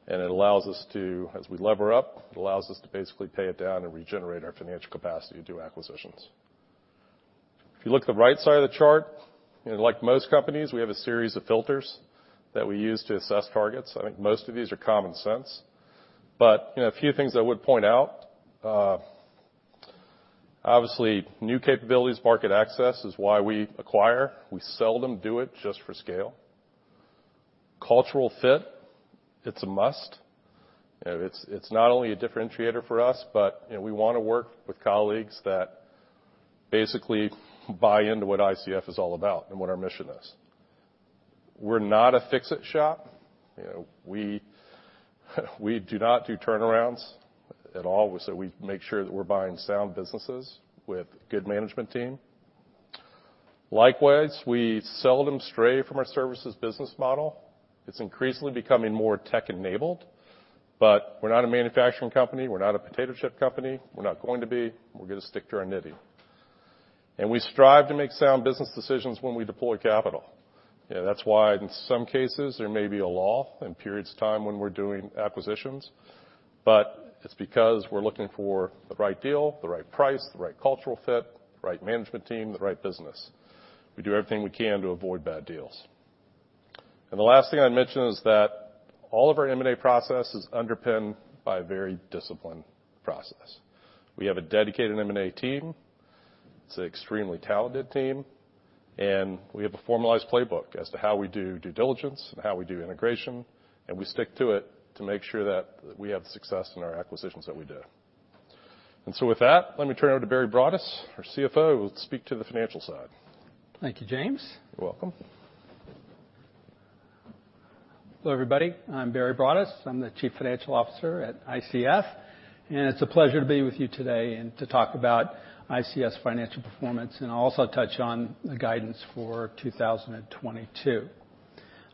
and it allows us to, as we lever up, it allows us to basically pay it down and regenerate our financial capacity to do acquisitions. If you look at the right side of the chart, you know, like most companies, we have a series of filters that we use to assess targets. I think most of these are common sense. You know, a few things I would point out, obviously, new capabilities, market access is why we acquire. We seldom do it just for scale. Cultural fit, it's a must. You know, it's not only a differentiator for us, but, you know, we wanna work with colleagues that basically buy into what ICF is all about and what our mission is. We're not a fix-it shop. You know, we do not do turnarounds at all. So we make sure that we're buying sound businesses with good management team. Likewise, we seldom stray from our services business model. It's increasingly becoming more tech-enabled, but we're not a manufacturing company, we're not a potato chip company. We're not going to be. We're gonna stick to our knitting. We strive to make sound business decisions when we deploy capital. You know, that's why in some cases, there may be a lull in periods of time when we're doing acquisitions, but it's because we're looking for the right deal, the right price, the right cultural fit, the right management team, the right business. We do everything we can to avoid bad deals. The last thing I'd mention is that all of our M&A process is underpinned by a very disciplined process. We have a dedicated M&A team. It's an extremely talented team, and we have a formalized playbook as to how we do due diligence and how we do integration, and we stick to it to make sure that we have success in our acquisitions that we do. With that, let me turn it over to Barry Broaddus, our CFO, who will speak to the financial side. Thank you, James. You're welcome. Hello, everybody. I'm Barry Broaddus. I'm the Chief Financial Officer at ICF, and it's a pleasure to be with you today and to talk about ICF's financial performance. I'll also touch on the guidance for 2022.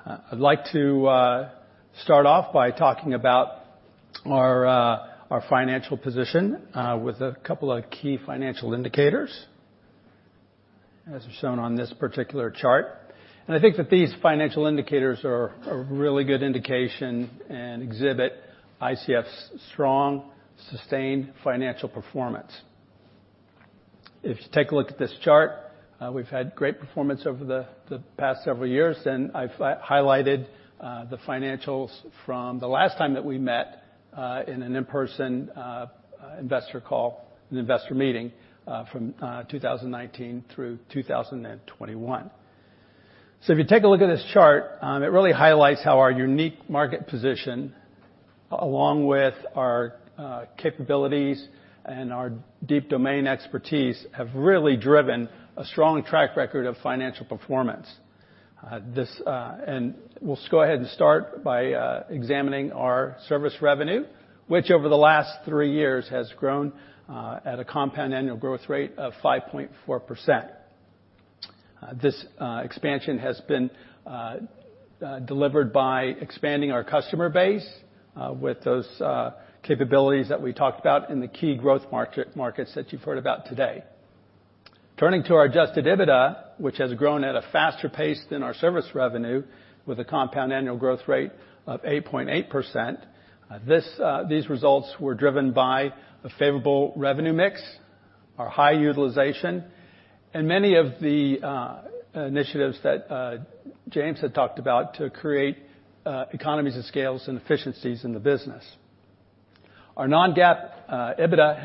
I'd like to start off by talking about our financial position with a couple of key financial indicators, as shown on this particular chart. I think that these financial indicators are a really good indication and exhibit ICF's strong, sustained financial performance. If you take a look at this chart, we've had great performance over the past several years, and I've highlighted the financials from the last time that we met in an in-person investor call, an investor meeting, from 2019 through 2021. If you take a look at this chart, it really highlights how our unique market position, along with our capabilities and our deep domain expertise, have really driven a strong track record of financial performance. We'll just go ahead and start by examining our service revenue, which over the last three years has grown at a compound annual growth rate of 5.4%. This expansion has been delivered by expanding our customer base with those capabilities that we talked about in the key growth markets that you've heard about today. Turning to our Adjusted EBITDA, which has grown at a faster pace than our service revenue with a compound annual growth rate of 8.8%, these results were driven by a favorable revenue mix, our high utilization, and many of the initiatives that James had talked about to create economies of scale and efficiencies in the business. Our Non-GAAP EPS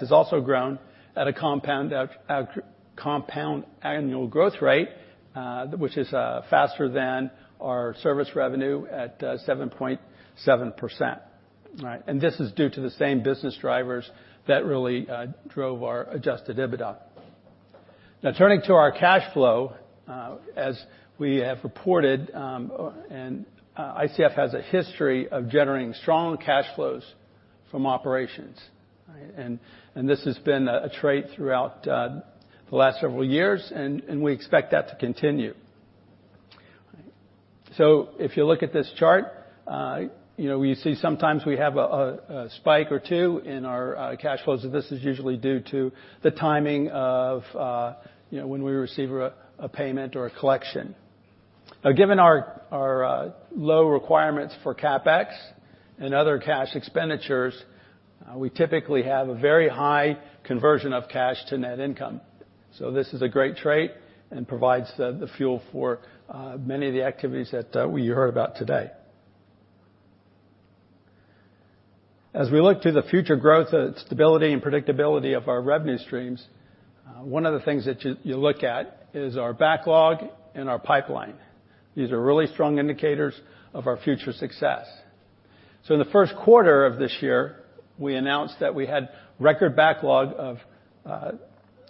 has also grown at a compound annual growth rate, which is faster than our service revenue at 7.7%. This is due to the same business drivers that really drove our Adjusted EBITDA. Now, turning to our cash flow, as we have reported, ICF has a history of generating strong cash flows from operations. Right? This has been a trait throughout the last several years, and we expect that to continue. If you look at this chart, you know, we see sometimes we have a spike or two in our cash flows. This is usually due to the timing of, you know, when we receive a payment or a collection. Given our low requirements for CapEx and other cash expenditures, we typically have a very high conversion of cash to net income. This is a great trait and provides the fuel for many of the activities that we heard about today. As we look to the future growth, stability and predictability of our revenue streams, one of the things that you look at is our backlog and our pipeline. These are really strong indicators of our future success. In the first quarter of this year, we announced that we had record backlog of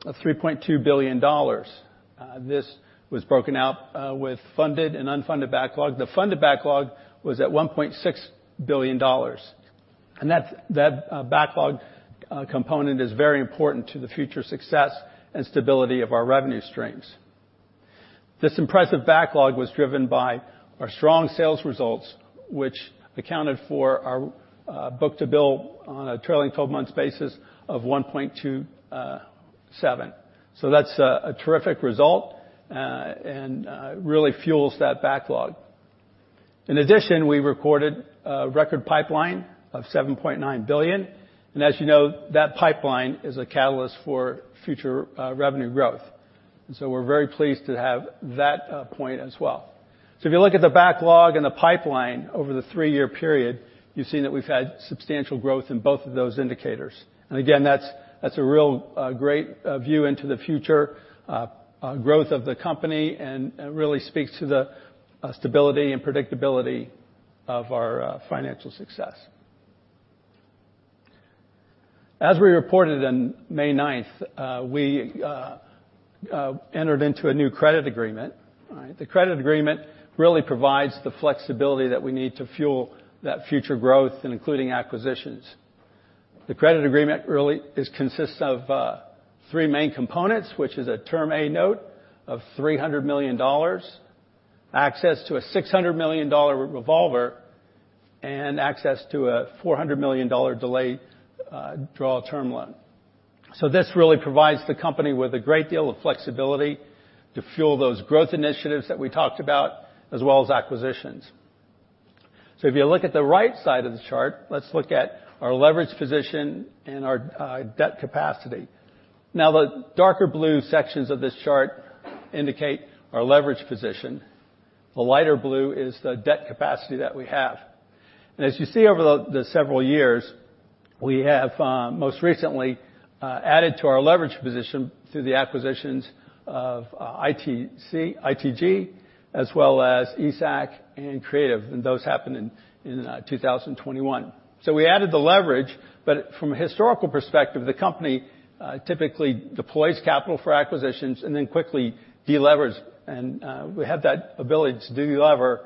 $3.2 billion. This was broken out with funded and unfunded backlog. The funded backlog was at $1.6 billion. That's backlog component is very important to the future success and stability of our revenue streams. This impressive backlog was driven by our strong sales results, which accounted for our book-to-bill on a trailing twelve months basis of 1.27. That's a terrific result and really fuels that backlog. In addition, we recorded a record pipeline of $7.9 billion. As you know, that pipeline is a catalyst for future revenue growth. We're very pleased to have that point as well. If you look at the backlog and the pipeline over the three-year period, you've seen that we've had substantial growth in both of those indicators. Again, that's a real great view into the future growth of the company and really speaks to the stability and predictability of our financial success. As we reported in May 9, we entered into a new credit agreement. Right? The credit agreement really provides the flexibility that we need to fuel that future growth and including acquisitions. The credit agreement really consists of three main components, which is a Term A note of $300 million, access to a $600 million revolver, and access to a $400 million delayed draw term loan. This really provides the company with a great deal of flexibility to fuel those growth initiatives that we talked about, as well as acquisitions. If you look at the right side of the chart, let's look at our leverage position and our debt capacity. Now, the darker blue sections of this chart indicate our leverage position. The lighter blue is the debt capacity that we have. As you see over the several years, we have most recently added to our leverage position through the acquisitions of ITG, as well as ESAC and Creative, and those happened in 2021. We added the leverage, but from a historical perspective, the company typically deploys capital for acquisitions and then quickly de-levers. We have that ability to deleverage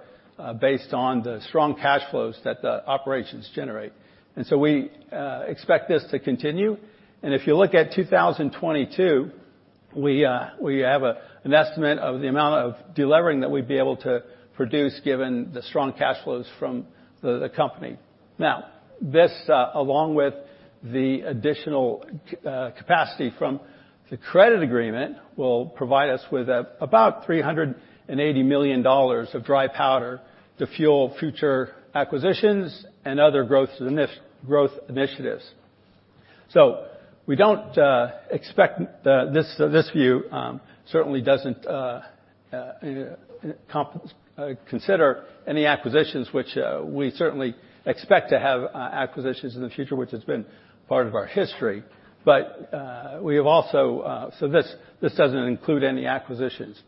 based on the strong cash flows that the operations generate. We expect this to continue. If you look at 2022, we have an estimate of the amount of deleveraging that we'd be able to produce given the strong cash flows from the company. Now, this along with the additional capacity from the credit agreement will provide us with about $380 million of dry powder to fuel future acquisitions and other growth initiatives. We don't expect this view certainly doesn't consider any acquisitions, which we certainly expect to have acquisitions in the future, which has been part of our history. We have also. This doesn't include any acquisitions.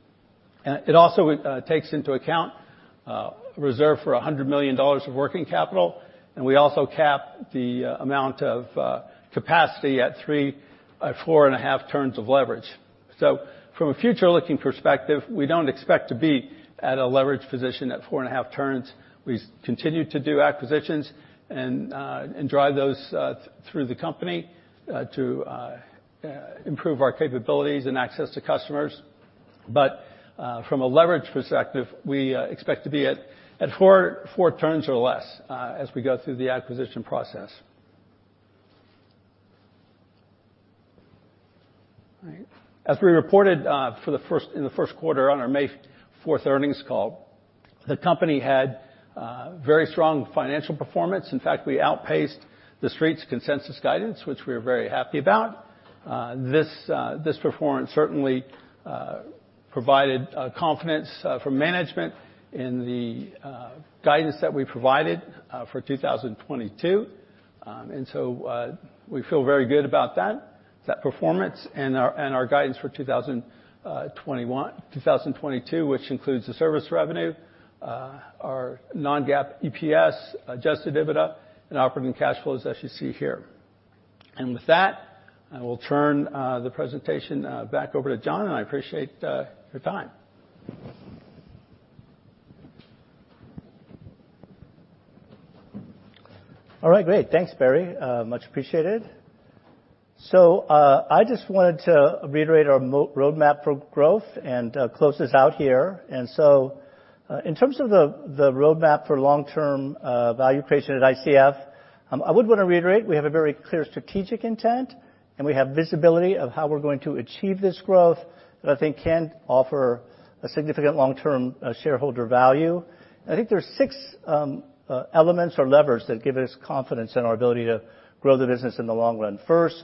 It also takes into account reserve for $100 million of working capital, and we also cap the amount of capacity at 3-4.5 turns of leverage. From a future-looking perspective, we don't expect to be at a leverage position at 4.5 turns. We continue to do acquisitions and drive those through the company to improve our capabilities and access to customers. From a leverage perspective, we expect to be at four turns or less as we go through the acquisition process. All right. As we reported in the first quarter on our May 4 earnings call, the company had very strong financial performance. In fact, we outpaced the Street's consensus guidance, which we're very happy about. This performance certainly provided confidence for management in the guidance that we provided for 2022. We feel very good about that performance and our guidance for 2022, which includes the service revenue, our Non-GAAP EPS, Adjusted EBITDA, and operating cash flows as you see here. With that, I will turn the presentation back over to John, and I appreciate your time. All right. Great. Thanks, Barry. Much appreciated. I just wanted to reiterate our roadmap for growth and close this out here. In terms of the roadmap for long-term value creation at ICF, I would want to reiterate we have a very clear strategic intent, and we have visibility of how we're going to achieve this growth that I think can offer a significant long-term shareholder value. I think there are six elements or levers that give us confidence in our ability to grow the business in the long run. First,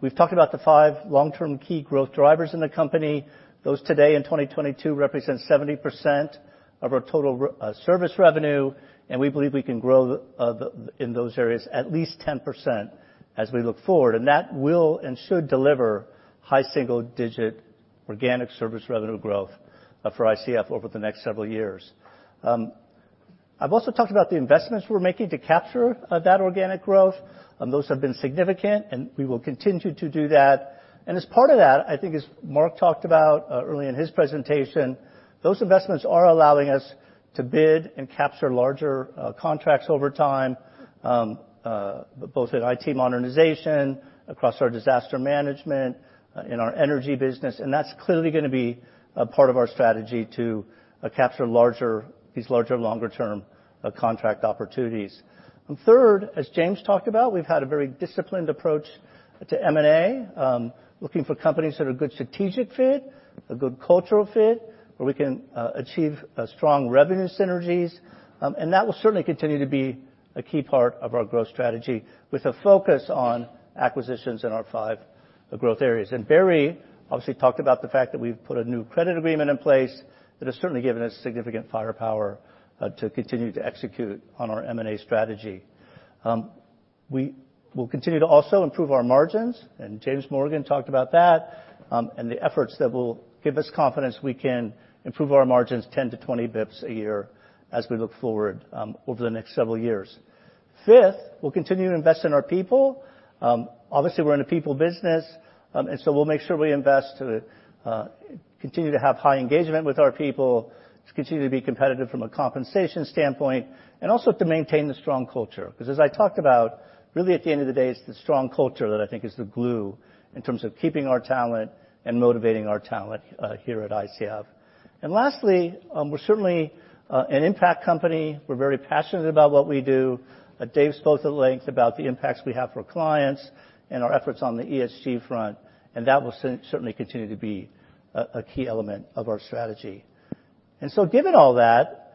we've talked about the five long-term key growth drivers in the company. Those today in 2022 represent 70% of our total service revenue, and we believe we can grow the in those areas at least 10% as we look forward, and that will and should deliver high single-digit organic service revenue growth for ICF over the next several years. I've also talked about the investments we're making to capture that organic growth, and those have been significant, and we will continue to do that. As part of that, I think as Mark talked about early in his presentation, those investments are allowing us to bid and capture larger contracts over time, both in IT modernization, across our disaster management, in our energy business, and that's clearly gonna be a part of our strategy to capture larger longer-term contract opportunities. Third, as James talked about, we've had a very disciplined approach to M&A, looking for companies that are good strategic fit, a good cultural fit, where we can achieve a strong revenue synergies, and that will certainly continue to be a key part of our growth strategy with a focus on acquisitions in our five growth areas. Barry obviously talked about the fact that we've put a new credit agreement in place that has certainly given us significant firepower, to continue to execute on our M&A strategy. We will continue to also improve our margins, and James Morgan talked about that, and the efforts that will give us confidence we can improve our margins 10-20 basis points a year as we look forward, over the next several years. Fifth, we'll continue to invest in our people. Obviously, we're in a people business, and so we'll make sure we invest to continue to have high engagement with our people, to continue to be competitive from a compensation standpoint, and also to maintain the strong culture. Because as I talked about, really at the end of the day, it's the strong culture that I think is the glue in terms of keeping our talent and motivating our talent here at ICF. Lastly, we're certainly an impact company. We're very passionate about what we do. Dave spoke at length about the impacts we have for clients and our efforts on the ESG front, and that will certainly continue to be a key element of our strategy. Given all that,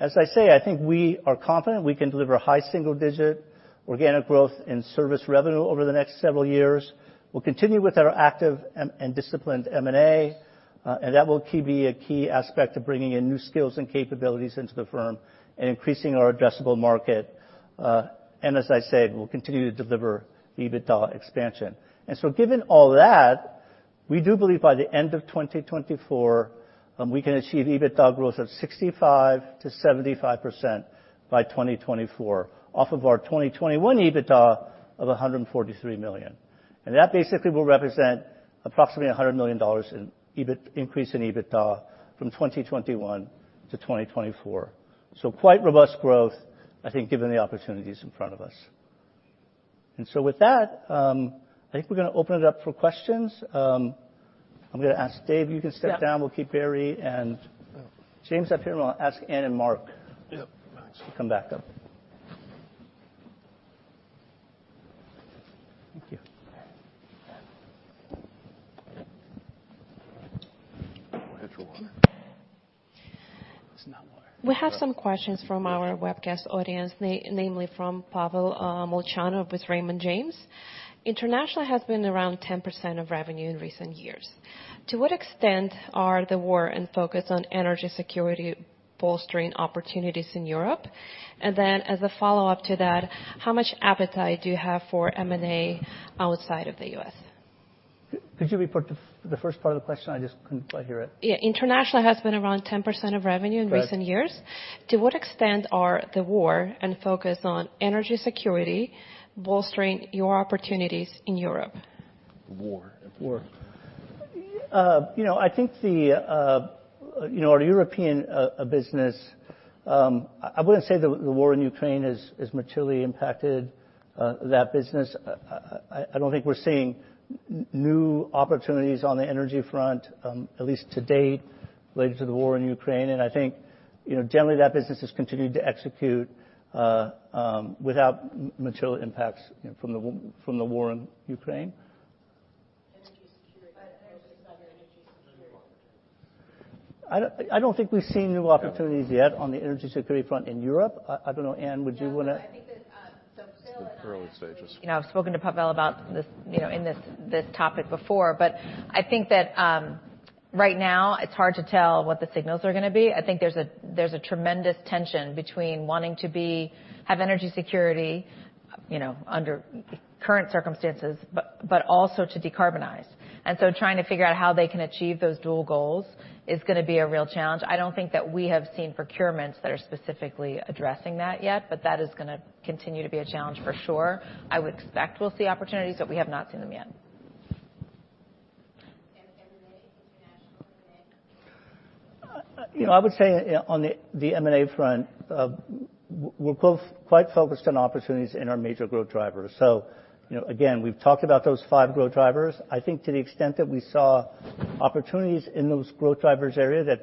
as I say, I think we are confident we can deliver high single-digit organic growth in service revenue over the next several years. We'll continue with our active and disciplined M&A, and that will be a key aspect to bringing in new skills and capabilities into the firm and increasing our addressable market. As I said, we'll continue to deliver EBITDA expansion. Given all that, we do believe by the end of 2024, we can achieve EBITDA growth of 65%-75% by 2024, off of our 2021 EBITDA of $143 million. And that basically will represent approximately $100 million increase in EBITDA from 2021 to 2024. Quite robust growth, I think, given the opportunities in front of us. With that, I think we're gonna open it up for questions. I'm gonna ask Dave, you can step down. Yeah. We'll keep Barry and James up here, and I'll ask Anne and Mark. Yeah. to come back up. Thank you. We're here for water. It's not water. We have some questions from our webcast audience, namely from Pavel Molchanov with Raymond James. International has been around 10% of revenue in recent years. To what extent are the war and focus on energy security bolstering opportunities in Europe? As a follow-up to that, how much appetite do you have for M&A outside of the U.S.? Could you repeat the first part of the question? I just couldn't quite hear it. Yeah. International has been around 10% of revenue in recent years. Right. To what extent are the war and focus on energy security bolstering your opportunities in Europe? War. War. You know, I think you know our European business. I wouldn't say the war in Ukraine has materially impacted that business. I don't think we're seeing new opportunities on the energy front, at least to date related to the war in Ukraine. I think, you know, generally that business has continued to execute without material impacts, you know, from the war in Ukraine. Energy security. I was just under energy security. I don't think we've seen new opportunities yet on the energy security front in Europe. I don't know. Anne, would you wanna- No, no, I think that, so, Phil and I have- It's the early stages. You know, I've spoken to Pavel about this, you know, in this topic before, but I think that, Right now, it's hard to tell what the signals are gonna be. I think there's a tremendous tension between wanting to have energy security, you know, under current circumstances, but also to decarbonize. Trying to figure out how they can achieve those dual goals is gonna be a real challenge. I don't think that we have seen procurements that are specifically addressing that yet, but that is gonna continue to be a challenge for sure. I would expect we'll see opportunities, but we have not seen them yet. M&A, international M&A? You know, I would say on the M&A front, we're both quite focused on opportunities in our major growth drivers. You know, again, we've talked about those five growth drivers. I think to the extent that we saw opportunities in those growth drivers area that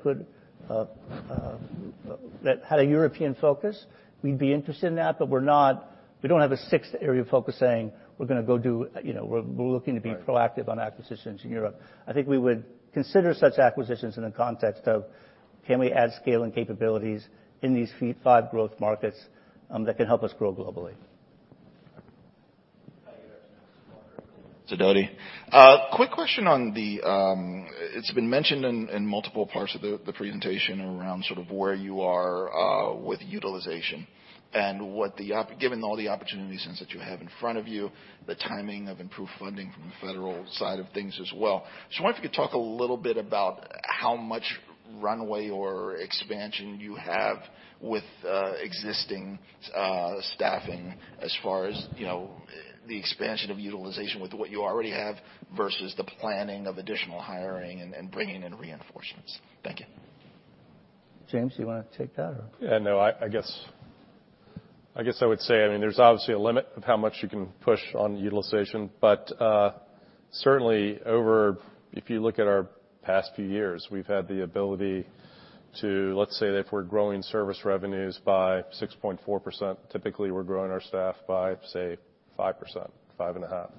had a European focus, we'd be interested in that, but we don't have a sixth area of focus saying we're gonna go do, you know, we're looking to be proactive on acquisitions in Europe. I think we would consider such acquisitions in the context of can we add scale and capabilities in these five growth markets that can help us grow globally. Dodie. It's Dodie. Quick question on the, it's been mentioned in multiple parts of the presentation around sort of where you are with utilization and given all the opportunities that you have in front of you, the timing of improved funding from the federal side of things as well. Just wonder if you could talk a little bit about how much runway or expansion you have with existing staffing as far as, you know, the expansion of utilization with what you already have versus the planning of additional hiring and bringing in reinforcements. Thank you. James, do you wanna take that or? Yeah. No, I guess I would say, I mean, there's obviously a limit of how much you can push on utilization, but certainly over if you look at our past few years, we've had the ability to, let's say, if we're growing service revenues by 6.4%, typically, we're growing our staff by, say, 5%, 5.5.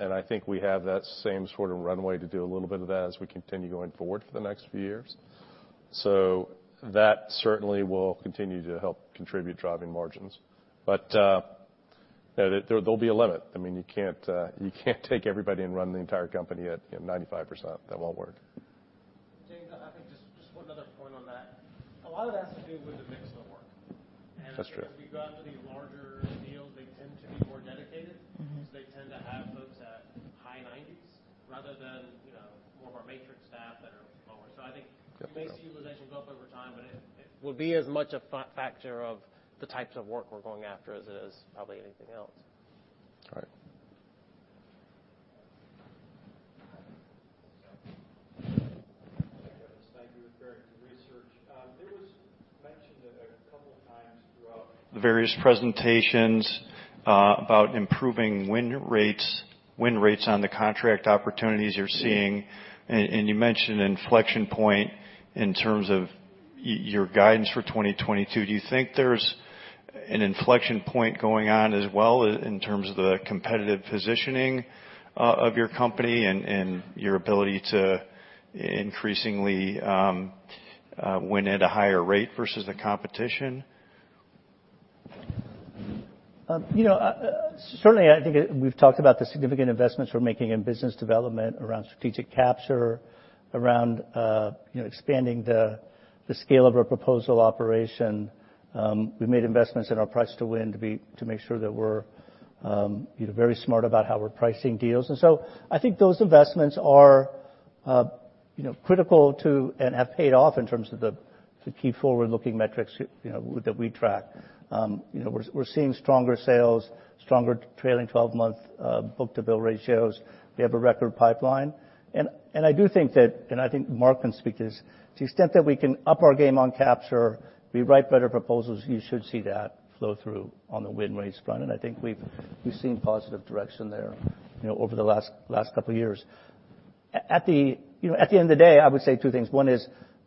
I think we have that same sort of runway to do a little bit of that as we continue going forward for the next few years. That certainly will continue to help contribute driving margins. There'll be a limit. I mean, you can't take everybody and run the entire company at 95%. That won't work. James, I think just one other point on that. A lot of it has to do with the mix of the work. That's true. As we go after the larger deals, they tend to be more dedicated. Mm-hmm. They tend to have folks at high nineties rather than, you know, more of our matrix staff that are lower. I think. Yep. You may see utilization go up over time, but it will be as much a factor of the types of work we're going after as it is probably anything else. Right. There was mentioned a couple of times throughout the various presentations about improving win rates on the contract opportunities you're seeing. You mentioned inflection point in terms of your guidance for 2022. Do you think there's an inflection point going on as well in terms of the competitive positioning of your company and your ability to increasingly win at a higher rate versus the competition? You know, certainly, I think we've talked about the significant investments we're making in business development around strategic capture, around, you know, expanding the scale of our proposal operation. We made investments in our price to win to make sure that we're, you know, very smart about how we're pricing deals. I think those investments are, you know, critical to and have paid off in terms of the key forward-looking metrics that we track. You know, we're seeing stronger sales, stronger trailing twelve-month book-to-bill ratios. We have a record pipeline. I do think that, I think Mark can speak to this, to the extent that we can up our game on capture, we write better proposals, you should see that flow through on the win rates front. I think we've seen positive direction there, you know, over the last couple of years. At the end of the day, you know, I would say two things. One is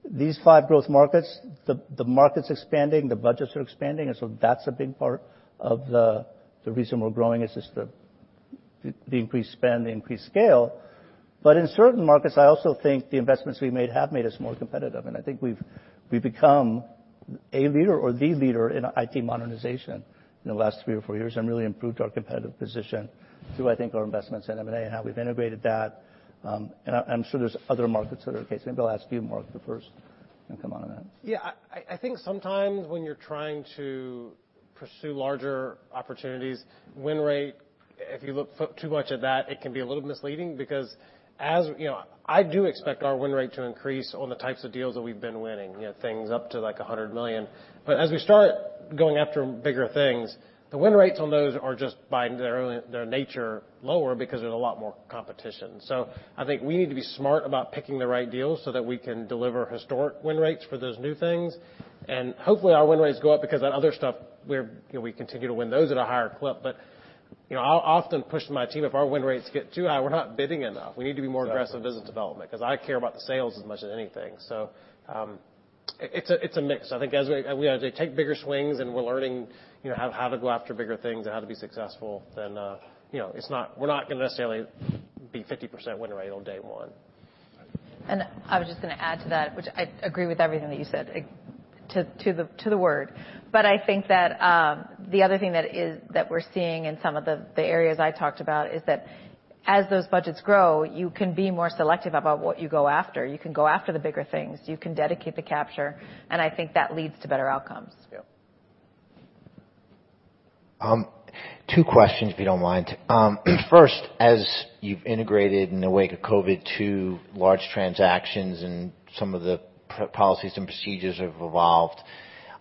these five growth markets, the market's expanding, the budgets are expanding, and so that's a big part of the reason we're growing is just the increased spend, the increased scale. In certain markets, I also think the investments we made have made us more competitive, and I think we've become a leader or the leader in IT modernization in the last three or four years and really improved our competitive position through, I think, our investments in M&A and how we've integrated that. And I'm sure there's other markets that are the case. Maybe I'll ask you, Mark, first and come on in then. Yeah. I think sometimes when you're trying to pursue larger opportunities, win rate, if you look too much at that, it can be a little misleading because, you know, I do expect our win rate to increase on the types of deals that we've been winning, you know, things up to like $100 million. I start going after bigger things, the win rates on those are just by their nature lower because there's a lot more competition. I think we need to be smart about picking the right deals so that we can deliver historic win rates for those new things. Hopefully, our win rates go up because that other stuff we, you know, continue to win those at a higher clip. I'll often push my team if our win rates get too high. We're not bidding enough. We need to be more aggressive business development because I care about the sales as much as anything. It's a mix. I think as we take bigger swings and we're learning, you know, how to go after bigger things and how to be successful, then, you know, we're not gonna necessarily be 50% win rate on day one. I was just gonna add to that, which I agree with everything that you said. I think that the other thing that we're seeing in some of the areas I talked about is that as those budgets grow, you can be more selective about what you go after. You can go after the bigger things. You can dedicate the capture, and I think that leads to better outcomes. Yeah. Two questions, if you don't mind. First, as you've integrated in the wake of COVID to large transactions and some of the policies and procedures have evolved,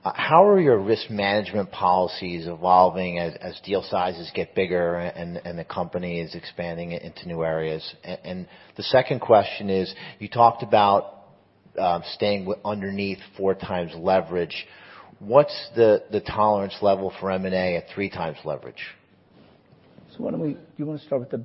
how are your risk management policies evolving as deal sizes get bigger and the company is expanding into new areas? The second question is, you talked about staying underneath four times leverage. What's the tolerance level for M&A at three times leverage? Do you wanna start with the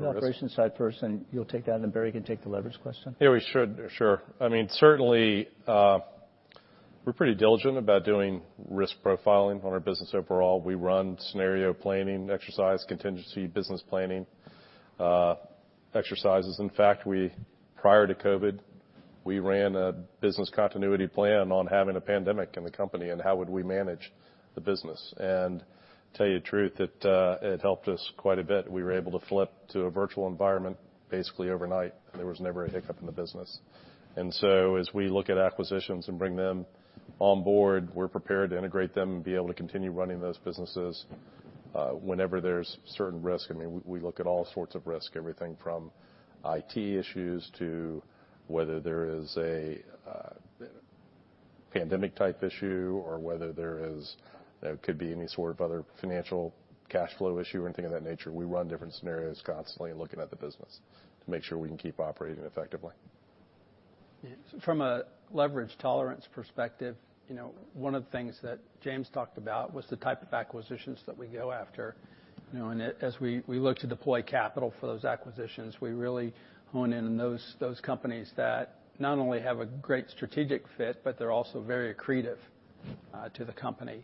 operations side first, and you'll take that, and then Barry can take the leverage question? Yeah, we should. Sure. I mean, certainly, we're pretty diligent about doing risk profiling on our business overall. We run scenario planning exercise, contingency business planning, exercises. In fact, prior to COVID, we ran a business continuity plan on having a pandemic in the company, and how would we manage the business. To tell you the truth, it helped us quite a bit. We were able to flip to a virtual environment basically overnight, and there was never a hiccup in the business. As we look at acquisitions and bring them on board, we're prepared to integrate them and be able to continue running those businesses, whenever there's certain risk. I mean, we look at all sorts of risk, everything from IT issues to whether there is a pandemic-type issue or whether there is, you know, could be any sort of other financial cash flow issue or anything of that nature. We run different scenarios constantly looking at the business to make sure we can keep operating effectively. From a leverage tolerance perspective, you know, one of the things that James talked about was the type of acquisitions that we go after, you know. As we look to deploy capital for those acquisitions, we really hone in on those companies that not only have a great strategic fit, but they're also very accretive to the company.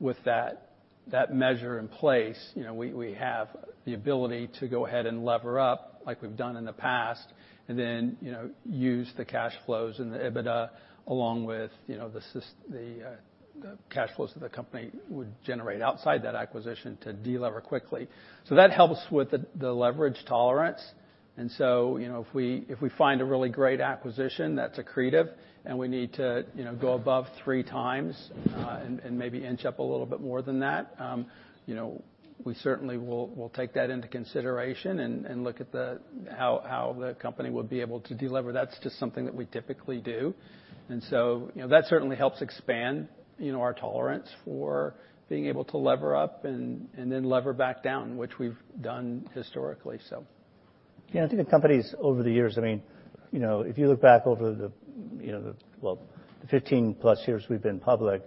With that measure in place, you know, we have the ability to go ahead and lever up like we've done in the past and then, you know, use the cash flows and the EBITDA, along with, you know, the cash flows that the company would generate outside that acquisition to deliver quickly. That helps with the leverage tolerance. You know, if we find a really great acquisition that's accretive and we need to, you know, go above 3x and maybe inch up a little bit more than that, you know, we certainly will take that into consideration and look at how the company would be able to delever. That's just something that we typically do. You know, that certainly helps expand, you know, our tolerance for being able to lever up and then lever back down, which we've done historically. Yeah, I think the company's over the years. I mean, you know, if you look back over the 15+ years we've been public,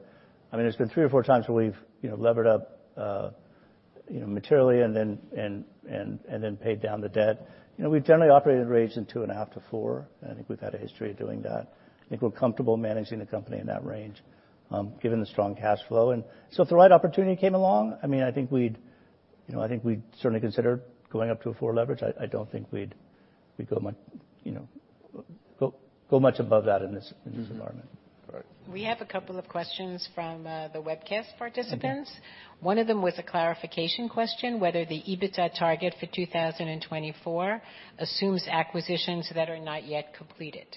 I mean, there's been 3 or 4x where we've you know levered up materially and then paid down the debt. You know, we've generally operated in a range of 2.5-4. I think we've had a history of doing that. I think we're comfortable managing the company in that range given the strong cash flow. If the right opportunity came along, I mean, I think we'd you know certainly consider going up to a four leverage. I don't think we'd go much you know go much above that in this environment. Right. We have a couple of questions from the webcast participants. Okay. One of them was a clarification question, whether the EBITDA target for 2024 assumes acquisitions that are not yet completed.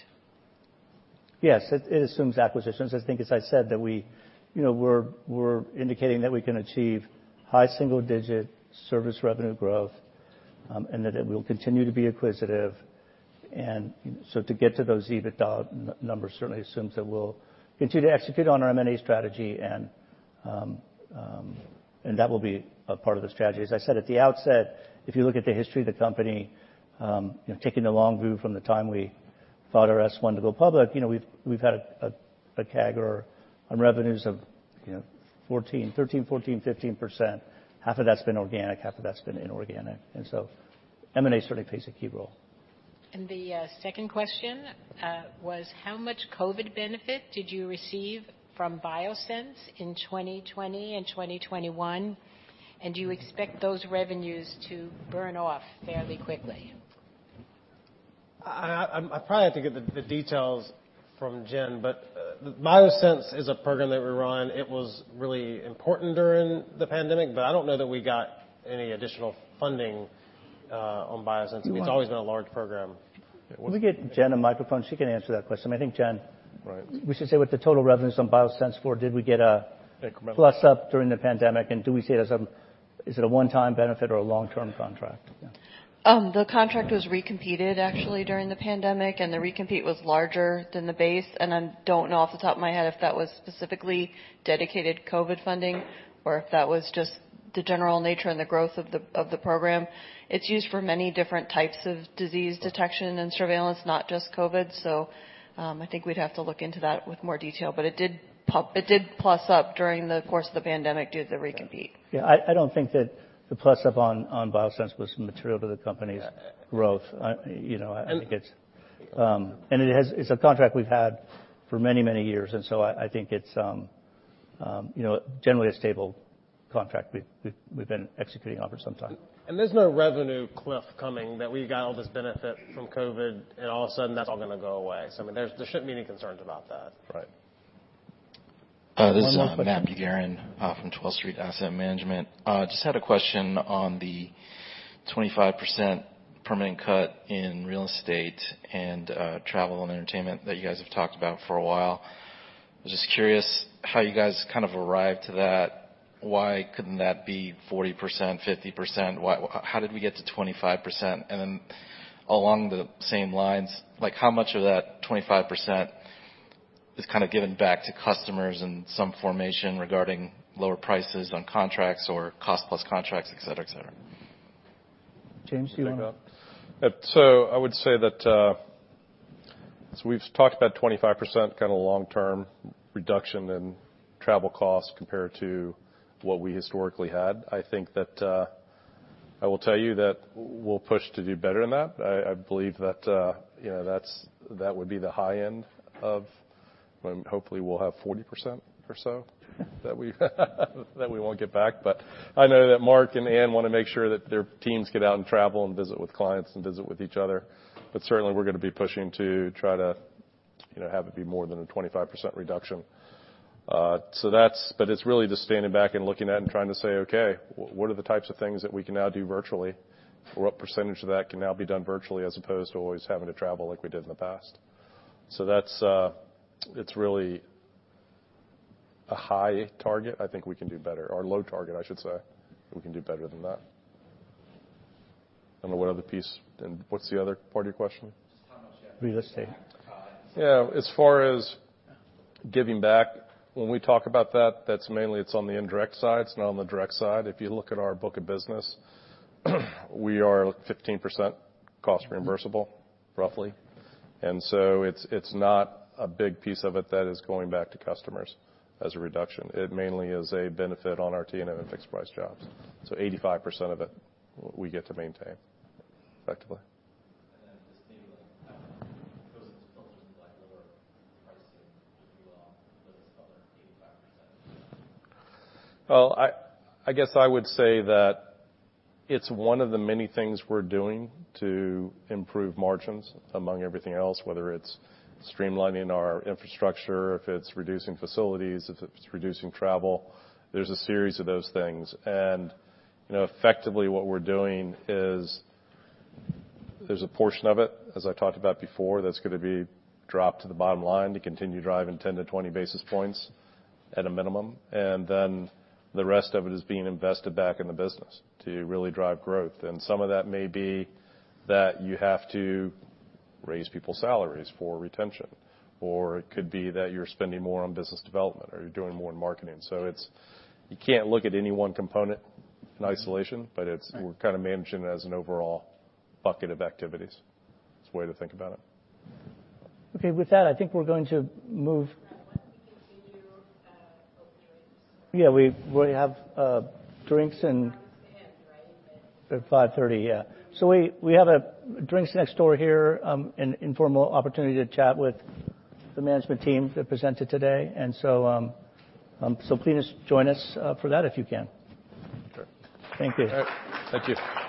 Yes, it assumes acquisitions. I think, as I said, that we, you know, we're indicating that we can achieve high single digit service revenue growth, and that it will continue to be acquisitive. To get to those EBITDA numbers certainly assumes that we'll continue to execute on our M&A strategy, and that will be a part of the strategy. As I said at the outset, if you look at the history of the company, you know, taking the long view from the time we filed our S-1 to go public, you know, we've had a CAGR on revenues of, you know, 14%, 13%, 14%, 15%. Half of that's been organic, half of that's been inorganic. M&A certainly plays a key role. The second question was how much COVID benefit did you receive from BioSense in 2020 and 2021, and do you expect those revenues to burn off fairly quickly? I probably have to get the details from Jen, but BioSense is a program that we run. It was really important during the pandemic, but I don't know that we got any additional funding on BioSense. It's- It's always been a large program. Can we get Jen a microphone? She can answer that question. I think, Jen. Right. We should say what the total revenues on BioSense. Increment. plus up during the pandemic, and do we see it as a one-time benefit or a long-term contract? The contract was recompeted actually during the pandemic, and the recompete was larger than the base. I don't know off the top of my head if that was specifically dedicated COVID funding or if that was just the general nature and the growth of the program. It's used for many different types of disease detection and surveillance, not just COVID. I think we'd have to look into that with more detail. It did plus up during the course of the pandemic due to the recompete. Yeah, I don't think that the plus up on BioSense was material to the company's growth. You know, I think it's a contract we've had for many years. I think it's, you know, generally a stable contract we've been executing over some time. There's no revenue cliff coming that we've got all this benefit from COVID, and all of a sudden, that's all gonna go away. I mean, there's, there shouldn't be any concerns about that. Right. This is Matt Bugarin from 12th Street Asset Management. Just had a question on the 25% permanent cut in real estate and travel and entertainment that you guys have talked about for a while. Just curious how you guys kind of arrived to that. Why couldn't that be 40%, 50%? Why how did we get to 25%? Along the same lines, like how much of that 25% is kinda given back to customers in some formation regarding lower prices on contracts or cost plus contracts, et cetera, et cetera? James, do you wanna? I would say that we've talked about 25% kinda long-term reduction in travel costs compared to what we historically had. I think that I will tell you that we'll push to do better than that. I believe that you know that would be the high end. Hopefully, we'll have 40% or so that we won't get back. I know that Mark and Anne wanna make sure that their teams get out and travel and visit with clients and visit with each other. Certainly, we're gonna be pushing to try to you know have it be more than a 25% reduction. It's really just standing back and looking at and trying to say, "Okay, what are the types of things that we can now do virtually? What percentage of that can now be done virtually as opposed to always having to travel like we did in the past? That's, it's really a high target. I think we can do better. Low target, I should say. We can do better than that. I don't know what other piece. What's the other part of your question? Just how much are you giving back to clients? Real estate. Yeah. As far as giving back, when we talk about that's mainly, it's on the indirect side. It's not on the direct side. If you look at our book of business, we are 15% cost reimbursable, roughly. It's not a big piece of it that is going back to customers as a reduction. It mainly is a benefit on our T&M and fixed price jobs. 85% of it we get to maintain, effectively. Just maybe like how much of those factors like lower pricing if you will, of those other 85%? Well, I guess I would say that it's one of the many things we're doing to improve margins among everything else, whether it's streamlining our infrastructure, if it's reducing facilities, if it's reducing travel. There's a series of those things. You know, effectively what we're doing is there's a portion of it, as I've talked about before, that's gonna be dropped to the bottom line to continue driving 10-20 basis points at a minimum. Then the rest of it is being invested back in the business to really drive growth. Some of that may be that you have to raise people's salaries for retention, or it could be that you're spending more on business development or you're doing more in marketing. You can't look at any one component in isolation, but it's Right. We're kinda managing it as an overall bucket of activities. It's a way to think about it. Okay. With that, I think we're going to move. Why don't we continue with drinks? Yeah. We have drinks and. Around six, right? At 5:30 PM, yeah. We have drinks next door here, an informal opportunity to chat with the management team that presented today. Please join us for that if you can. Sure. Thank you. All right. Thank you.